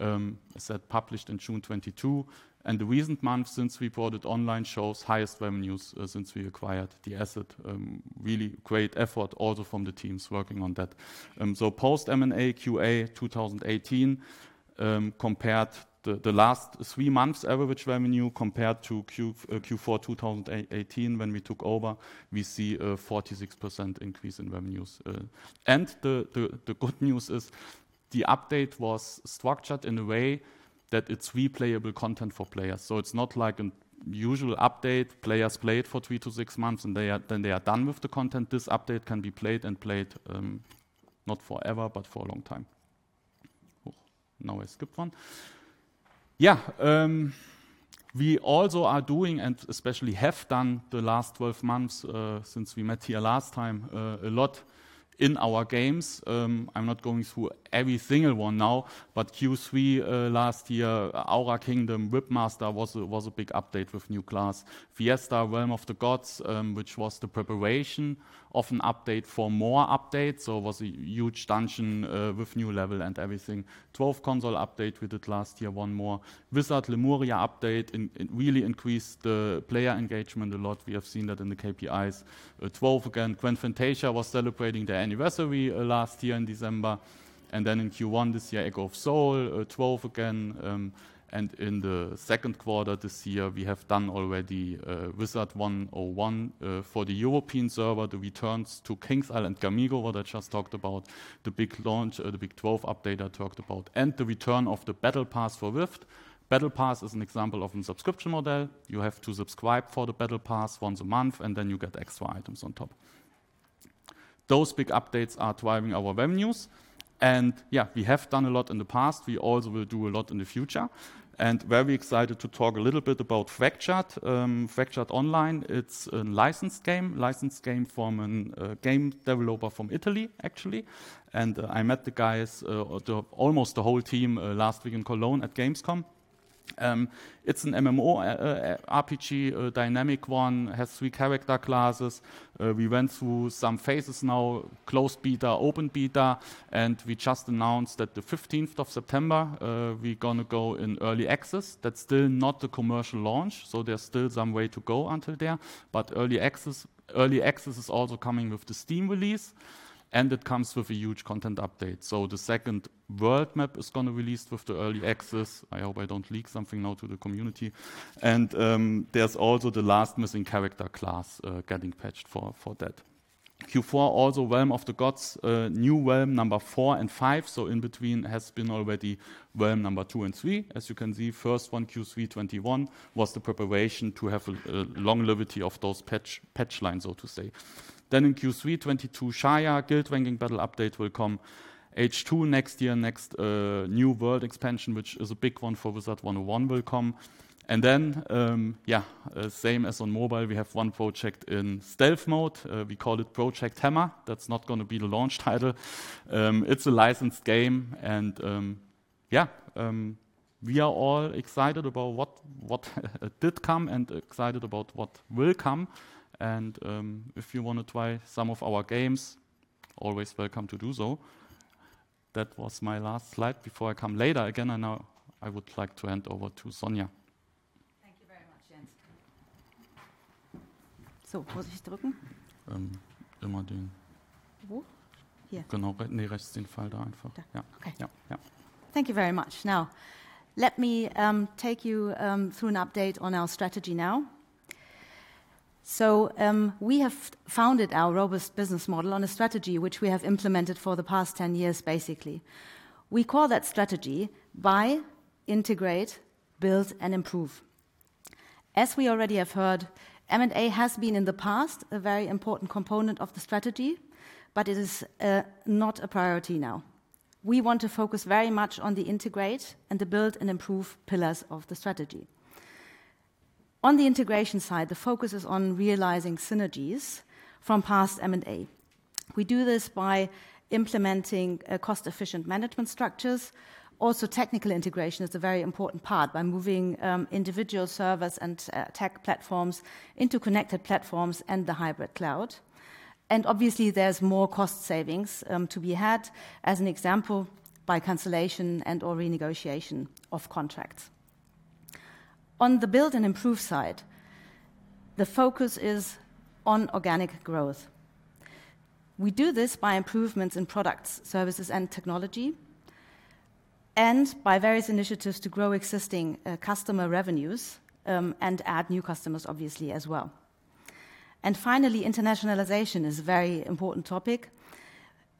Speaker 4: as I said, published in June 2022. The recent months since we brought it online shows highest revenues since we acquired the asset. Really great effort also from the teams working on that. Post M&A fourth quarter 2018, compared to the last three months average revenue compared to fourth quarter 2018 when we took over, we see a 46% increase in revenues. The good news is the update was structured in a way that it's replayable content for players. It's not like a usual update. Players play it for three to six months, and then they are done with the content. This update can be played and played, not forever, but for a long time. Now I skipped one. We also are doing, and especially have done in the last 12 months since we met here last time, a lot in our games. I'm not going through every single one now, but third quarter last year, Aura Kingdom, Whipmaster was a big update with new class. Fiesta Online: Realm of the Gods, which was the preparation of an update for more updates. It was a huge dungeon with new level and everything. Trove console update we did last year, one more. Wizard101 Lemuria update, it really increased the player engagement a lot. We have seen that in the KPIs. Trove again. Grand Fantasia was celebrating their anniversary last year in December. In first quarter this year, Echo of Soul, Trove again, and in the second quarter this year, we have already done Wizard101 for the European server. The returns to KingsIsle and gamigo, what I just talked about, the big launch, the big Trove update I talked about, and the return of the Battle Pass for Rift. Battle Pass is an example of a subscription model. You have to subscribe for the Battle Pass once a month, and then you get extra items on top. Those big updates are driving our revenues. Yeah, we have done a lot in the past. We also will do a lot in the future. Very excited to talk a little bit about Fractured Online. It's a licensed game from a game developer from Italy, actually. I met the guys, almost the whole team, last week in Cologne at Gamescom. It's an MMO RPG, a dynamic one. It has three character classes. We went through some phases now, closed beta, open beta, and we just announced that the 15 September 2021, we're gonna go in early access. That's still not the commercial launch, so there's still some way to go until there. Early access is also coming with the Steam release, and it comes with a huge content update. The second world map is gonna release with the early access. I hope I don't leak something now to the community. There's also the last missing character class getting patched for that. fourth quarter, also Realm of the Gods, new realm number four and five. In between has been already realm number two and three. As you can see, first one, third quarter 2021, was the preparation to have a long longevity of those patch lines, so to say. In third quarter 2022, Shaiya Guild Ranking Battle update will come. second half next year, new world expansion, which is a big one for Wizard101, will come. Same as on mobile, we have one project in stealth mode. We call it Project Hammer. That's not gonna be the launch title. It's a licensed game and, yeah. We are all excited about what did come and excited about what will come. If you wanna try some of our games, always welcome to do so. That was my last slide before I come later again, and now I would like to hand over to Sonja.
Speaker 5: Thank you very much, Jens. Vorsichtig drücken?
Speaker 4: Immer den.
Speaker 5: Wo? Hier.
Speaker 4: Genau. Ne, rechts den Pfeilda einfach. Da. Ja. Ja, ja.
Speaker 5: Okay. Thank you very much. Now, let me take you through an update on our strategy now. We have founded our robust business model on a strategy which we have implemented for the past 10 years, basically. We call that strategy buy, integrate, build, and improve. As we already have heard, M&A has been, in the past, a very important component of the strategy, but it is not a priority now. We want to focus very much on the integrate and the build and improve pillars of the strategy. On the integration side, the focus is on realizing synergies from past M&A. We do this by implementing cost-efficient management structures. Technical integration is a very important part by moving individual servers and tech platforms into connected platforms and the hybrid cloud. Obviously there's more cost savings to be had, as an example, by cancellation and/or renegotiation of contracts. On the build and improve side, the focus is on organic growth. We do this by improvements in products, services, and technology, and by various initiatives to grow existing customer revenues and add new customers obviously as well. Finally, internationalization is a very important topic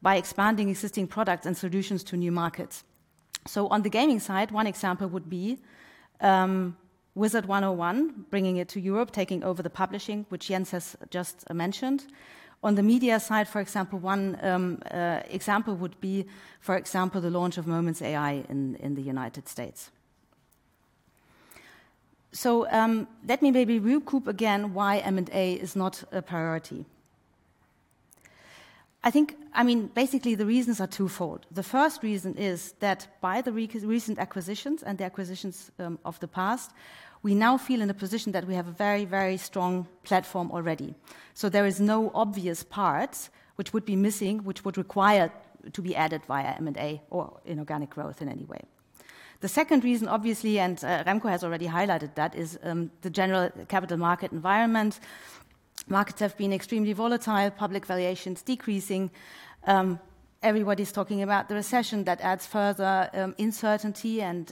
Speaker 5: by expanding existing products and solutions to new markets. On the gaming side, one example would be Wizard101, bringing it to Europe, taking over the publishing, which Jens has just mentioned. On the media side, for example, the launch of Moments.AI in the United States. Let me maybe recap again why M&A is not a priority. I mean, basically, the reasons are twofold. The first reason is that by the recent acquisitions and the acquisitions of the past, we now feel in a position that we have a very, very strong platform already. There is no obvious parts which would be missing, which would require to be added via M&A or inorganic growth in any way. The second reason, obviously, Remco has already highlighted that, is the general capital market environment. Markets have been extremely volatile, public valuations decreasing, everybody's talking about the recession that adds further uncertainty and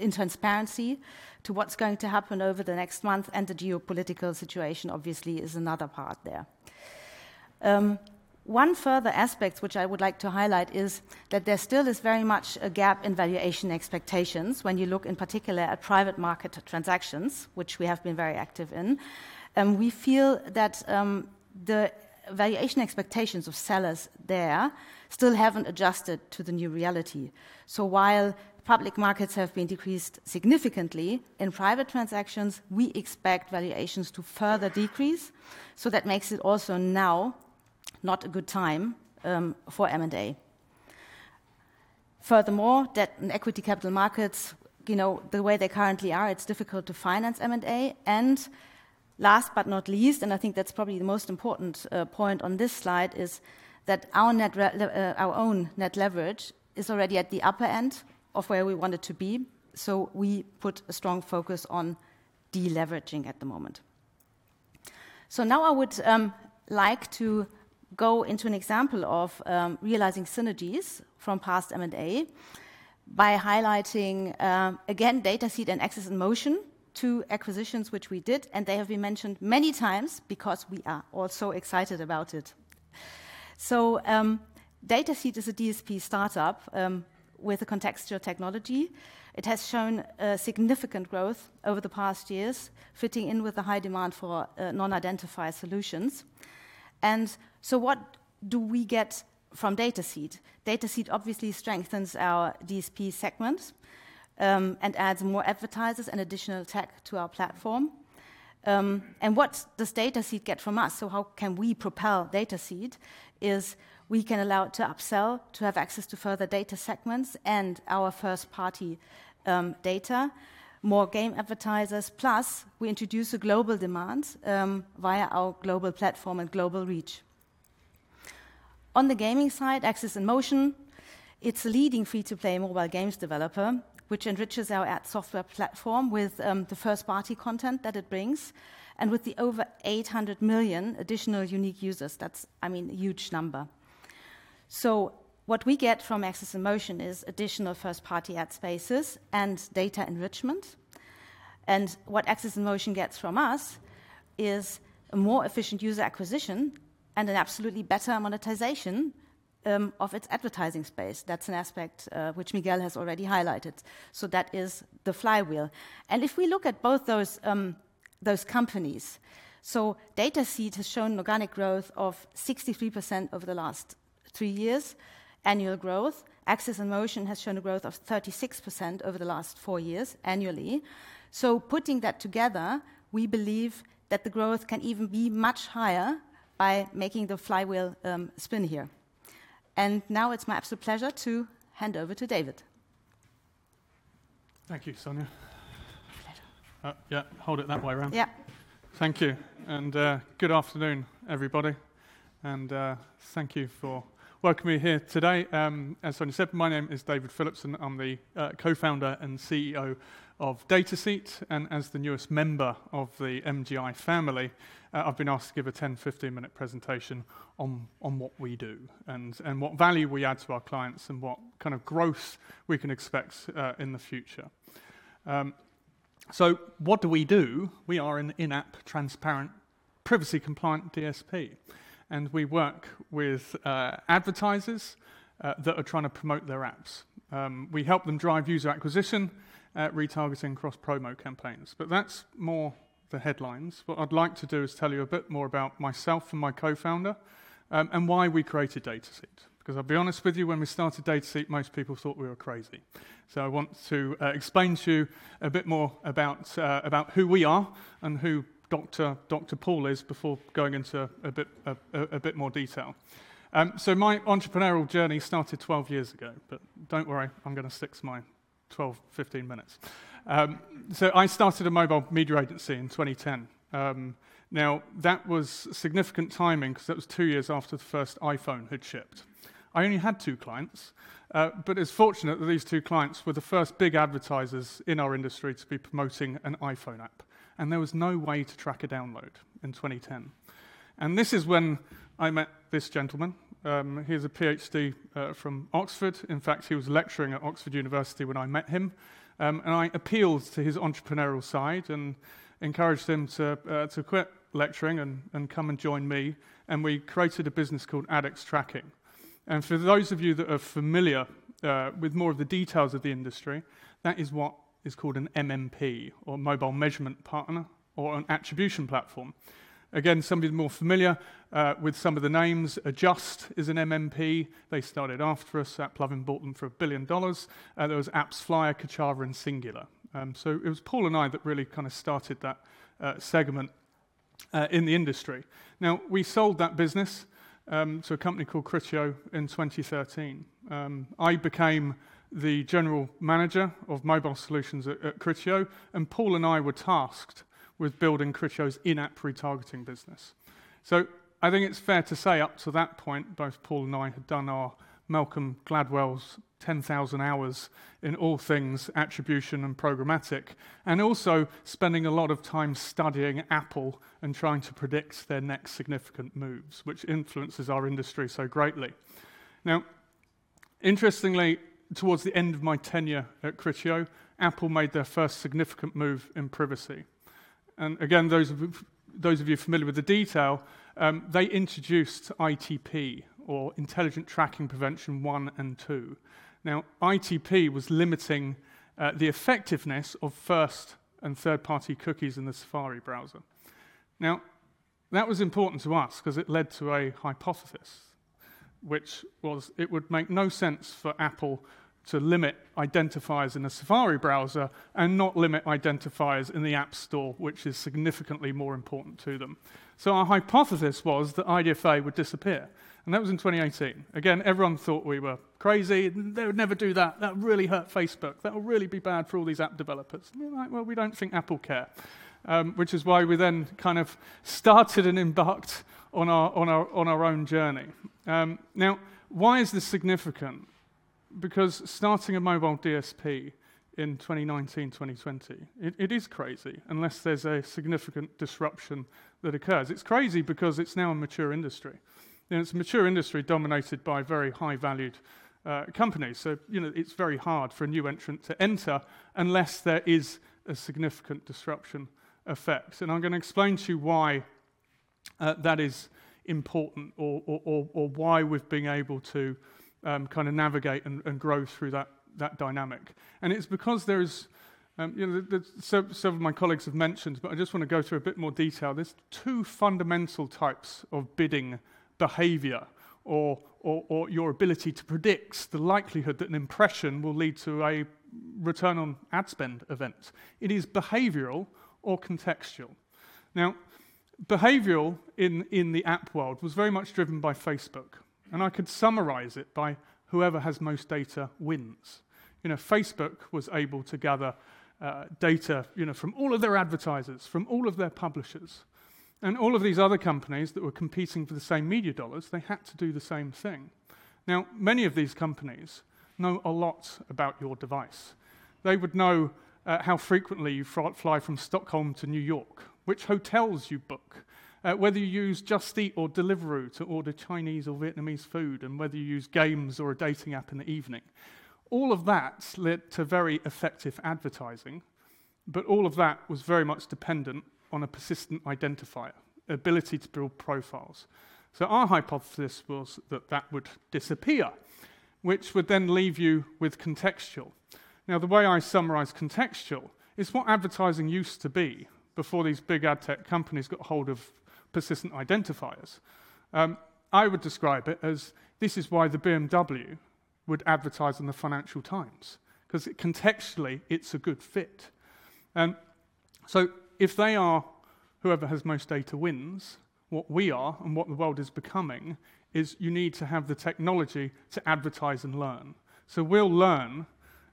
Speaker 5: intransparency to what's going to happen over the next month, and the geopolitical situation obviously is another part there. One further aspect which I would like to highlight is that there still is very much a gap in valuation expectations when you look in particular at private market transactions, which we have been very active in. We feel that the valuation expectations of sellers there still haven't adjusted to the new reality. While public markets have been decreased significantly, in private transactions, we expect valuations to further decrease, so that makes it also now not a good time for M&A. Furthermore, debt and equity capital markets, you know, the way they currently are, it's difficult to finance M&A. Last but not least, and I think that's probably the most important point on this slide, is that our own net leverage is already at the upper end of where we want it to be, so we put a strong focus on deleveraging at the moment. Now I would like to go into an example of realizing synergies from past M&A by highlighting again Dataseat and Axis in Motion, two acquisitions which we did, and they have been mentioned many times because we are all so excited about it. Dataseat is a DSP startup with a contextual technology. It has shown significant growth over the past years, fitting in with the high demand for non-identifier solutions. What do we get from Dataseat? Dataseat obviously strengthens our DSP segment and adds more advertisers and additional tech to our platform. What does Dataseat get from us? How can we propel Dataseat? It's that we can allow it to upsell, to have access to further data segments and our first-party data, more game advertisers, plus we introduce a global demand via our global platform and global reach. On the gaming side, AxesInMotion, it's a leading free-to-play mobile games developer, which enriches our ad software platform with the first-party content that it brings. With the over 800 million additional unique users, that's, I mean, a huge number. What we get from AxesInMotion is additional first-party ad spaces and data enrichment. What Axis in Motion gets from us is a more efficient user acquisition and an absolutely better monetization of its advertising space. That's an aspect which Miguel has already highlighted. That is the flywheel. If we look at both those companies, Dataseat has shown organic growth of 63% over the last three years, annual growth. AxesInMotion has shown a growth of 36% over the last four years annually. Putting that together, we believe that the growth can even be much higher by making the flywheel spin here. Now it's my absolute pleasure to hand over to David Philippson.
Speaker 9: Thank you, Sonja.
Speaker 5: Pleasure.
Speaker 9: Yeah, hold it that way around.
Speaker 5: Yeah.
Speaker 9: Thank you. Good afternoon, everybody. Thank you for welcoming me here today. As Sonja said, my name is David Philippson, and I'm the co-founder and CEO of Dataseat. As the newest member of the MGI family, I've been asked to give a 10 to 15-minute presentation on what we do and what value we add to our clients and what kind of growth we can expect in the future. What do we do? We are an in-app, transparent, privacy-compliant DSP, and we work with advertisers that are trying to promote their apps. We help them drive user acquisition, retargeting across promo campaigns, but that's more the headlines. What I'd like to do is tell you a bit more about myself and my co-founder, and why we created Dataseat, because I'll be honest with you, when we started Dataseat, most people thought we were crazy. I want to explain to you a bit more about who we are and who Dr. Paul is before going into a bit of a bit more detail. My entrepreneurial journey started 12 years ago, but don't worry, I'm gonna stick to my 12, 15 minutes. I started a mobile media agency in 2010. Now, that was significant timing because that was two years after the first iPhone had shipped. I only had two clients, but it's fortunate that these two clients were the first big advertisers in our industry to be promoting an iPhone app, and there was no way to track a download in 2010. This is when I met this gentleman. He has a Ph.D. from Oxford. In fact, he was lecturing at Oxford University when I met him. I appealed to his entrepreneurial side and encouraged him to quit lecturing and come and join me, and we created a business called Ad-X Tracking. For those of you that are familiar with more of the details of the industry, that is what is called an MMP or Mobile Measurement Partner or an attribution platform. Again, some people are more familiar with some of the names. Adjust is an MMP. They started after us. AppLovin bought them for $1 billion. There was AppsFlyer, Kochava and Singular. It was Paul and I that really kind of started that segment in the industry. Now, we sold that business to a company called Criteo in 2013. I became the general manager of mobile solutions at Criteo, and Paul and I were tasked with building Criteo's in-app retargeting business. I think it's fair to say up to that point, both Paul and I had done our Malcolm Gladwell's 10,000 hours in all things attribution and programmatic and also spending a lot of time studying Apple and trying to predict their next significant moves, which influences our industry so greatly. Now, interestingly, towards the end of my tenure at Criteo, Apple made their first significant move in privacy. Again, those of you familiar with the detail, they introduced ITP or Intelligent Tracking Prevention 1 and 2. Now, ITP was limiting the effectiveness of first and third-party cookies in the Safari browser. Now, that was important to us 'cause it led to a hypothesis, which was it would make no sense for Apple to limit identifiers in a Safari browser and not limit identifiers in the App Store, which is significantly more important to them. Our hypothesis was that IDFA would disappear, and that was in 2018. Again, everyone thought we were crazy. They would never do that. That would really hurt Facebook. That would really be bad for all these app developers. We're like, "Well, we don't think Apple cares," which is why we then kind of started and embarked on our own journey. Now, why is this significant? Because starting a mobile DSP in 2019, 2020, it is crazy unless there's a significant disruption that occurs. It's crazy because it's now a mature industry, and it's a mature industry dominated by very high-valued companies. You know, it's very hard for a new entrant to enter unless there is a significant disruption effect. I'm gonna explain to you why that is important or why we've been able to kind of navigate and grow through that dynamic. It's because there is you know. My colleagues have mentioned, but I just wanna go through a bit more detail. There's two fundamental types of bidding behavior or your ability to predict the likelihood that an impression will lead to a return on ad spend event. It is behavioral or contextual. Now, behavioral in the app world was very much driven by Facebook, and I could summarize it by whoever has most data wins. You know, Facebook was able to gather data, you know, from all of their advertisers, from all of their publishers, and all of these other companies that were competing for the same media dollars, they had to do the same thing. Now, many of these companies know a lot about your device. They would know how frequently you fly from Stockholm to New York, which hotels you book, whether you use Just Eat or Deliveroo to order Chinese or Vietnamese food, and whether you use games or a dating app in the evening. All of that's led to very effective advertising, but all of that was very much dependent on a persistent identifier, ability to build profiles. Our hypothesis was that that would disappear, which would then leave you with contextual. Now, the way I summarize contextual is what advertising used to be before these big ad tech companies got hold of persistent identifiers. I would describe it as this is why the BMW would advertise in the Financial Times, 'cause contextually it's a good fit. If they are whoever has most data wins, what we are and what the world is becoming is you need to have the technology to advertise and learn. We'll learn,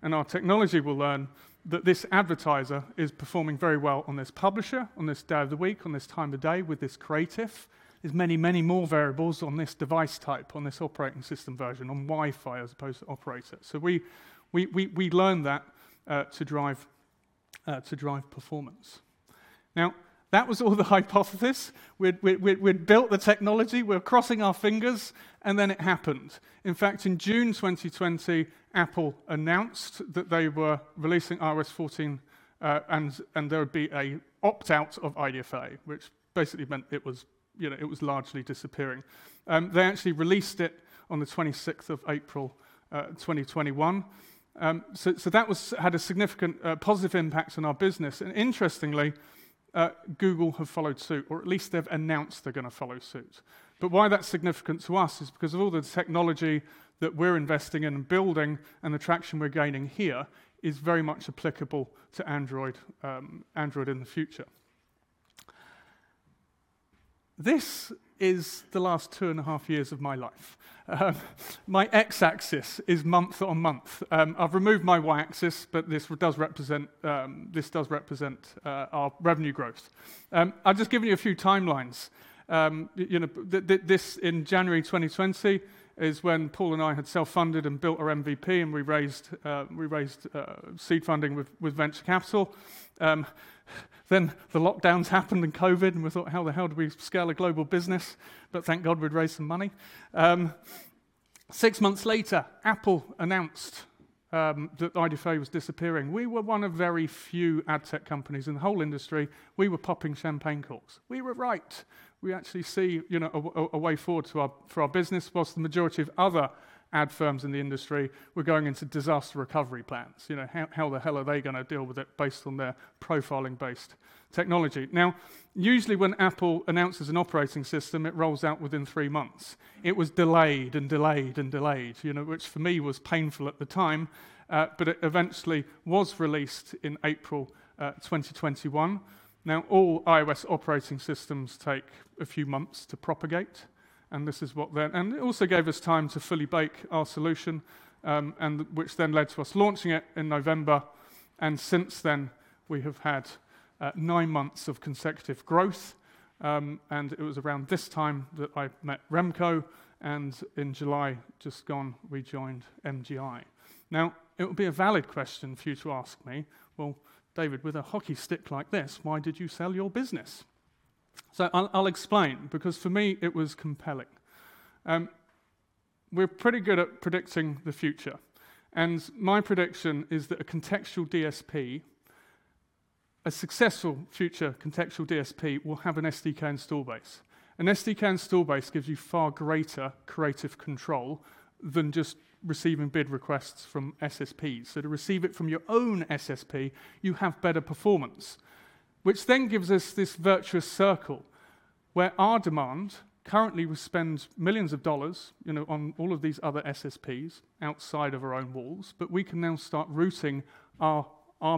Speaker 9: and our technology will learn that this advertiser is performing very well on this publisher, on this day of the week, on this time of day, with this creative. There's many, many more variables on this device type, on this operating system version, on Wi-Fi as opposed to operator. We learn that to drive performance. That was all the hypothesis. We'd built the technology. We're crossing our fingers, and then it happened. In fact, in June 2020, Apple announced that they were releasing iOS 14, and there would be an opt-out of IDFA, which basically meant it was, you know, it was largely disappearing. They actually released it on the 26 April 2021. That had a significant positive impact on our business. Interestingly, Google has followed suit, or at least they've announced they're gonna follow suit. Why that's significant to us is because of all the technology that we're investing in and building and the traction we're gaining here is very much applicable to Android in the future. This is the last two and a half years of my life. My X-axis is month-on-month. I've removed my Y-axis, but this does represent our revenue growth. I'll just give you a few timelines. You know, this in January 2020 is when Paul and I had self-funded and built our MVP, and we raised seed funding with venture capital. The lockdowns happened and COVID, and we thought, "How the hell do we scale a global business?" Thank God we'd raised some money. Six months later, Apple announced that IDFA was disappearing. We were one of very few ad tech companies in the whole industry. We were popping champagne corks. We were right. We actually see, you know, a way forward for our business, while the majority of other ad firms in the industry were going into disaster recovery plans. You know, how the hell are they gonna deal with it based on their profiling-based technology? Now, usually when Apple announces an operating system, it rolls out within three months. It was delayed, you know, which for me was painful at the time. It eventually was released in April 2021. Now, all iOS operating systems take a few months to propagate. It also gave us time to fully bake our solution, which then led to us launching it in November. Since then, we have had nine months of consecutive growth, and it was around this time that I met Remco, and in July just gone, we joined MGI. Now, it would be a valid question for you to ask me, "Well, David, with a hockey stick like this, why did you sell your business?" I'll explain, because for me, it was compelling. We're pretty good at predicting the future, and my prediction is that a contextual DSP, a successful future contextual DSP, will have an SDK install base. An SDK install base gives you far greater creative control than just receiving bid requests from SSPs. To receive it from your own SSP, you have better performance, which then gives us this virtuous circle where our demand, currently we spend $ millions, you know, on all of these other SSPs outside of our own walls, but we can now start routing our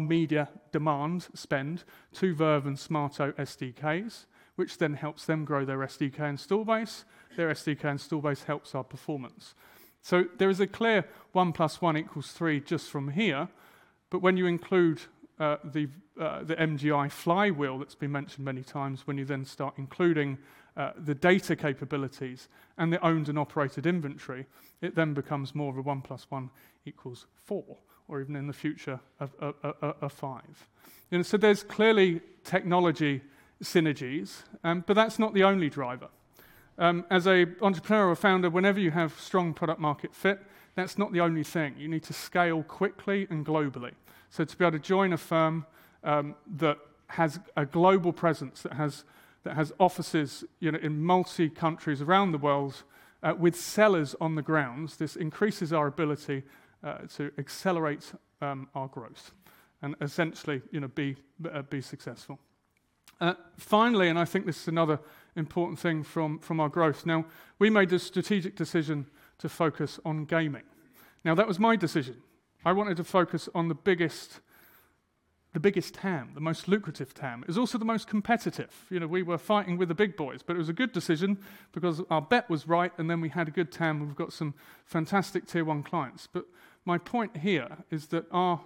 Speaker 9: media demand spend to Verve and Smaato SDKs, which then helps them grow their SDK install base. Their SDK install base helps our performance. There is a clear one plus one equals three just from here. When you include the MGI flywheel that's been mentioned many times, when you then start including the data capabilities and the owned and operated inventory, it then becomes more of a one plus one equals four, or even in the future, a five. You know, there's clearly technology synergies, but that's not the only driver. As an entrepreneur or founder, whenever you have strong product market fit, that's not the only thing. You need to scale quickly and globally. To be able to join a firm that has a global presence, that has offices, you know, in multiple countries around the world, with sellers on the ground, this increases our ability to accelerate our growth and essentially, you know, be successful. Finally, I think this is another important thing from our growth. Now, we made a strategic decision to focus on gaming. That was my decision. I wanted to focus on the biggest TAM, the most lucrative TAM. It was also the most competitive. You know, we were fighting with the big boys, but it was a good decision because our bet was right, and then we had a good TAM, and we've got some fantastic tier one clients. But my point here is that our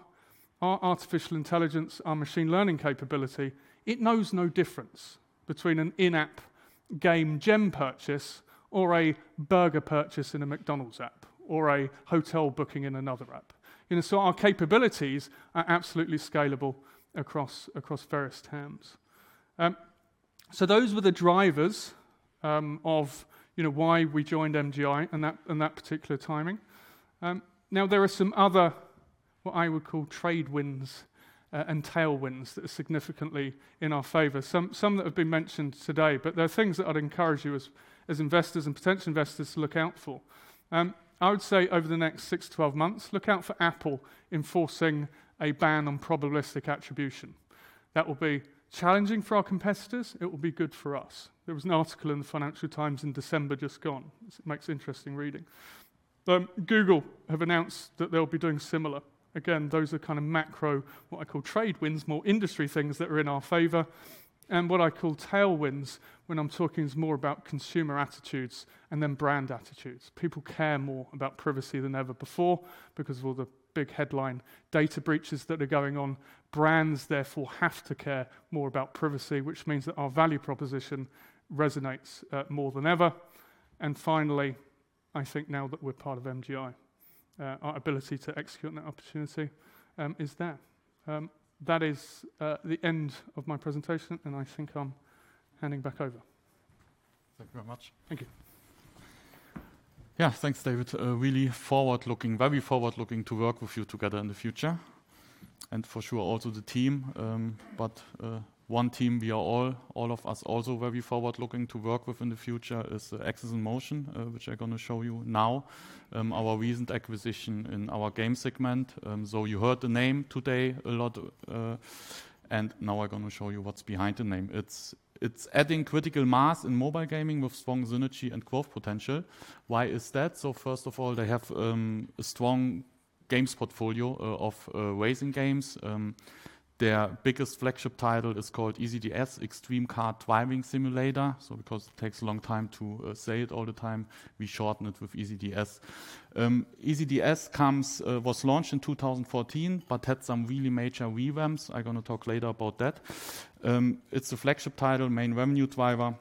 Speaker 9: artificial intelligence, our machine learning capability, it knows no difference between an in-app game gem purchase or a burger purchase in a McDonald's app or a hotel booking in another app. You know, so our capabilities are absolutely scalable across various TAMs. So those were the drivers of, you know, why we joined MGI and that particular timing. Now there are some other what I would call headwinds and tailwinds that are significantly in our favor. Some that have been mentioned today, but there are things that I'd encourage you as investors and potential investors to look out for. I would say over the next six to 12 months, look out for Apple enforcing a ban on probabilistic attribution. That will be challenging for our competitors. It will be good for us. There was an article in the Financial Times in December just gone. It makes interesting reading. Google have announced that they'll be doing similar. Again, those are kind of macro what I call trade winds, more industry things that are in our favor. What I call tailwinds when I'm talking is more about consumer attitudes and then brand attitudes. People care more about privacy than ever before because of all the big headline data breaches that are going on. Brands therefore have to care more about privacy, which means that our value proposition resonates more than ever. Finally, I think now that we're part of MGI, our ability to execute on that opportunity is there. That is the end of my presentation, and I think I'm handing back over.
Speaker 4: Thank you very much.
Speaker 9: Thank you.
Speaker 4: Yeah. Thanks, David. Really forward-looking. Very forward-looking to work with you together in the future, and for sure also the team. One team we are all of us also very forward-looking to work with in the future is AxesInMotion, which I gonna show you now, our recent acquisition in our game segment. You heard the name today a lot, and now I gonna show you what's behind the name. It's adding critical mass in mobile gaming with strong synergy and growth potential. Why is that? First of all, they have a strong games portfolio of racing games. Their biggest flagship title is called ECDS: Extreme Car Driving Simulator. Because it takes a long time to say it all the time, we shorten it with ECDS. ECDS was launched in 2014, but had some really major revamps. I'm gonna talk later about that. It's a flagship title, main revenue driver,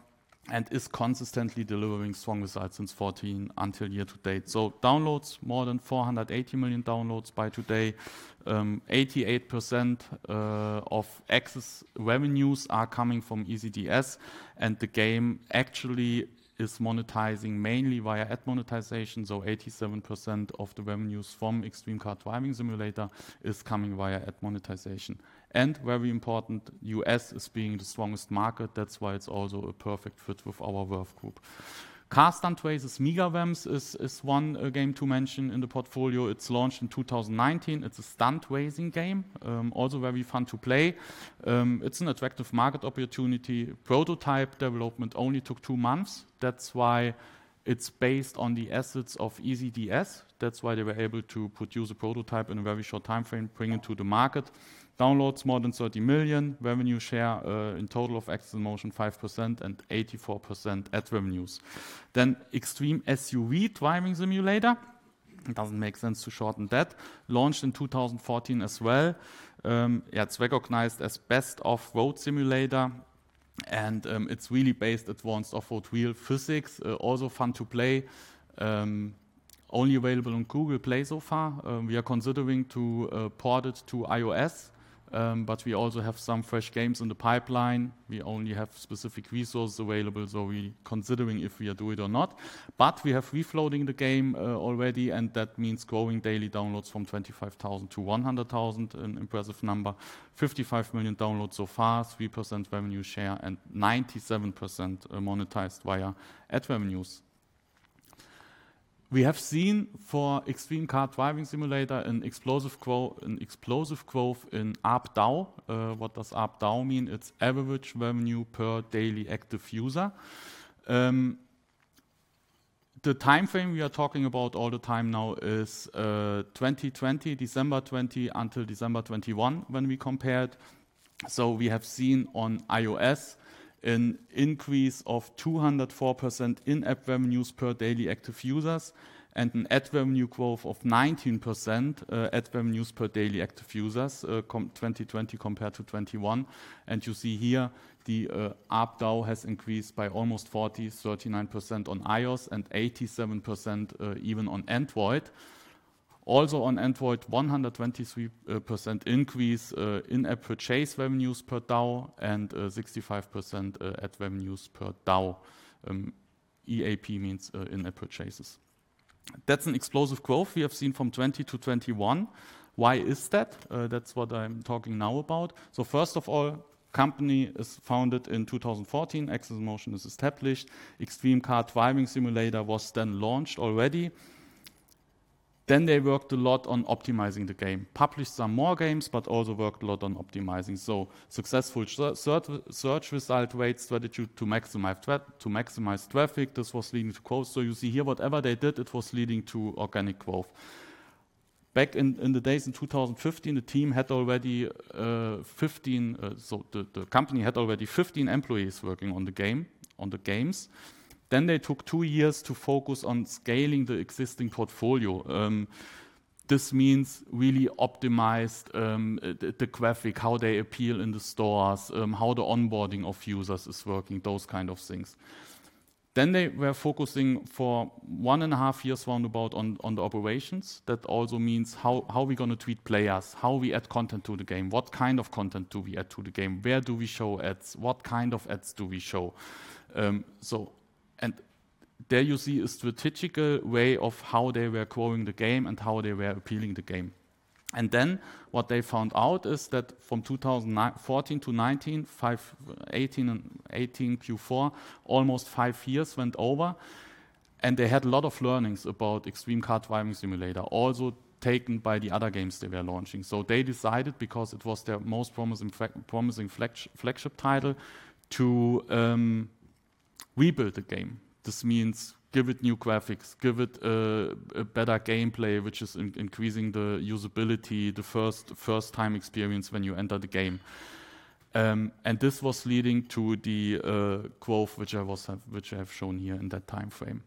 Speaker 4: and is consistently delivering strong results since 2014 until year to date. Downloads, more than 480 million downloads by today. 88% of AxesInMotion revenues are coming from ECDS, and the game actually is monetizing mainly via ad monetization. 87% of the revenues from Extreme Car Driving Simulator is coming via ad monetization. Very important, US is being the strongest market. That's why it's also a perfect fit with our Verve Group. Car Stunt Races: Mega Ramps is one game to mention in the portfolio. It's launched in 2019. It's a stunt racing game, also very fun to play. It's an attractive market opportunity. Prototype development only took two months. That's why it's based on the assets of Easy DS. That's why they were able to produce a prototype in a very short timeframe, bring it to the market. Downloads, more than 30 million. Revenue share, in total of AxesInMotion, 5%, and 84% ad revenues. Then Extreme SUV Driving Simulator, it doesn't make sense to shorten that, launched in 2014 as well. It's recognized as best off-road simulator, and it's really based on advanced off-road wheel physics. Also fun to play. Only available on Google Play so far. We are considering to port it to iOS, but we also have some fresh games in the pipeline. We only have specific resources available, so we considering if we do it or not. We have refloating the game already, and that means growing daily downloads from 25,000 to 100,000, an impressive number. 55 million downloads so far, 3% revenue share, and 97% monetized via ad revenues. We have seen for Extreme Car Driving Simulator an explosive growth in ARPDAU. What does ARPDAU mean? It's average revenue per daily active user. The timeframe we are talking about all the time now is 2020, December 2020 until December 2021, when we compared. We have seen on iOS an increase of 204% in-app revenues per daily active users and an ad revenue growth of 19%, ad revenues per daily active users, 2020 compared to 2021. You see here the ARPDAU has increased by almost 40, 39% on iOS and 87% even on Android. Also on Android, 123% increase in in-app purchase revenues per DAU and 65% ad revenues per DAU. IAP means in-app purchases. That's an explosive growth we have seen from 2020 to 2021. Why is that? That's what I'm talking now about. First of all, company is founded in 2014. AxesInMotion is established. Extreme Car Driving Simulator was then launched already. Then they worked a lot on optimizing the game. Published some more games, but also worked a lot on optimizing. Successful search result rate strategy to maximize traffic. This was leading to growth. You see here, whatever they did, it was leading to organic growth. Back in the days in 2015, the team had already 15, so the company had already 15 employees working on the game, on the games. They took two years to focus on scaling the existing portfolio. This means really optimized the graphic, how they appear in the stores, how the onboarding of users is working, those kind of things. They were focusing for one and a half years roundabout on the operations. That also means how we gonna treat players, how we add content to the game, what kind of content do we add to the game, where do we show ads, what kind of ads do we show? There you see a strategical way of how they were growing the game and how they were appealing the game. What they found out is that from 2014 to 2018 fourth quarter, almost five years went over, and they had a lot of learnings about Extreme Car Driving Simulator, also taken by the other games they were launching. They decided, because it was their most promising flagship title, to rebuild the game. This means give it new graphics, give it a better gameplay, which is increasing the usability, the first time experience when you enter the game. This was leading to the growth, which I have shown here in that timeframe.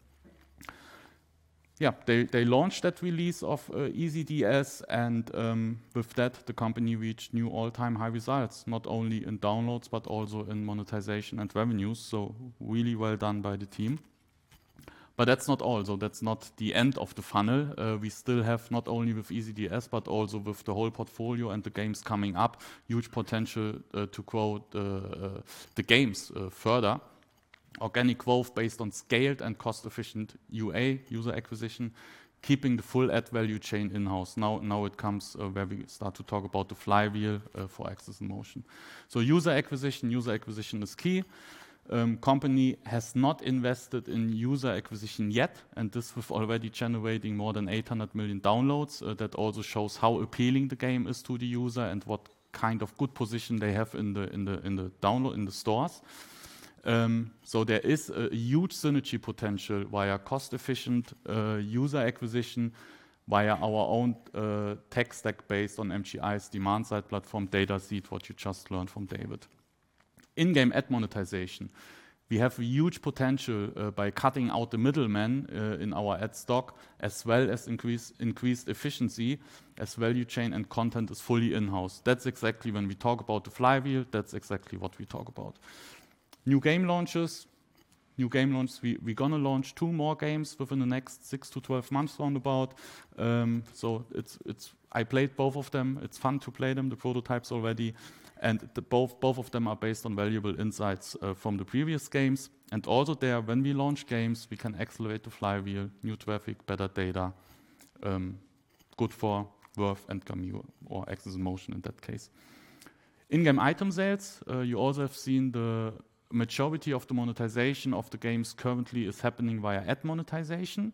Speaker 4: Yeah. They launched that release of ECDS and with that, the company reached new all-time high results, not only in downloads, but also in monetization and revenues. Really well done by the team. That's not all, though. That's not the end of the funnel. We still have, not only with ECDS, but also with the whole portfolio and the games coming up, huge potential to grow the games further. Organic growth based on scaled and cost-efficient UA, user acquisition, keeping the full ad value chain in-house. Now it comes where we start to talk about the flywheel for AxesInMotion. User acquisition. User acquisition is key. Company has not invested in user acquisition yet, and this was already generating more than 800 million downloads. That also shows how appealing the game is to the user and what kind of good position they have in the stores. There is a huge synergy potential via cost-efficient user acquisition via our own tech stack based on MGI's demand-side platform, Dataseat, what you just learned from David. In-game ad monetization. We have huge potential by cutting out the middleman in our ad stack, as well as increased efficiency as value chain and content is fully in-house. That's exactly when we talk about the flywheel, that's exactly what we talk about. New game launches. We're gonna launch two more games within the next six to 12 months, roundabout. I played both of them. It's fun to play them, the prototypes already, and both of them are based on valuable insights from the previous games. Also there, when we launch games, we can accelerate the flywheel, new traffic, better data, good for Verve and gamigo or Axis in Motion in that case. In-game item sales. You also have seen the majority of the monetization of the games currently is happening via ad monetization.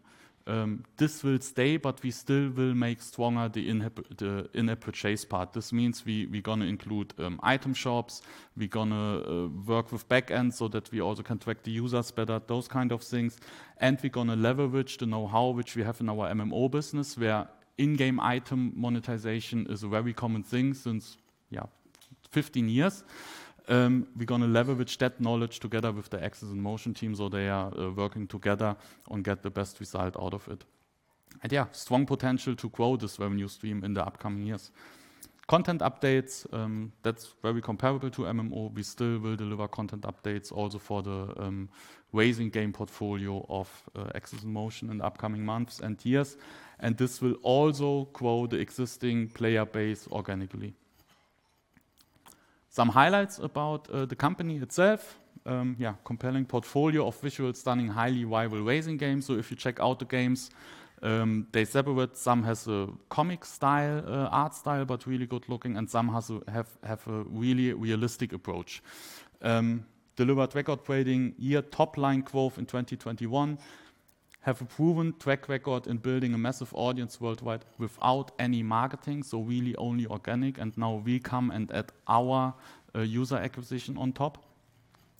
Speaker 4: This will stay, but we still will make stronger the in-app purchase part. This means we're gonna include item shops. We're gonna work with back-end so that we also can track the users better, those kind of things. We're gonna leverage the know-how which we have in our MMO business, where in-game item monetization is a very common thing since 15 years. We're gonna leverage that knowledge together with the AxesInMotion team, so they are working together and get the best result out of it. Yeah, strong potential to grow this revenue stream in the upcoming years. Content updates. That's very comparable to MMO. We still will deliver content updates also for the racing game portfolio of AxesInMotion in the upcoming months and years, and this will also grow the existing player base organically. Some highlights about the company itself. Yeah, compelling portfolio of visually stunning, highly viral racing games. So if you check out the games, they're separate. Some have a comic style art style, but really good looking, and some have a really realistic approach. Delivered record-breaking year-over-year top-line growth in 2021. Have a proven track record in building a massive audience worldwide without any marketing, so really only organic, and now we come and add our user acquisition on top.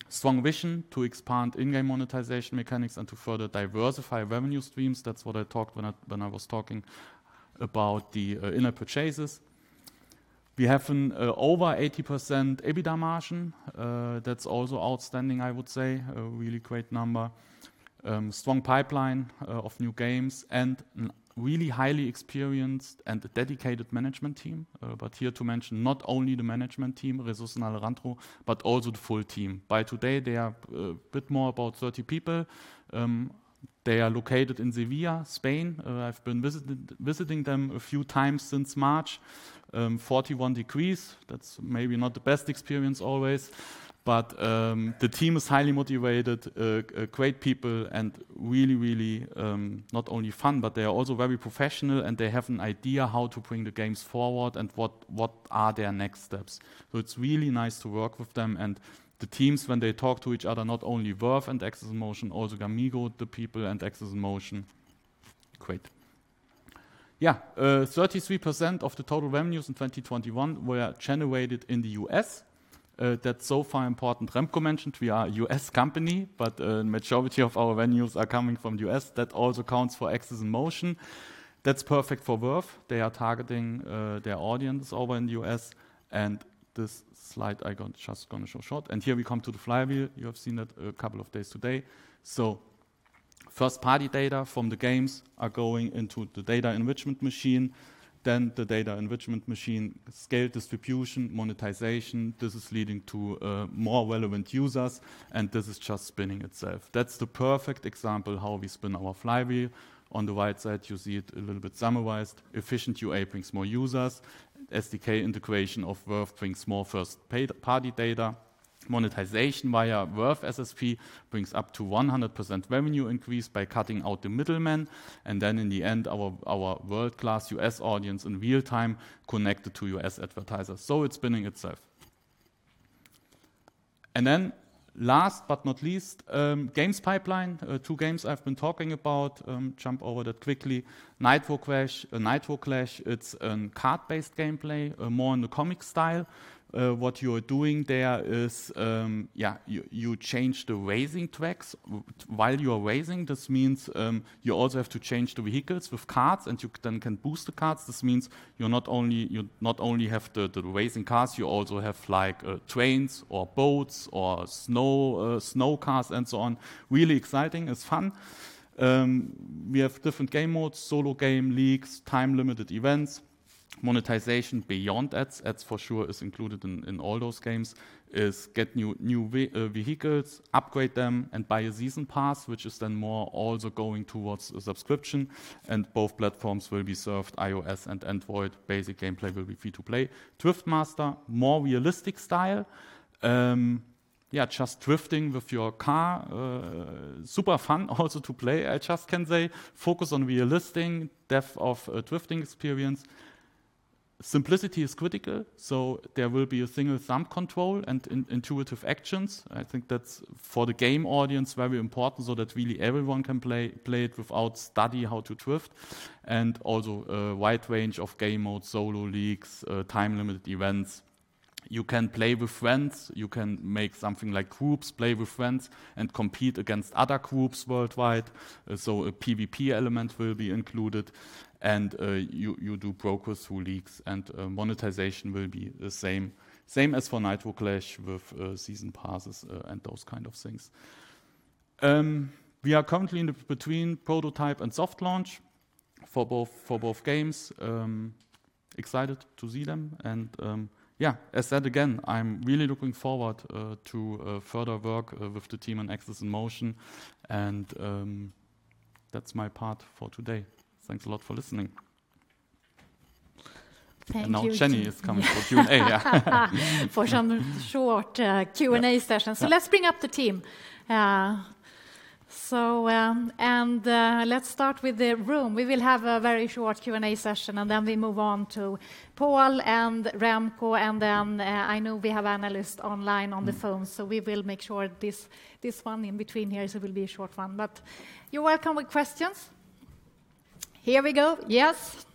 Speaker 4: Strong vision to expand in-game monetization mechanics and to further diversify revenue streams. That's what I talked when I was talking about the in-app purchases. We have an over 80% EBITDA margin. That's also outstanding, I would say. A really great number. Strong pipeline of new games and really highly experienced and a dedicated management team. Here to mention not only the management team, Jesús and Alejandro, but also the full team. By today, they are bit more about 30 people. They are located in Sevilla, Spain. I've been visiting them a few times since March. 41 degrees. That's maybe not the best experience always. The team is highly motivated, great people and really, not only fun, but they are also very professional, and they have an idea how to bring the games forward and what are their next steps. It's really nice to work with them and the teams when they talk to each other, not only Verve and AxesInMotion, also gamigo, the people and AxesInMotion. Great. Yeah. 33% of the total revenues in 2021 were generated in the US. That's so far important. Remco mentioned we are a US company, but majority of our revenues are coming from the US. That also counts for AxesInMotion. That's perfect for Verve. They are targeting their audience over in the US. This slide I got just gonna show short. Here we come to the flywheel. You have seen it a couple of days today. First-party data from the games are going into the data enrichment machine. Then the data enrichment machine scale distribution, monetization. This is leading to more relevant users, and this is just spinning itself. That's the perfect example how we spin our flywheel. On the right side, you see it a little bit summarized. Efficient UA brings more users. SDK integration of Verve brings more first-party data. Monetization via Verve SSP brings up to 100% revenue increase by cutting out the middleman. In the end, our world-class US audience in real-time connected to US advertisers. It's spinning itself. Last but not least, games pipeline. Two games I've been talking about. Jump over that quickly. Nitro Clash, it's a card-based gameplay, more in the comic style. What you are doing there is, you change the racing tracks while you are racing. This means, you also have to change the vehicles with cards, and you then can boost the cards. This means you're not only have the racing cars, you also have, like, trains or boats or snow cars and so on. Really exciting. It's fun. We have different game modes, solo game, leagues, time-limited events. Monetization beyond ads. Ads for sure is included in all those games, is get new vehicles, upgrade them, and buy a season pass, which is then more also going towards a subscription, and both platforms will be served iOS and Android. Basic gameplay will be free to play. Drift Master, more realistic style. Just drifting with your car. Super fun also to play, I just can say. Focus on realistic depth of drifting experience. Simplicity is critical, so there will be a thing with thumb control and intuitive actions. I think that's, for the game audience, very important, so that really everyone can play it without study how to drift and also a wide range of game modes, solo leagues, time-limited events. You can play with friends. You can make something like groups, play with friends, and compete against other groups worldwide. A PVP element will be included and, you do progress through leagues and, monetization will be the same as for Nitro Clash with, season passes, and those kind of things. We are currently between prototype and soft launch for both games. Excited to see them and, as said again, I'm really looking forward to further work with the team on AxesInMotion and, that's my part for today. Thanks a lot for listening.
Speaker 1: Thank you, Jens.
Speaker 4: Now Jenny Rosberg is coming for Q&A.
Speaker 1: For some short Q&A session.
Speaker 4: Yeah.
Speaker 1: Let's bring up the team. Let's start with the room. We will have a very short Q&A session, and then we move on to Paul and Remco, and then I know we have analysts online on the phone, so we will make sure this one in between here, so it will be a short one. You're welcome with questions. Here we go. Yes.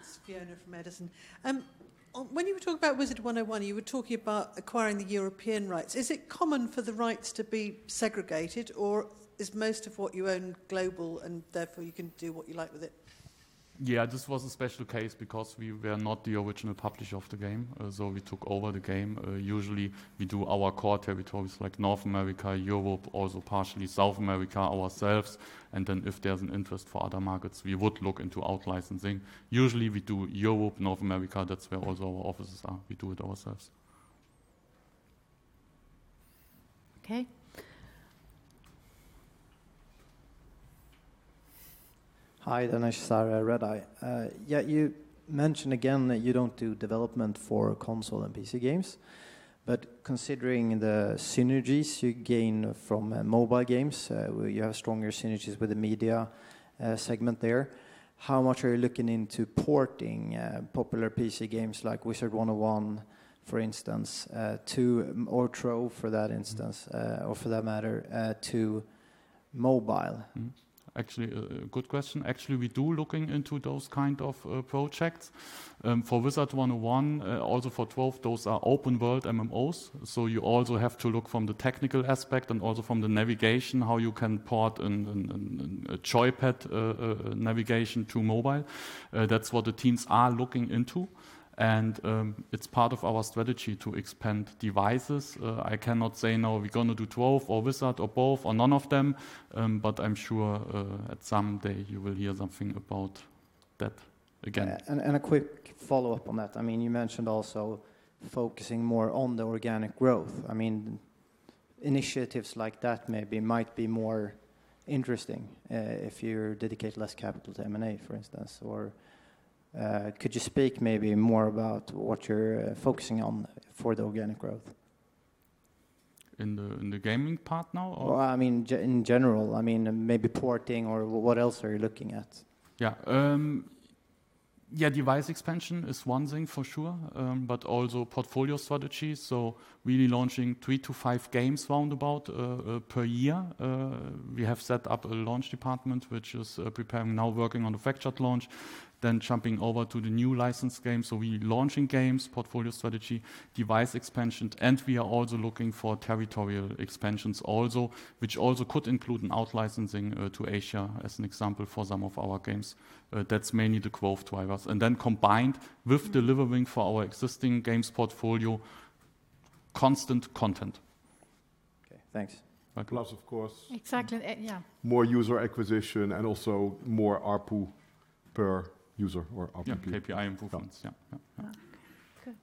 Speaker 10: It's Fiona from Edison Group. When you were talking about Wizard101, you were talking about acquiring the European rights. Is it common for the rights to be segregated, or is most of what you own global and therefore you can do what you like with it?
Speaker 4: Yeah, this was a special case because we were not the original publisher of the game, so we took over the game. Usually, we do our core territories like North America, Europe, also partially South America ourselves, and then if there's an interest for other markets, we would look into out-licensing. Usually, we do Europe, North America. That's where also our offices are. We do it ourselves.
Speaker 10: Okay.
Speaker 12: Hi. Danesh Sahar, Redeye. Yeah, you mentioned again that you don't do development for console and PC games, but considering the synergies you gain from mobile games, where you have stronger synergies with the media segment there, how much are you looking into porting popular PC games like Wizard101, for instance, or Trove for that instance, or for that matter, to mobile?
Speaker 4: Actually, a good question. Actually, we're looking into those kind of projects. For Wizard101, also for Trove, those are open world MMOs, so you also have to look from the technical aspect and also from the navigation, how you can port a joypad navigation to mobile. That's what the teams are looking into, and it's part of our strategy to expand devices. I cannot say now we're gonna do Trove or Wizard or both or none of them, but I'm sure at some day you will hear something about that again.
Speaker 12: A quick follow-up on that. I mean, you mentioned also focusing more on the organic growth. I mean, initiatives like that maybe might be more interesting if you dedicate less capital to M&A, for instance, or could you speak maybe more about what you're focusing on for the organic growth?
Speaker 4: In the gaming part now or?
Speaker 12: Well, I mean in general. I mean, maybe porting or what else are you looking at?
Speaker 4: Device expansion is one thing for sure, but also portfolio strategy, so really launching three to five games roundabout per year. We have set up a launch department which is preparing now working on the Fact Shot launch, then jumping over to the new license game. We launching games, portfolio strategy, device expansion, and we are also looking for territorial expansions also, which also could include an out-licensing to Asia as an example for some of our games. That's mainly the growth drivers. Combined with delivering for our existing games portfolio constant content.
Speaker 12: Okay, thanks.
Speaker 4: Welcome.
Speaker 2: Plus, of course.
Speaker 1: Exactly. Yeah.
Speaker 2: more user acquisition and also more ARPU per user or ARPU.
Speaker 4: Yeah, KPI improvements. Yeah.
Speaker 2: Yeah.
Speaker 1: Okay, good.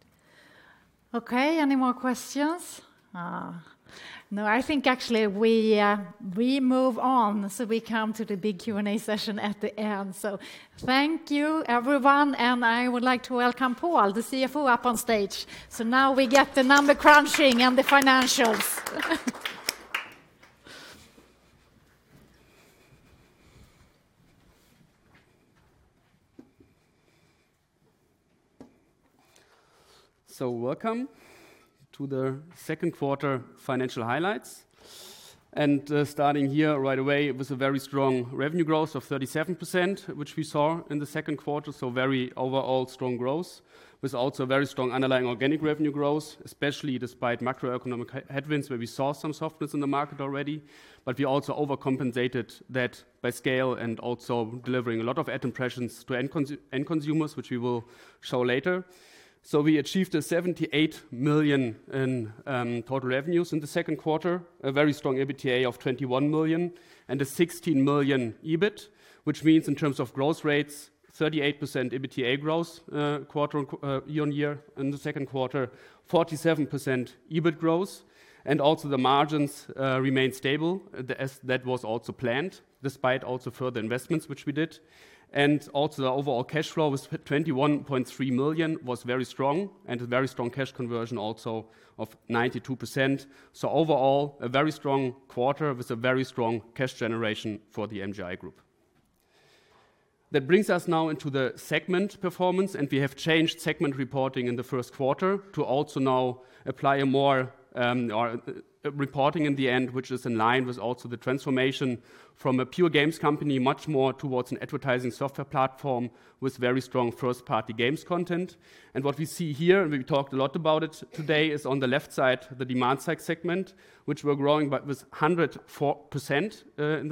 Speaker 1: Okay, any more questions? No, I think actually we move on, we come to the big Q&A session at the end. Thank you, everyone, and I would like to welcome Paul, the CFO, up on stage. Now we get the number crunching and the financials.
Speaker 6: Welcome to the second quarter financial highlights. Starting here right away with a very strong revenue growth of 37%, which we saw in the second quarter. Very overall strong growth with also very strong underlying organic revenue growth, especially despite macroeconomic headwinds, where we saw some softness in the market already. We also overcompensated that by scale and also delivering a lot of ad impressions to end consumers, which we will show later. We achieved 78 million in total revenues in the second quarter, a very strong EBITDA of 21 million and a 16 million EBIT, which means in terms of growth rates, 38% EBITDA growth year-on-year in the second quarter, 47% EBIT growth and also the margins remained stable as that was also planned despite also further investments which we did. The overall cash flow was 21.3 Million, which was very strong, and a very strong cash conversion also of 92%. Overall a very strong quarter with a very strong cash generation for the MGI Group. That brings us now into the segment performance, and we have changed segment reporting in the first quarter to also now apply a more operational reporting in the end, which is in line with the transformation from a pure games company much more towards an advertising software platform with very strong first-party games content. What we see here, and we've talked a lot about it today, is on the left side, the demand side segment, which we're growing by 104% in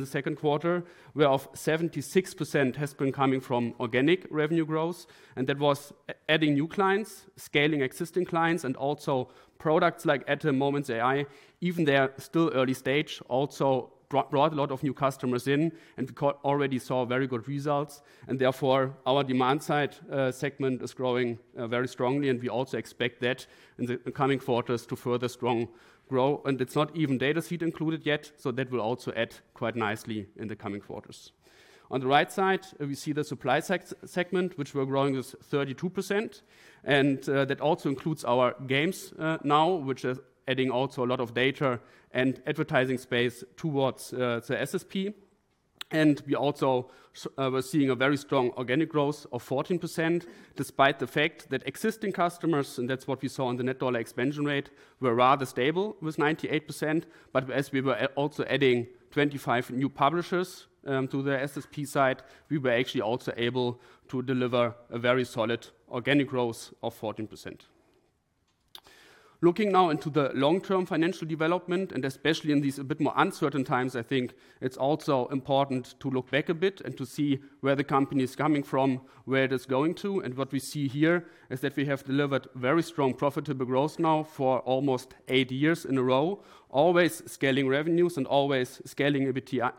Speaker 6: the second quarter, where 76% has been coming from organic revenue growth. That was adding new clients, scaling existing clients and also products like Moments.AI, even they are still early stage, also brought a lot of new customers in, and we can already see very good results and therefore our demand side segment is growing very strongly and we also expect that in the coming quarters to further strong grow. It's not even data feed included yet, so that will also add quite nicely in the coming quarters. On the right side, we see the supply segment which we're growing with 32%. That also includes our games now which are adding also a lot of data and advertising space towards the SSP. We were seeing a very strong organic growth of 14% despite the fact that existing customers, and that's what we saw on the net dollar expansion rate, were rather stable with 98%. As we were also adding 25 new publishers to the SSP side, we were actually also able to deliver a very solid organic growth of 14%. Looking now into the long-term financial development, and especially in these a bit more uncertain times, I think it's also important to look back a bit and to see where the company is coming from, where it is going to. What we see here is that we have delivered very strong profitable growth now for almost eight years in a row, always scaling revenues and always scaling EBITDA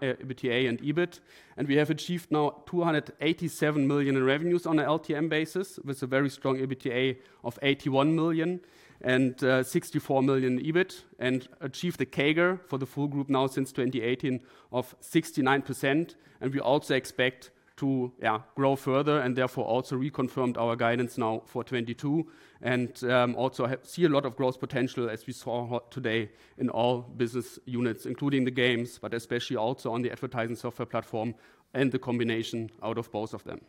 Speaker 6: and EBIT. We have achieved now 287 million in revenues on a LTM basis, with a very strong EBITDA of 81 million and 64 million EBIT, and achieved a CAGR for the full group now since 2018 of 69%. We also expect to grow further and therefore also reconfirmed our guidance now for 2022 and also see a lot of growth potential as we saw today in all business units, including the games, but especially also on the advertising software platform and the combination out of both of them.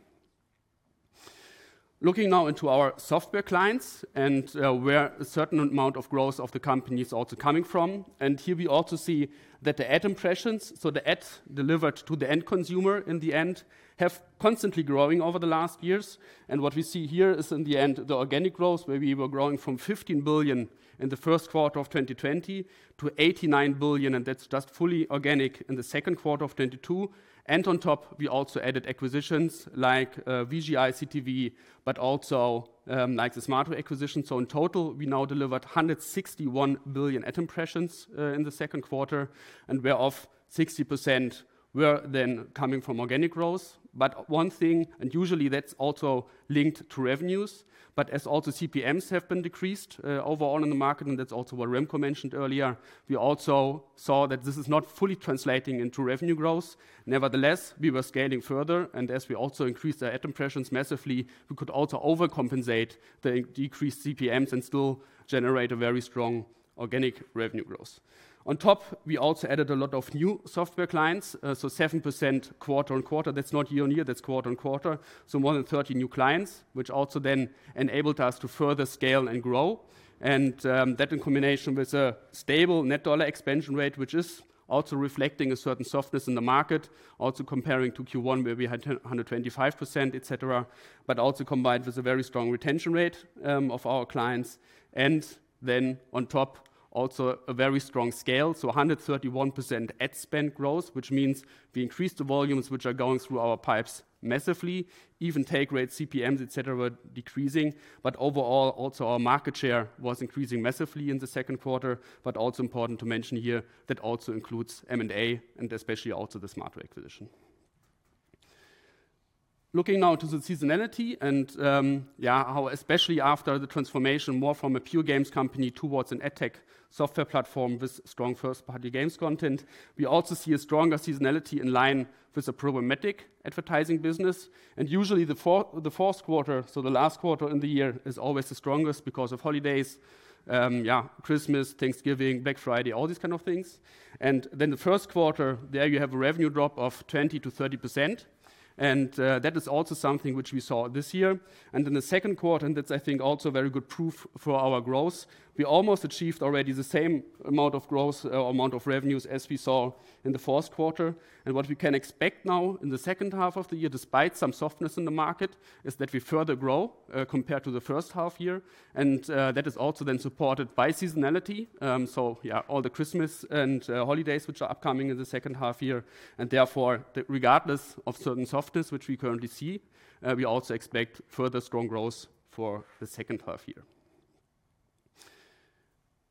Speaker 6: Looking now into our software clients and where a certain amount of growth of the company is also coming from. Here we also see that the ad impressions, so the ads delivered to the end consumer in the end, have constantly growing over the last years. What we see here is in the end, the organic growth, where we were growing from 15 billion in the first quarter of 2020 to 89 billion, and that's just fully organic in the second quarter of 2022. On top we also added acquisitions like VGI, CTV, but also like the Smaato acquisition. In total, we now delivered 161 billion ad impressions in the second quarter and of which 60% were then coming from organic growth. One thing, and usually that's also linked to revenues, but as also CPMs have been decreased overall in the market, and that's also what Remco mentioned earlier, we also saw that this is not fully translating into revenue growth. Nevertheless, we were scaling further and as we also increased our ad impressions massively, we could also overcompensate the decreased CPMs and still generate a very strong organic revenue growth. On top, we also added a lot of new software clients. 7% quarter-on-quarter. That's not year-on-year, that's quarter-on-quarter. More than 30 new clients, which also then enabled us to further scale and grow and that in combination with a stable net dollar expansion rate, which is also reflecting a certain softness in the market. Also comparing to first quarter where we had 125%, etc., but also combined with a very strong retention rate of our clients. On top also a very strong scale. 131% ad spend growth, which means we increased the volumes which are going through our pipes massively, even take rate CPMs, et cetera, decreasing. Overall, also our market share was increasing massively in the second quarter. Also important to mention here that also includes M&A and especially also the Smartway acquisition. Looking now to the seasonality and how especially after the transformation more from a pure games company towards an adtech software platform with strong first-party games content. We also see a stronger seasonality in line with the programmatic advertising business. Usually the fourth quarter, so the last quarter in the year, is always the strongest because of holidays, Christmas, Thanksgiving, Black Friday, all these kind of things. The first quarter, there you have a revenue drop of 20% to30%, and that is also something which we saw this year. In the second quarter, and that's I think also very good proof for our growth, we almost achieved already the same amount of growth or amount of revenues as we saw in the fourth quarter. What we can expect now in the second half of the year, despite some softness in the market, is that we further grow compared to the first half year. That is also then supported by seasonality. All the Christmas and holidays which are upcoming in the second half year. Therefore, regardless of certain softness which we currently see, we also expect further strong growth for the second half year.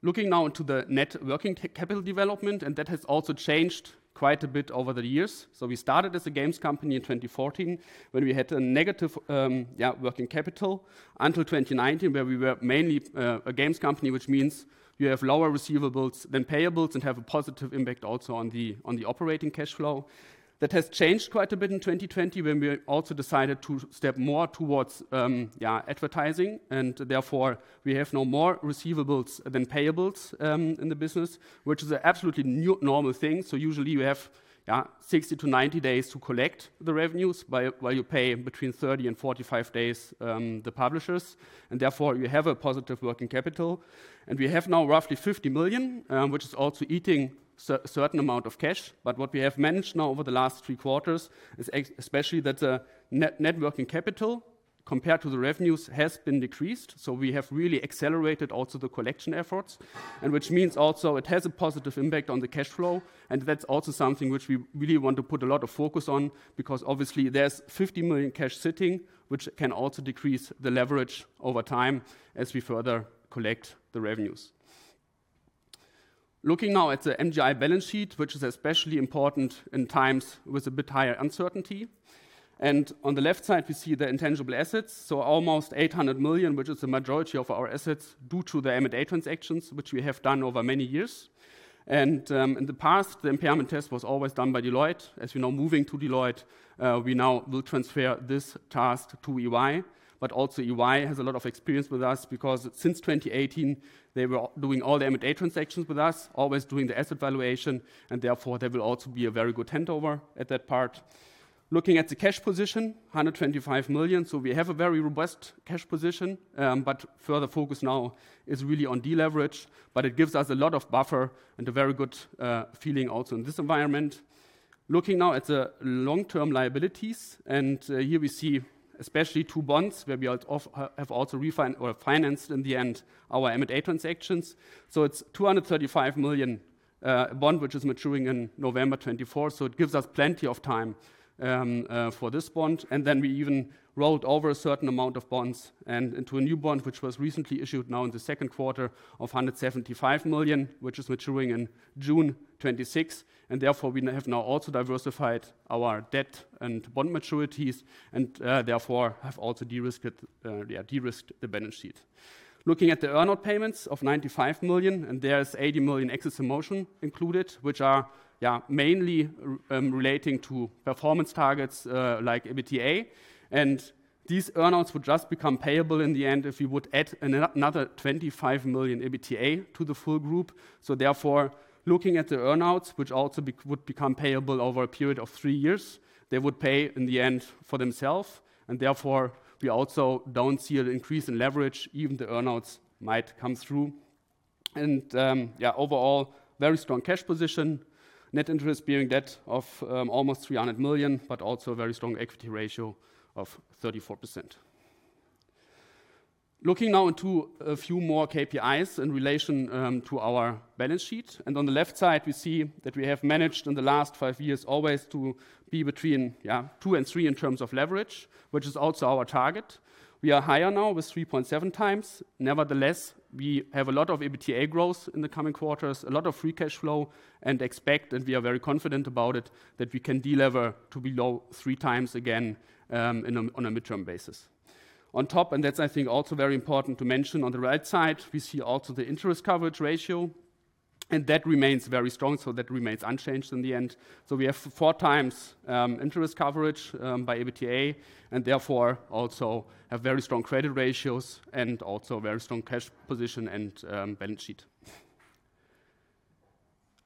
Speaker 6: Looking now into the net working capital development, and that has also changed quite a bit over the years. We started as a games company in 2014 when we had a negative working capital until 2019, where we were mainly a games company, which means you have lower receivables than payables and have a positive impact also on the operating cash flow. That has changed quite a bit in 2020 when we also decided to step more towards advertising, and therefore we have now more receivables than payables in the business, which is absolutely new normal thing. Usually, you have 60 to 90 days to collect the revenues while you pay between 30 to 45 days to the publishers, and therefore you have a positive working capital. We have now roughly 50 million, which is also eating certain amount of cash. What we have managed now over the last three quarters is especially that net working capital compared to the revenues has been decreased. We have really accelerated also the collection efforts, and which means also it has a positive impact on the cash flow. That's also something which we really want to put a lot of focus on, because obviously there's 50 million cash sitting, which can also decrease the leverage over time as we further collect the revenues. Looking now at the MGI balance sheet, which is especially important in times with a bit higher uncertainty. On the left side, we see the intangible assets, so almost 800 million, which is the majority of our assets due to the M&A transactions which we have done over many years. In the past, the impairment test was always done by Deloitte. As we know, moving to EY, we now will transfer this task to EY. EY has a lot of experience with us because since 2018, they were doing all the M&A transactions with us, always doing the asset valuation, and therefore there will also be a very good handover at that part. Looking at the cash position, 125 million. We have a very robust cash position, but further focus now is really on deleverage, but it gives us a lot of buffer and a very good feeling also in this environment. Looking now at the long-term liabilities, here we see especially two bonds where we have also financed in the end our M&A transactions. It's 235 million bond which is maturing in November 2024, so it gives us plenty of time for this bond. Then we even rolled over a certain amount of bonds into a new bond which was recently issued now in the second quarter of 175 million, which is maturing in June 2026. Therefore, we have also diversified our debt and bond maturities and therefore have also de-risked the balance sheet. Looking at the earnout payments of 95 million, there's 80 million AxesInMotion included, which are mainly relating to performance targets like EBITDA. These earnouts would just become payable in the end if we would add another 25 million EBITDA to the full group. Therefore, looking at the earnouts, which would become payable over a period of three years, they would pay in the end for themselves, and therefore we also don't see an increase in leverage, even if the earnouts might come through. Overall, very strong cash position, net interest-bearing debt of almost 300 million, but also very strong equity ratio of 34%. Looking now into a few more KPIs in relation to our balance sheet. On the left side, we see that we have managed in the last five years always to be between 2x and 3x in terms of leverage, which is also our target. We are higher now with 3.7x. Nevertheless, we have a lot of EBITDA growth in the coming quarters, a lot of free cash flow, and we expect, and we are very confident about it, that we can delever to below 3x again, on a midterm basis. On top, and that's I think also very important to mention on the right side, we see also the interest coverage ratio, and that remains very strong. That remains unchanged in the end. We have 4x interest coverage by EBITDA and therefore also have very strong credit ratios and also very strong cash position and balance sheet.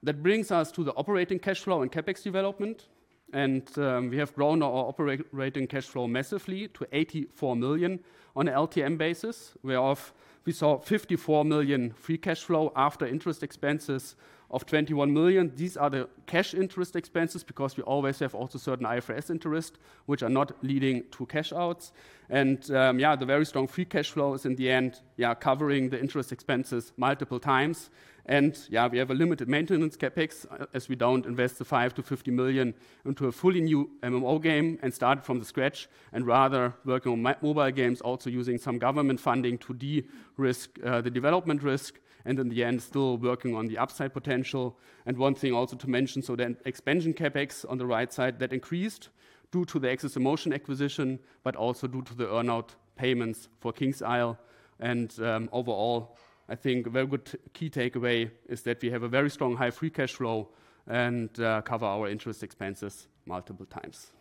Speaker 6: That brings us to the operating cash flow and CapEx development, and we have grown our operating cash flow massively to 84 million on an LTM basis, whereof we saw 54 million free cash flow after interest expenses of 21 million. These are the cash interest expenses because we always have also certain IFRS interest which are not leading to cash outs. The very strong free cash flow is in the end covering the interest expenses multiple times. We have a limited maintenance CapEx as we don't invest 5 to 50 million into a fully new MMO game and start from scratch and rather work on mobile games also using some government funding to de-risk the development risk and in the end still working on the upside potential. One thing also to mention, the expansion CapEx on the right side that increased due to the AxesInMotion acquisition, but also due to the earnout payments for KingsIsle. Overall, I think a very good key takeaway is that we have a very strong high free cash flow and cover our interest expenses multiple times.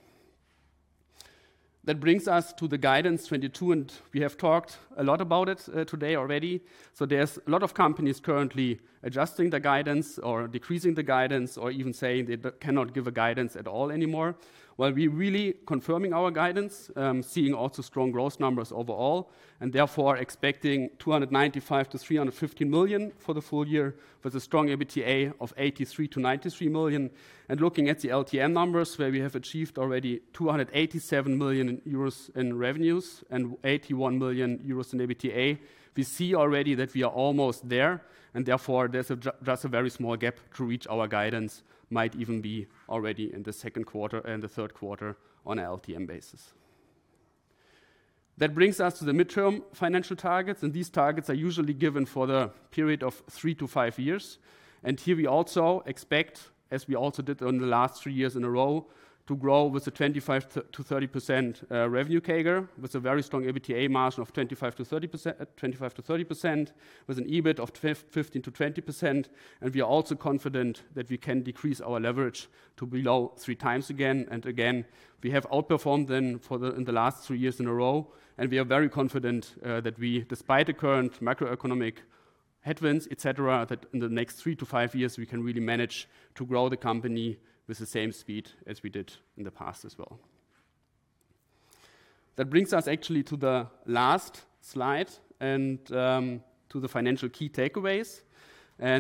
Speaker 6: That brings us to the guidance 2022, and we have talked a lot about it today already. There's a lot of companies currently adjusting the guidance or decreasing the guidance or even saying they cannot give a guidance at all anymore. We're really confirming our guidance, seeing also strong growth numbers overall, and therefore are expecting 295 to 350 million for the full year, with a strong EBITDA of 83 to 93 million. Looking at the LTM numbers, where we have achieved already 287 million euros in revenues and 81 million euros in EBITDA, we see already that we are almost there, and therefore there's just a very small gap to reach our guidance, might even be already in the second quarter and the third quarter on a LTM basis. That brings us to the midterm financial targets, and these targets are usually given for the period of three to five years. Here we also expect, as we also did on the last three years in a row, to grow with a 25% to30% revenue CAGR, with a very strong EBITDA margin of 25% to30%, with an EBIT of 15% to20%. We are also confident that we can decrease our leverage to below 3x again and again. We have outperformed them in the last three years in a row, and we are very confident that despite the current macroeconomic headwinds, et cetera, that in the next three to five years, we can really manage to grow the company with the same speed as we did in the past as well. That brings us actually to the last slide and to the financial key takeaways. Yeah,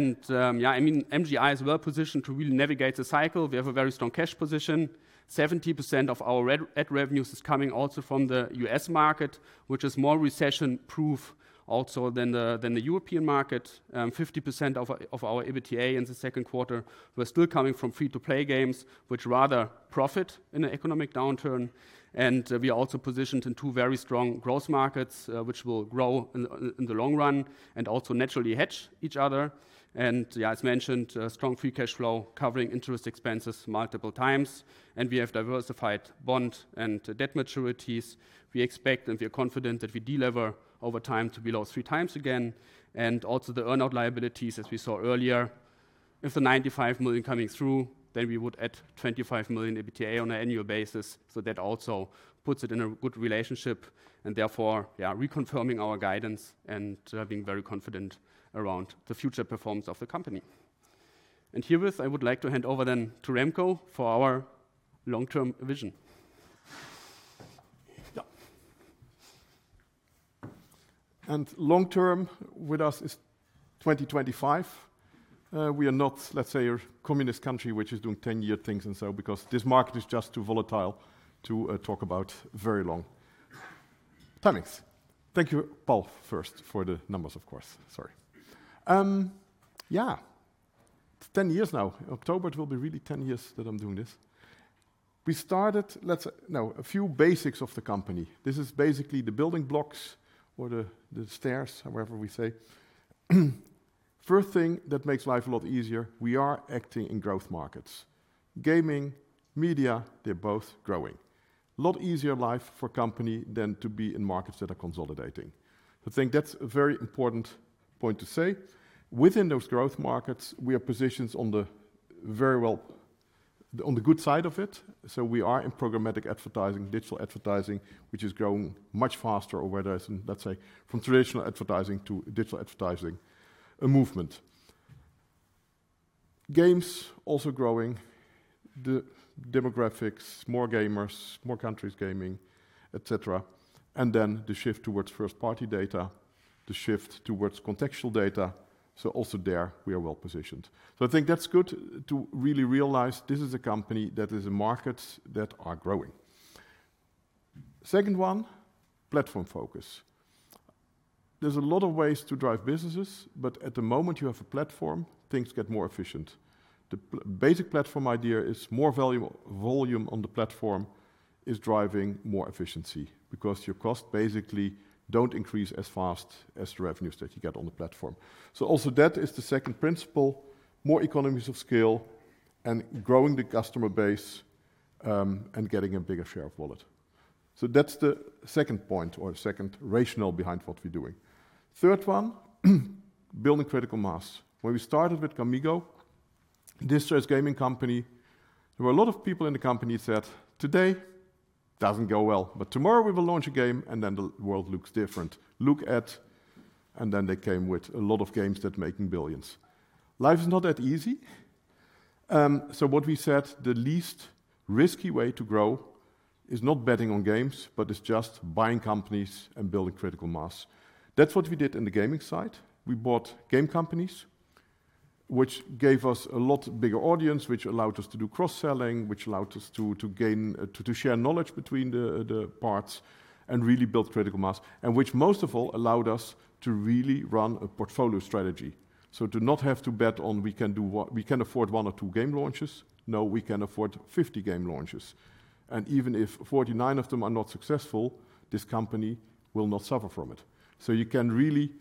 Speaker 6: I mean, MGI is well positioned to really navigate the cycle. We have a very strong cash position. 70% of our ad revenues is coming also from the US market, which is more recession-proof also than the European market. 50% of our EBITDA in the second quarter were still coming from free-to-play games, which rather profit in an economic downturn. We are also positioned in two very strong growth markets, which will grow in the long run and also naturally hedge each other. As mentioned, strong free cash flow covering interest expenses multiple times, and we have diversified bond and debt maturities. We expect and we are confident that we delever over time to below 3x again. The earn-out liabilities, as we saw earlier, with the 95 million coming through, then we would add 25 million EBITDA on an annual basis. That also puts it in a good relationship, and therefore, reconfirming our guidance and being very confident around the future performance of the company. Herewith, I would like to hand over then to Remco for our long-term vision.
Speaker 2: Long term with us is 2025. We are not, let's say, a communist country, which is doing 10-year things, because this market is just too volatile to talk about very long timings. Thank you, Paul, first for the numbers, of course. It's 10 years now. October, it will be really 10 years that I'm doing this. Now, a few basics of the company. This is basically the building blocks or the stairs, however we say. First thing that makes life a lot easier, we are acting in growth markets. Gaming, media, they're both growing. A lot easier life for a company than to be in markets that are consolidating. I think that's a very important point to say. Within those growth markets, we are positioned very well on the good side of it. We are in programmatic advertising, digital advertising, which is growing much faster or where there's, let's say, from traditional advertising to digital advertising, a movement. Games also growing. The demographics, more gamers, more countries gaming, et cetera. Then the shift towards first-party data, the shift towards contextual data. Also there we are well positioned. I think that's good to really realize this is a company that is in markets that are growing. Second one, platform focus. There's a lot of ways to drive businesses, but at the moment you have a platform, things get more efficient. The basic platform idea is more volume on the platform is driving more efficiency because your costs basically don't increase as fast as the revenues that you get on the platform. Also that is the second principle, more economies of scale and growing the customer base, and getting a bigger share of wallet. That's the second point or second rationale behind what we're doing. Third one, building critical mass. When we started with gamigo, a distressed gaming company, there were a lot of people in the company said, "Today doesn't go well, but tomorrow we will launch a game and then the world looks different." Then they came with a lot of games that making billions. Life is not that easy. What we said, the least risky way to grow is not betting on games, but it's just buying companies and building critical mass. That's what we did in the gaming side. We bought game companies, which gave us a lot bigger audience, which allowed us to do cross-selling, which allowed us to gain, to share knowledge between the parts and really build critical mass, and which most of all allowed us to really run a portfolio strategy. We can afford one or two game launches. No, we can afford 50 game launches. Even if 49 of them are not successful, this company will not suffer from it. You really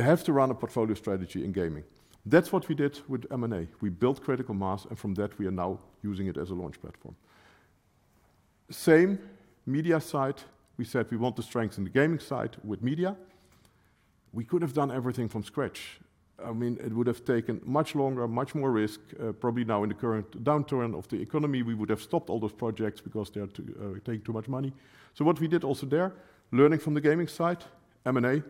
Speaker 2: have to run a portfolio strategy in gaming. That is what we did with M&A. We built critical mass, and from that, we are now using it as a launch platform. Same media side. We said we want to strengthen the gaming side with media. We could have done everything from scratch. I mean, it would have taken much longer, much more risk. Probably now in the current downturn of the economy, we would have stopped all those projects because they are taking too much money. What we did also there, learning from the gaming side, M&A,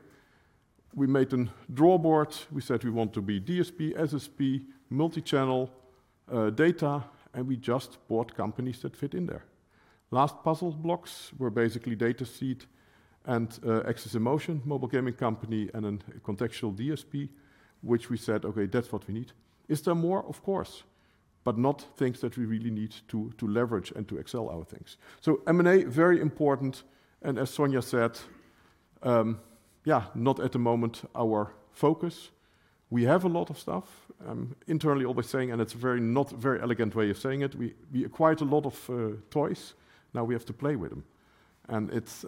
Speaker 2: we made a drawing board. We said we want to be DSP, SSP, multichannel, data, and we just bought companies that fit in there. Last puzzle blocks were basically Dataseat and AxesInMotion, mobile gaming company, and a contextual DSP, which we said, "Okay, that's what we need." Is there more? Of course, but not things that we really need to leverage and to excel our things. M&A, very important, and as Sonja said, yeah, not at the moment our focus. We have a lot of stuff. Internally always saying, and it's not very elegant way of saying it, we acquired a lot of toys, now we have to play with them. It's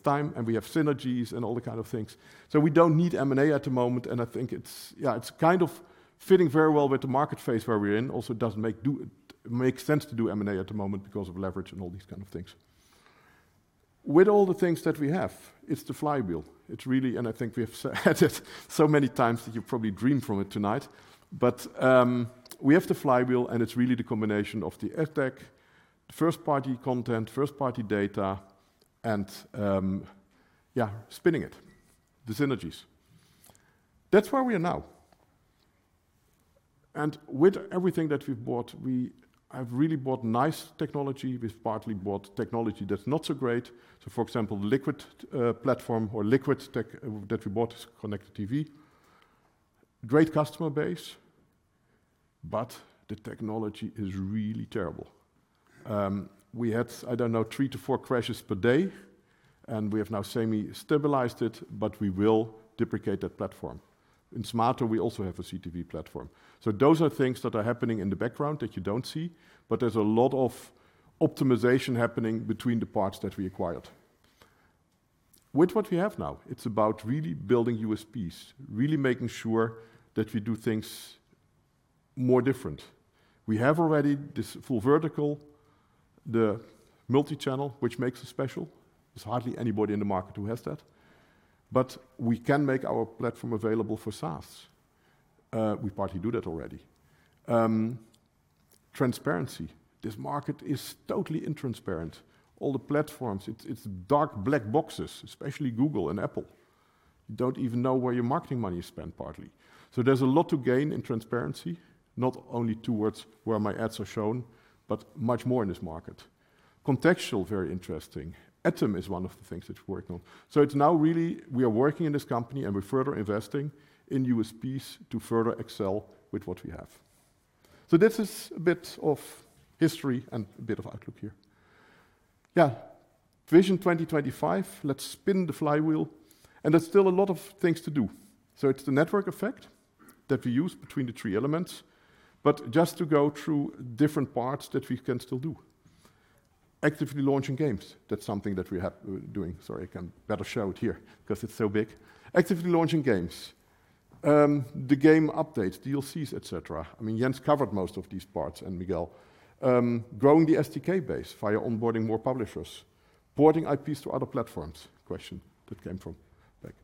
Speaker 2: time, and we have synergies and all kinds of things. We don't need M&A at the moment, and I think it's kind of fitting very well with the market phase where we're in. Also doesn't make sense to do M&A at the moment because of leverage and all these kinds of things. With all the things that we have, it's the flywheel. It's really, and I think we have said it so many times that you probably dream of it tonight. We have the flywheel, and it's really the combination of the ad tech, first-party content, first-party data, and spinning it, the synergies. That's where we are now. With everything that we've bought, we have really bought nice technology. We've partly bought technology that's not so great. For example, LKQD platform or LKQD tech that we bought is connected TV. Great customer base, but the technology is really terrible. We had, I don't know, three to four crashes per day, and we have now semi-stabilized it, but we will deprecate that platform. In Smaato, we also have a CTV platform. Those are things that are happening in the background that you don't see, but there's a lot of optimization happening between the parts that we acquired. With what we have now, it's about really building USPs, really making sure that we do things more different. We have already this full vertical, the multichannel, which makes us special. There's hardly anybody in the market who has that. We can make our platform available for SaaS. We partly do that already. Transparency. This market is totally intransparent. All the platforms, it's dark black boxes, especially Google and Apple. You don't even know where your marketing money is spent partly. There's a lot to gain in transparency, not only towards where my ads are shown, but much more in this market. Contextual, very interesting. ATOM is one of the things that we're working on. It's now really we are working in this company, and we're further investing in USPs to further excel with what we have. This is a bit of history and a bit of outlook here. Yeah. Vision 2025, let's spin the flywheel. There's still a lot of things to do. It's the network effect that we use between the three elements, but just to go through different parts that we can still do. Actively launching games, that's something that we have been doing. Sorry, I can better show it here because it's so big. Actively launching games. The game updates, DLCs, et cetera. I mean, Jens covered most of these parts, and Miguel. Growing the SDK base via onboarding more publishers. Porting IPs to other platforms, question that came from back.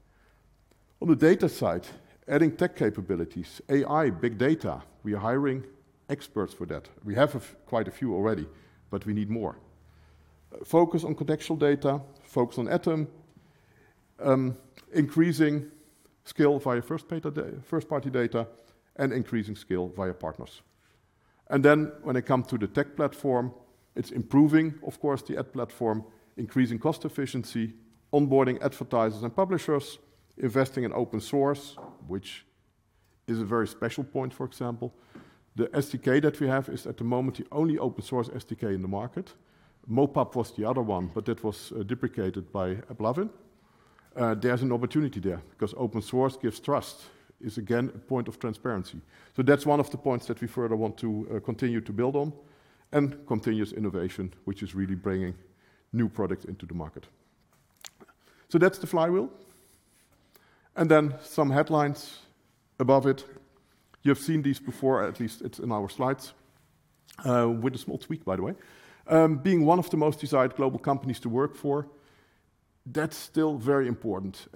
Speaker 2: On the data side, adding tech capabilities, AI, big data. We are hiring experts for that. We have quite a few already, but we need more. Focus on contextual data, focus on ATOM, increasing scale via first-party data, and increasing scale via partners. Then when it comes to the tech platform, it's improving, of course, the ad platform, increasing cost efficiency, onboarding advertisers and publishers, investing in open source, which is a very special point, for example. The SDK that we have is at the moment the only open source SDK in the market. MoPub was the other one, but that was deprecated by AppLovin. There's an opportunity there because open source gives trust. It's again a point of transparency. So that's one of the points that we further want to continue to build on and continuous innovation, which is really bringing new products into the market. So that's the flywheel. Then some headlines above it. You've seen these before, at least it's in our slides with a small tweak, by the way. Being one of the most desired global companies to work for, that's still very important.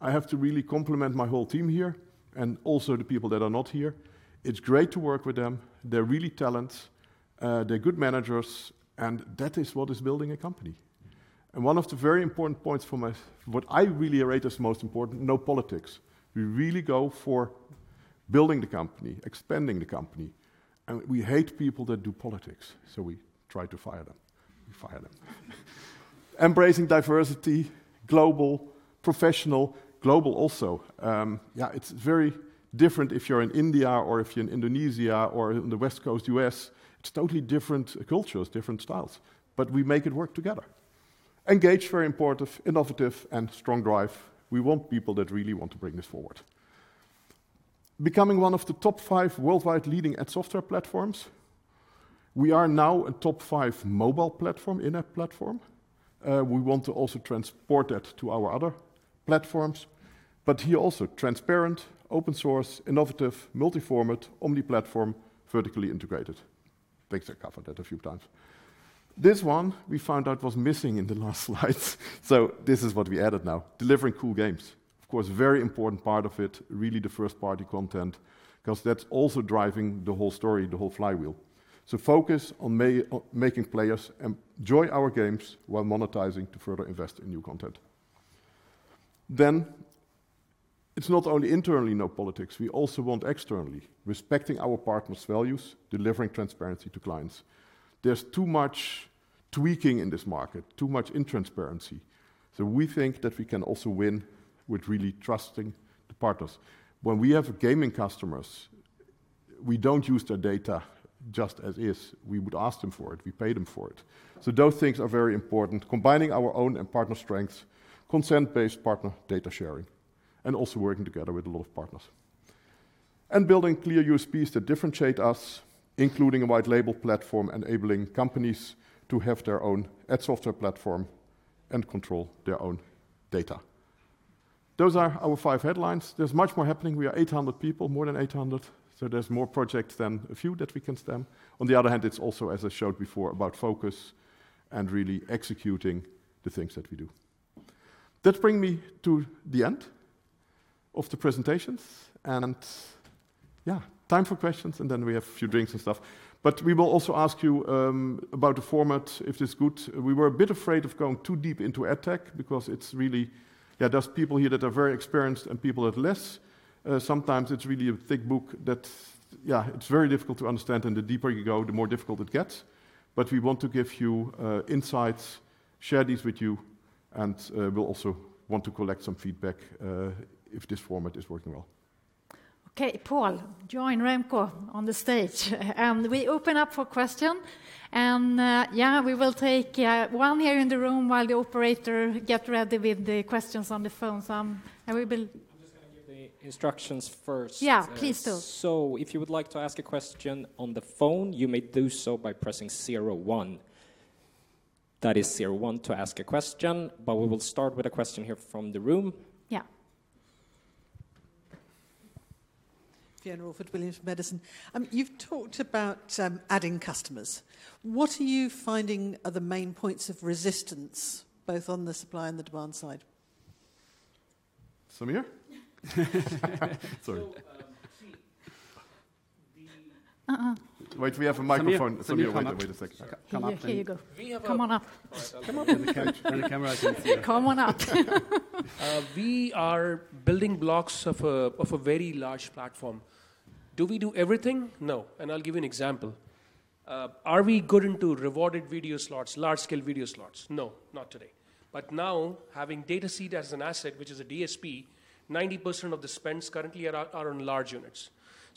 Speaker 2: I have to really compliment my whole team here and also the people that are not here. It's great to work with them. They're really talented. They're good managers, and that is what is building a company. One of the very important points for my—what I really rate as most important, no politics. We really go for building the company, expanding the company, and we hate people that do politics, so we try to fire them. We fire them. Embracing diversity, global, professional, global also. Yeah, it's very different if you're in India or if you're in Indonesia or in the West Coast US. It's totally different cultures, different styles, but we make it work together. Engage, very important, innovative, and strong drive. We want people that really want to bring this forward. Becoming one of the top five worldwide leading ad software platforms. We are now a top five mobile platform in a platform. We want to also transport that to our other platforms. Here also, transparent, open source, innovative, multi-format, omni-platform, vertically integrated. Think I covered that a few times. This one we found out was missing in the last slides, so this is what we added now. Delivering cool games. Of course, very important part of it, really the first-party content, 'cause that's also driving the whole story, the whole flywheel. Focus on making players enjoy our games while monetizing to further invest in new content. It's not only internally no politics, we also want externally respecting our partners' values, delivering transparency to clients. There's too much tweaking in this market, too much intransparency. We think that we can also win with really trusting the partners. When we have gaming customers, we don't use their data just as is. We would ask them for it. We pay them for it. Those things are very important. Combining our own and partner strengths, consent-based partner data sharing, and also working together with a lot of partners. Building clear USPs that differentiate us, including a white label platform, enabling companies to have their own ad software platform and control their own data. Those are our five headlines. There's much more happening. We are 800 people, more than 800, so there's more projects than a few that we can stem. On the other hand, it's also, as I showed before, about focus and really executing the things that we do. That bring me to the end of the presentations and, yeah, time for questions, and then we have a few drinks and stuff. We will also ask you about the format, if it's good. We were a bit afraid of going too deep into ad tech because it's really. Yeah, there's people here that are very experienced and people that less. Sometimes it's really a thick book that, yeah, it's very difficult to understand, and the deeper you go, the more difficult it gets. We want to give you insights, share these with you, and we'll also want to collect some feedback if this format is working well.
Speaker 1: Okay. Paul, join Remco on the stage. We open up for questions and we will take one here in the room while the operator get ready with the questions on the phone.
Speaker 14: I'm just gonna give the instructions first.
Speaker 1: Yeah. Please do.
Speaker 15: If you would like to ask a question on the phone, you may do so by pressing zero one. That is zero one to ask a question, but we will start with a question here from the room.
Speaker 1: Yeah.
Speaker 10: Fiona Williams from Edison. You've talked about adding customers. What are you finding are the main points of resistance, both on the supply and the demand side?
Speaker 2: Sameer? Sorry.
Speaker 3: So, um, see, the... [crosstalk]
Speaker 1: Uh-uh.
Speaker 2: Wait, we have a microphone.
Speaker 6: Sameer, behind you.
Speaker 2: Wait a second.
Speaker 6: Here you go.
Speaker 3: We have a... [crosstalk]
Speaker 1: Come on up.
Speaker 3: All right.
Speaker 1: Come on.
Speaker 2: Get the camera action here.
Speaker 1: Come on up.
Speaker 3: We are building blocks of a very large platform. Do we do everything? No. I'll give you an example. Are we good into rewarded video slots, large scale video slots? No, not today. Now having Dataseat as an asset, which is a DSP, 90% of the spends currently are on large units.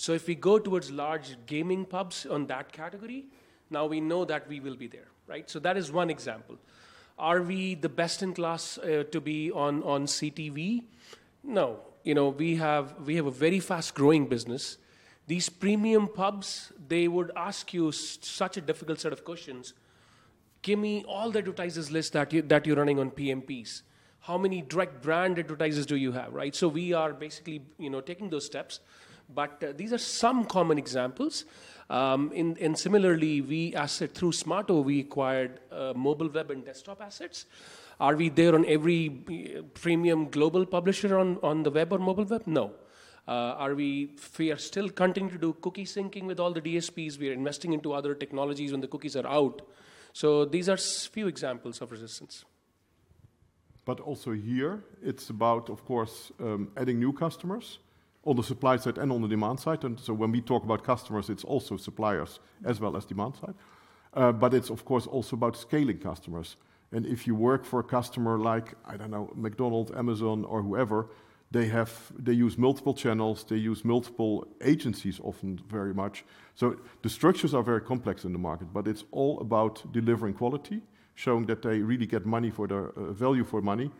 Speaker 3: If we go towards large gaming pubs on that category, now we know that we will be there, right? That is one example. Are we the best in class to be on CTV? No. You know, we have a very fast growing business. These premium pubs, they would ask you such a difficult set of questions. "Give me all the advertisers list that you're running on PMPs. How many direct brand advertisers do you have?" Right? We are basically, you know, taking those steps. These are some common examples. Similarly, we accessed through Smaato, we acquired mobile web and desktop assets. Are we there on every premium global publisher on the web or mobile web? No. We are still continuing to do cookie syncing with all the DSPs. We are investing into other technologies when the cookies are out. These are a few examples of resistance.
Speaker 2: Also here it's about, of course, adding new customers on the supply side and on the demand side. When we talk about customers, it's also suppliers as well as demand side. It's of course also about scaling customers. If you work for a customer like, I don't know, McDonald's, Amazon or whoever, they have. They use multiple channels, they use multiple agencies, often very much. The structures are very complex in the market, but it's all about delivering quality, showing that they really get money for their value for money.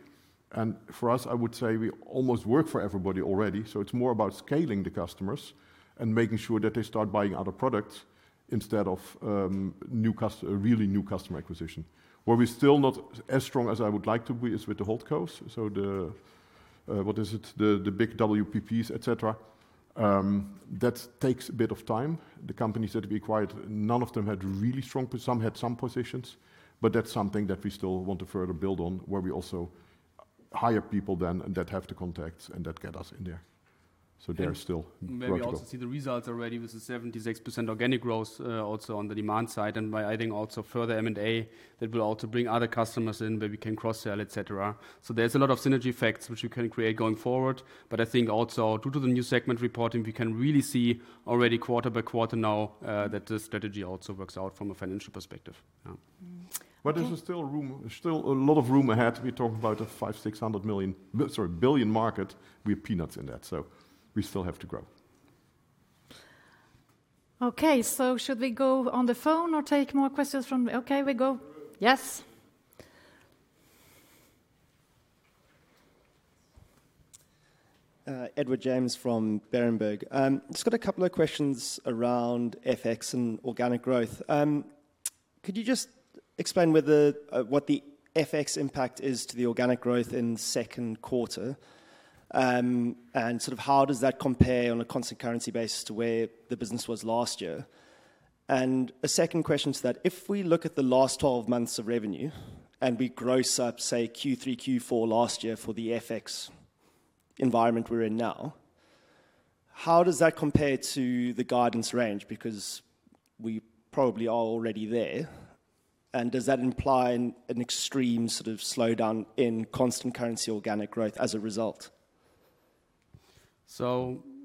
Speaker 2: For us, I would say we almost work for everybody already. It's more about scaling the customers and making sure that they start buying other products instead of really new customer acquisition. Where we're still not as strong as I would like to be is with the holdcos. The big WPPs, et cetera. That takes a bit of time. The companies that we acquired, none of them had really strong positions. Some had some positions, but that's something that we still want to further build on, where we also hire people then that have the contacts and that get us in there. There's still work to do.
Speaker 6: Where we also see the results already with the 76% organic growth, also on the demand side and by adding also further M&A that will also bring other customers in where we can cross-sell, et cetera. There's a lot of synergy effects which we can create going forward. I think also due to the new segment reporting, we can really see already quarter by quarter now, that the strategy also works out from a financial perspective.
Speaker 1: Mm-hmm. Okay.
Speaker 2: There's still room, still a lot of room ahead. We talk about a 500 to 600 billion market, sorry. We have peanuts in that, so we still have to grow.
Speaker 1: Okay, should we go on the phone or take more questions? Okay, we go.
Speaker 6: Go.
Speaker 1: Yes.
Speaker 13: Edward James from Berenberg. Just got a couple of questions around FX and organic growth. Could you just explain what the FX impact is to the organic growth in second quarter? Sort of how does that compare on a constant currency base to where the business was last year? A second question to that, if we look at the last 12 months of revenue and we gross up, say, third quarter, fourth quarter last year for the FX environment we're in now, how does that compare to the guidance range? Because we probably are already there. Does that imply an extreme sort of slowdown in constant currency organic growth as a result?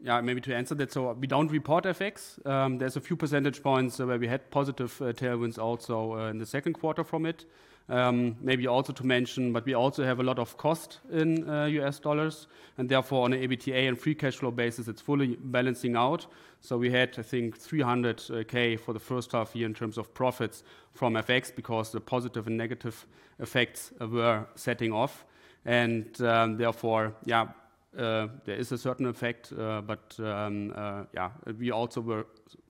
Speaker 3: Yeah, maybe to answer that. We don't report FX. There's a few percentage points where we had positive tailwinds also in the second quarter from it. Maybe also to mention, we also have a lot of costs in US dollars and therefore on EBITDA and free cash flow basis, it's fully balancing out. We had, I think, 300,000 for the first half year in terms of profits from FX because the positive and negative effects were offsetting and therefore, yeah, there is a certain effect. We also were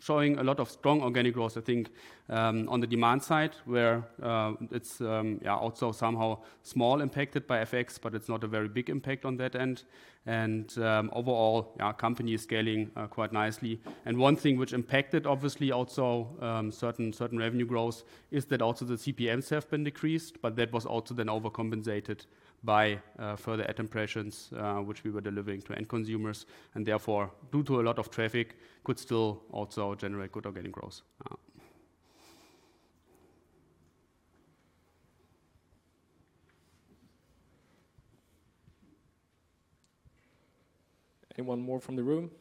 Speaker 3: showing a lot of strong organic growth, I think, on the demand side where it's also somewhat impacted by FX, but it's not a very big impact on that end. Overall, our company is scaling quite nicely. One thing which impacted obviously also certain revenue growth is that also the CPMs have been decreased, but that was also then overcompensated by further ad impressions which we were delivering to end consumers and therefore, due to a lot of traffic, could still also generate good organic growth.
Speaker 6: Anyone more from the room?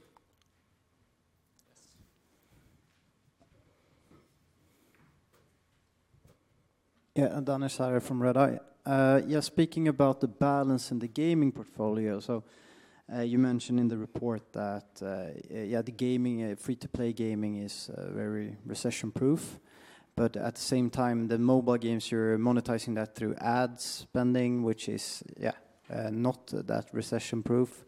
Speaker 6: Yes.
Speaker 12: Danesh Sahar from Redeye, speaking about the balance in the gaming portfolio. You mentioned in the report that free-to-play gaming is very recession-proof. But at the same time, the mobile games you're monetizing through ad spending, which is not that recession-proof.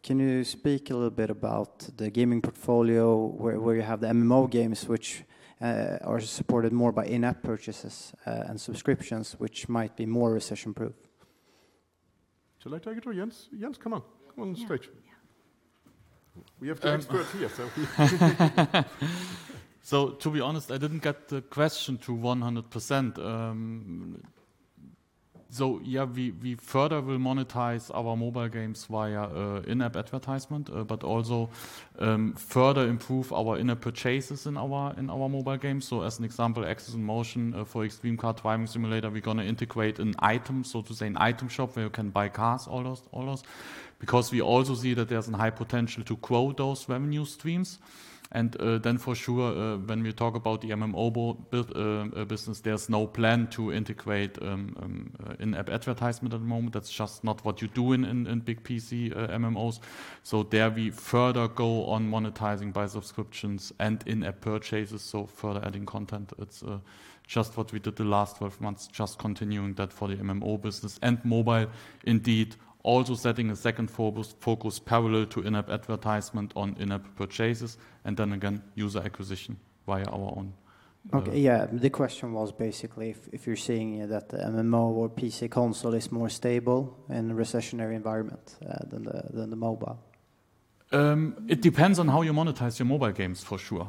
Speaker 12: Can you speak a little bit about the gaming portfolio where you have the MMO games which are supported more by in-app purchases and subscriptions, which might be more recession-proof?
Speaker 2: Shall I take it or Jens? Jens, come on. Come on the stage.
Speaker 1: Yeah. Yeah.
Speaker 2: We have the expert here, so.
Speaker 4: To be honest, I didn't get the question to 100%. We further will monetize our mobile games via in-app advertisement, but also further improve our in-app purchases in our mobile games. As an example, AxesInMotion for Extreme Car Driving Simulator, we're gonna integrate an item, so to say, an item shop where you can buy cars, all those. Because we also see that there's a high potential to grow those revenue streams. Then for sure, when we talk about the MMO build business, there's no plan to integrate in-app advertisement at the moment. That's just not what you do in big PC MMOs. There we further go on monetizing by subscriptions and in-app purchases, so further adding content. It's just what we did the last 12 months, just continuing that for the MMO business and mobile, indeed also setting a second focus parallel to in-app advertisement on in-app purchases and then again, user acquisition via our own.
Speaker 12: Okay. Yeah. The question was basically if you're seeing that the MMO or PC console is more stable in a recessionary environment than the mobile.
Speaker 4: It depends on how you monetize your mobile games for sure.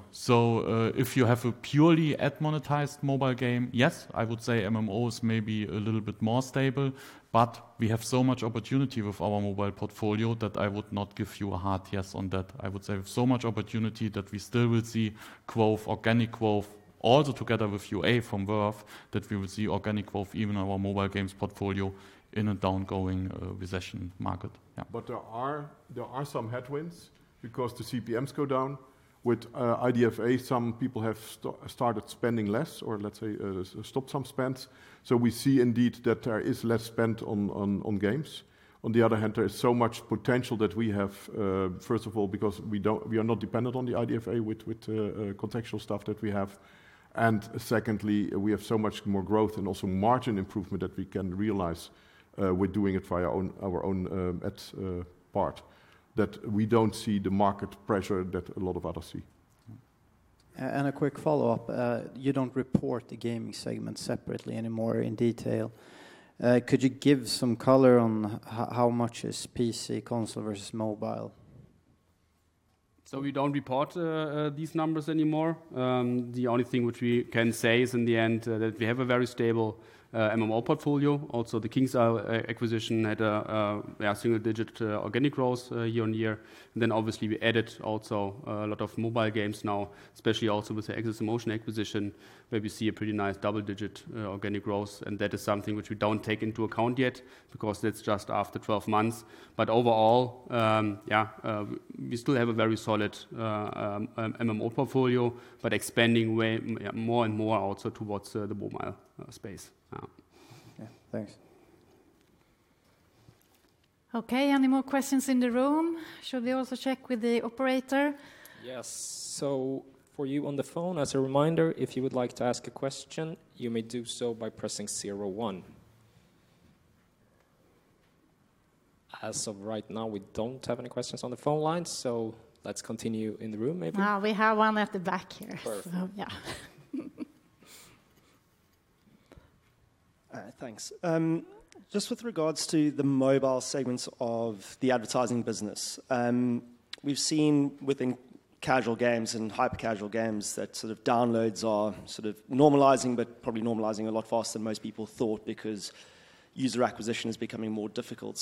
Speaker 4: If you have a purely ad monetized mobile game, yes, I would say MMO is maybe a little bit more stable, but we have so much opportunity with our mobile portfolio that I would not give you a hard yes on that. I would say we have so much opportunity that we still will see growth, organic growth also together with UA for growth, that we will see organic growth even on our mobile games portfolio in a down-going recession market. Yeah.
Speaker 2: There are some headwinds because the CPMs go down. With IDFA, some people have started spending less or let's say, stopped some spends. We see indeed that there is less spent on games. On the other hand, there is so much potential that we have, first of all, because we are not dependent on the IDFA with contextual stuff that we have. Secondly, we have so much more growth and also margin improvement that we can realize, with doing it via our own ads part, that we don't see the market pressure that a lot of others see.
Speaker 12: A quick follow-up. You don't report the gaming segment separately anymore in detail. Could you give some color on how much is PC console versus mobile?
Speaker 3: We don't report these numbers anymore. The only thing which we can say is in the end that we have a very stable MMO portfolio. Also, the KingsIsle acquisition had a single-digit organic growth year-on-year. Obviously we added also a lot of mobile games now, especially also with the AxesInMotion acquisition, where we see a pretty nice double-digit organic growth. That is something which we don't take into account yet because that's just after 12 months. Overall, we still have a very solid MMO portfolio, but expanding way more and more also towards the mobile space.
Speaker 12: Yeah. Thanks.
Speaker 1: Okay. Any more questions in the room? Should we also check with the operator?
Speaker 15: Yes. For you on the phone, as a reminder, if you would like to ask a question, you may do so by pressing zero one. As of right now, we don't have any questions on the phone lines, so let's continue in the room maybe.
Speaker 1: No, we have one at the back here.
Speaker 2: Perfect.
Speaker 1: Yeah.
Speaker 13: Thanks. Just with regards to the mobile segments of the advertising business. We've seen within casual games and hyper-casual games that sort of downloads are sort of normalizing, but probably normalizing a lot faster than most people thought because user acquisition is becoming more difficult.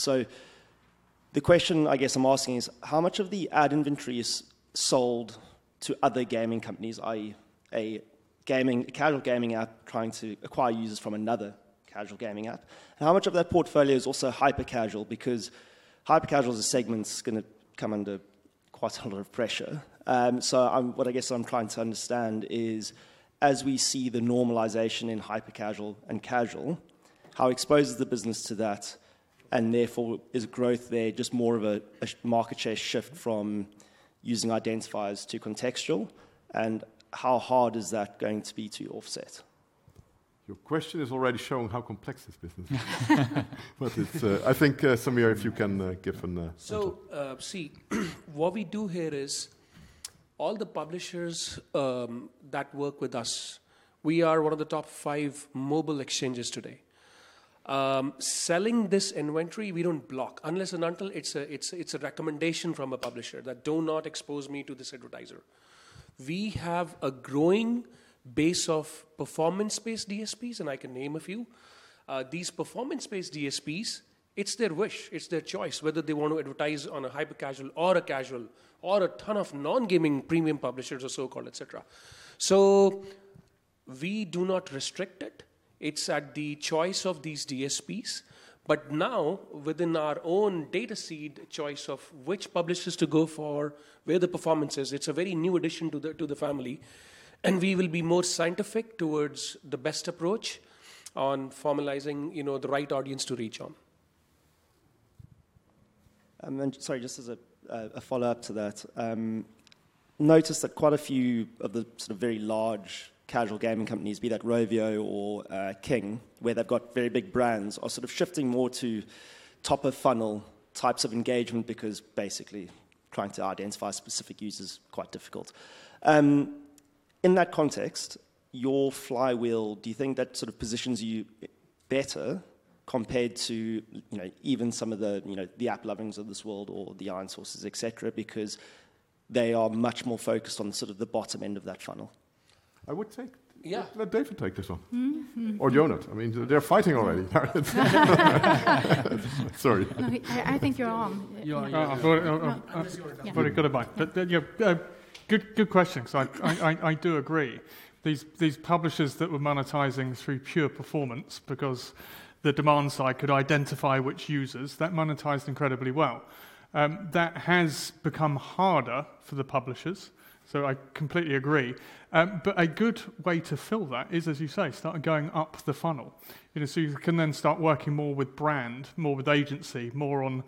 Speaker 13: The question I guess I'm asking is, how much of the ad inventory is sold to other gaming companies, i.e., a gaming, a casual gaming app trying to acquire users from another casual gaming app? And how much of that portfolio is also hyper-casual? Because hyper-casual as a segment's gonna come under quite a lot of pressure. What I guess what I'm trying to understand is, as we see the normalization in hyper-casual and casual, how exposed is the business to that, and therefore is growth there just more of a market share shift from using identifiers to contextual, and how hard is that going to be to offset?
Speaker 2: Your question is already showing how complex this business is. It's, I think, Sameer, if you can give an answer.
Speaker 3: What we do here is all the publishers that work with us, we are one of the top five mobile exchanges today. Selling this inventory, we don't block unless and until it's a recommendation from a publisher that do not expose me to this advertiser. We have a growing base of performance-based DSPs, and I can name a few. These performance-based DSPs, it's their wish, it's their choice whether they want to advertise on a hyper-casual or a casual or a ton of non-gaming premium publishers or so-called, et cetera. We do not restrict it. It's at the choice of these DSPs. Now, within our own Dataseat choice of which publishers to go for, where the performance is, it's a very new addition to the family, and we will be more scientific towards the best approach on formalizing, you know, the right audience to reach on.
Speaker 13: Sorry, just as a follow-up to that, noticed that quite a few of the sort of very large casual gaming companies, be that Rovio or King, where they've got very big brands, are sort of shifting more to top-of-funnel types of engagement because basically trying to identify specific users is quite difficult. In that context, your flywheel, do you think that sort of positions you better compared to, you know, even some of the, you know, the AppLovins of this world or the ironSource, et cetera, because they are much more focused on sort of the bottom end of that funnel?
Speaker 2: I would say.
Speaker 9: Yeah.
Speaker 2: Let David take this one.
Speaker 1: Mm-hmm.
Speaker 2: Ionut. I mean, they're fighting already. Sorry.
Speaker 1: No, I think you're on.
Speaker 2: You're on.
Speaker 9: No, I thought.
Speaker 1: No.
Speaker 9: Very good advice. Good question, because I do agree. These publishers that were monetizing through pure performance because the demand side could identify which users, that monetized incredibly well. That has become harder for the publishers, so I completely agree. A good way to fill that is, as you say, start going up the funnel. You know, so you can then start working more with brand, more with agency, more on,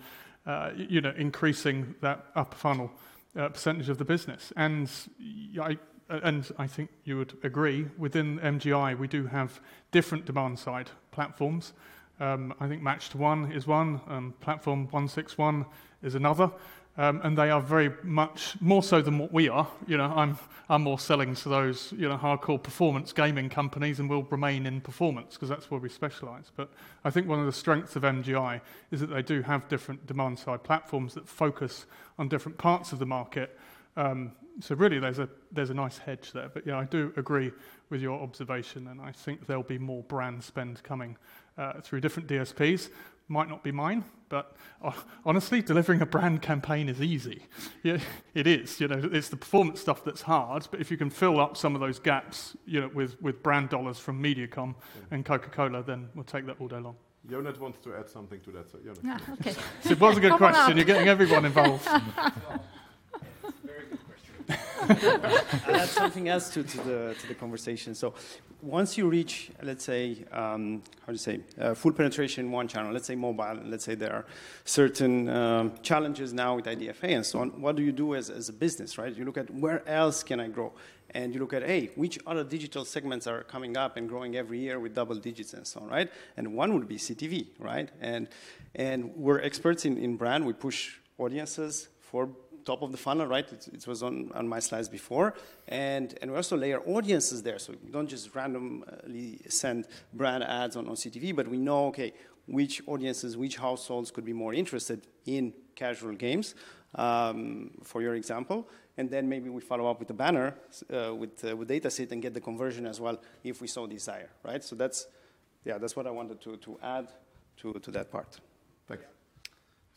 Speaker 9: you know, increasing that upper funnel percentage of the business. I think you would agree, within MGI, we do have different demand-side platforms. I think Matcsecond halfOne is one, Platform161 is another. They are very much, more so than what we are, you know, I'm more selling to those, you know, hardcore performance gaming companies and will remain in performance 'cause that's where we specialize. I think one of the strengths of MGI is that they do have different demand-side platforms that focus on different parts of the market. Really, there's a nice hedge there. Yeah, I do agree with your observation, and I think there'll be more brand spend coming through different DSPs. Might not be mine, but honestly, delivering a brand campaign is easy. Yeah, it is. You know, it's the performance stuff that's hard, but if you can fill up some of those gaps, you know, with brand dollars from Mediacom and Coca-Cola, then we'll take that all day long.
Speaker 2: Ionut wants to add something to that, so Ionut.
Speaker 1: Okay.
Speaker 2: It was a good question.
Speaker 1: Open up.
Speaker 7: You're getting everyone involved.
Speaker 2: It's a very good question.
Speaker 7: Add something else to the conversation. Once you reach, let's say, full penetration in one channel, let's say mobile, and let's say there are certain challenges now with IDFA and so on, what do you do as a business, right? You look at where else can I grow? You look at, hey, which other digital segments are coming up and growing every year with double digits and so on, right? One would be CTV, right? We're experts in brand. We push audiences for top of the funnel, right? It was on my slides before. We also layer audiences there, so we don't just randomly send brand ads on CTV, but we know which audiences, which households could be more interested in casual games for your example. Maybe we follow up with a banner with Dataseat and get the conversion as well if we so desire, right? That's what I wanted to add to that part.
Speaker 2: Thank you.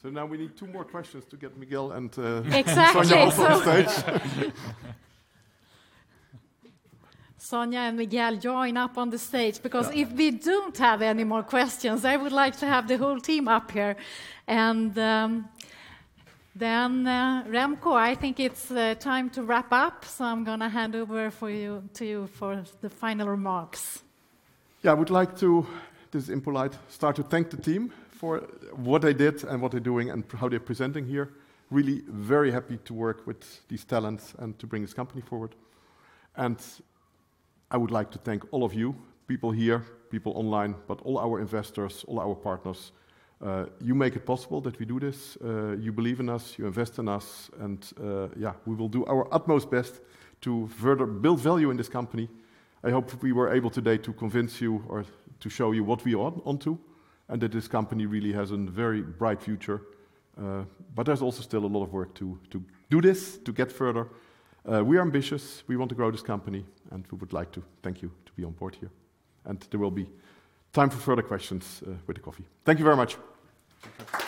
Speaker 2: Now we need two more questions to get Miguel and... [crosstalk]
Speaker 1: Exactly.
Speaker 2: Sonja also on the stage.
Speaker 1: Sonja and Miguel, join up on the stage because if we don't have any more questions, I would like to have the whole team up here. Remco, I think it's time to wrap up, so I'm gonna hand over to you for the final remarks.
Speaker 2: Yeah, I would like to, this is impolite, start to thank the team for what they did and what they're doing and how they're presenting here. Really very happy to work with these talents and to bring this company forward. I would like to thank all of you, people here, people online, but all our investors, all our partners, you make it possible that we do this. You believe in us, you invest in us, and, yeah, we will do our utmost best to further build value in this company. I hope we were able today to convince you or to show you what we are onto, and that this company really has a very bright future. But there's also still a lot of work to do this, to get further. We are ambitious. We want to grow this company, and we would like to thank you to be on board here. There will be time for further questions, with coffee. Thank you very much.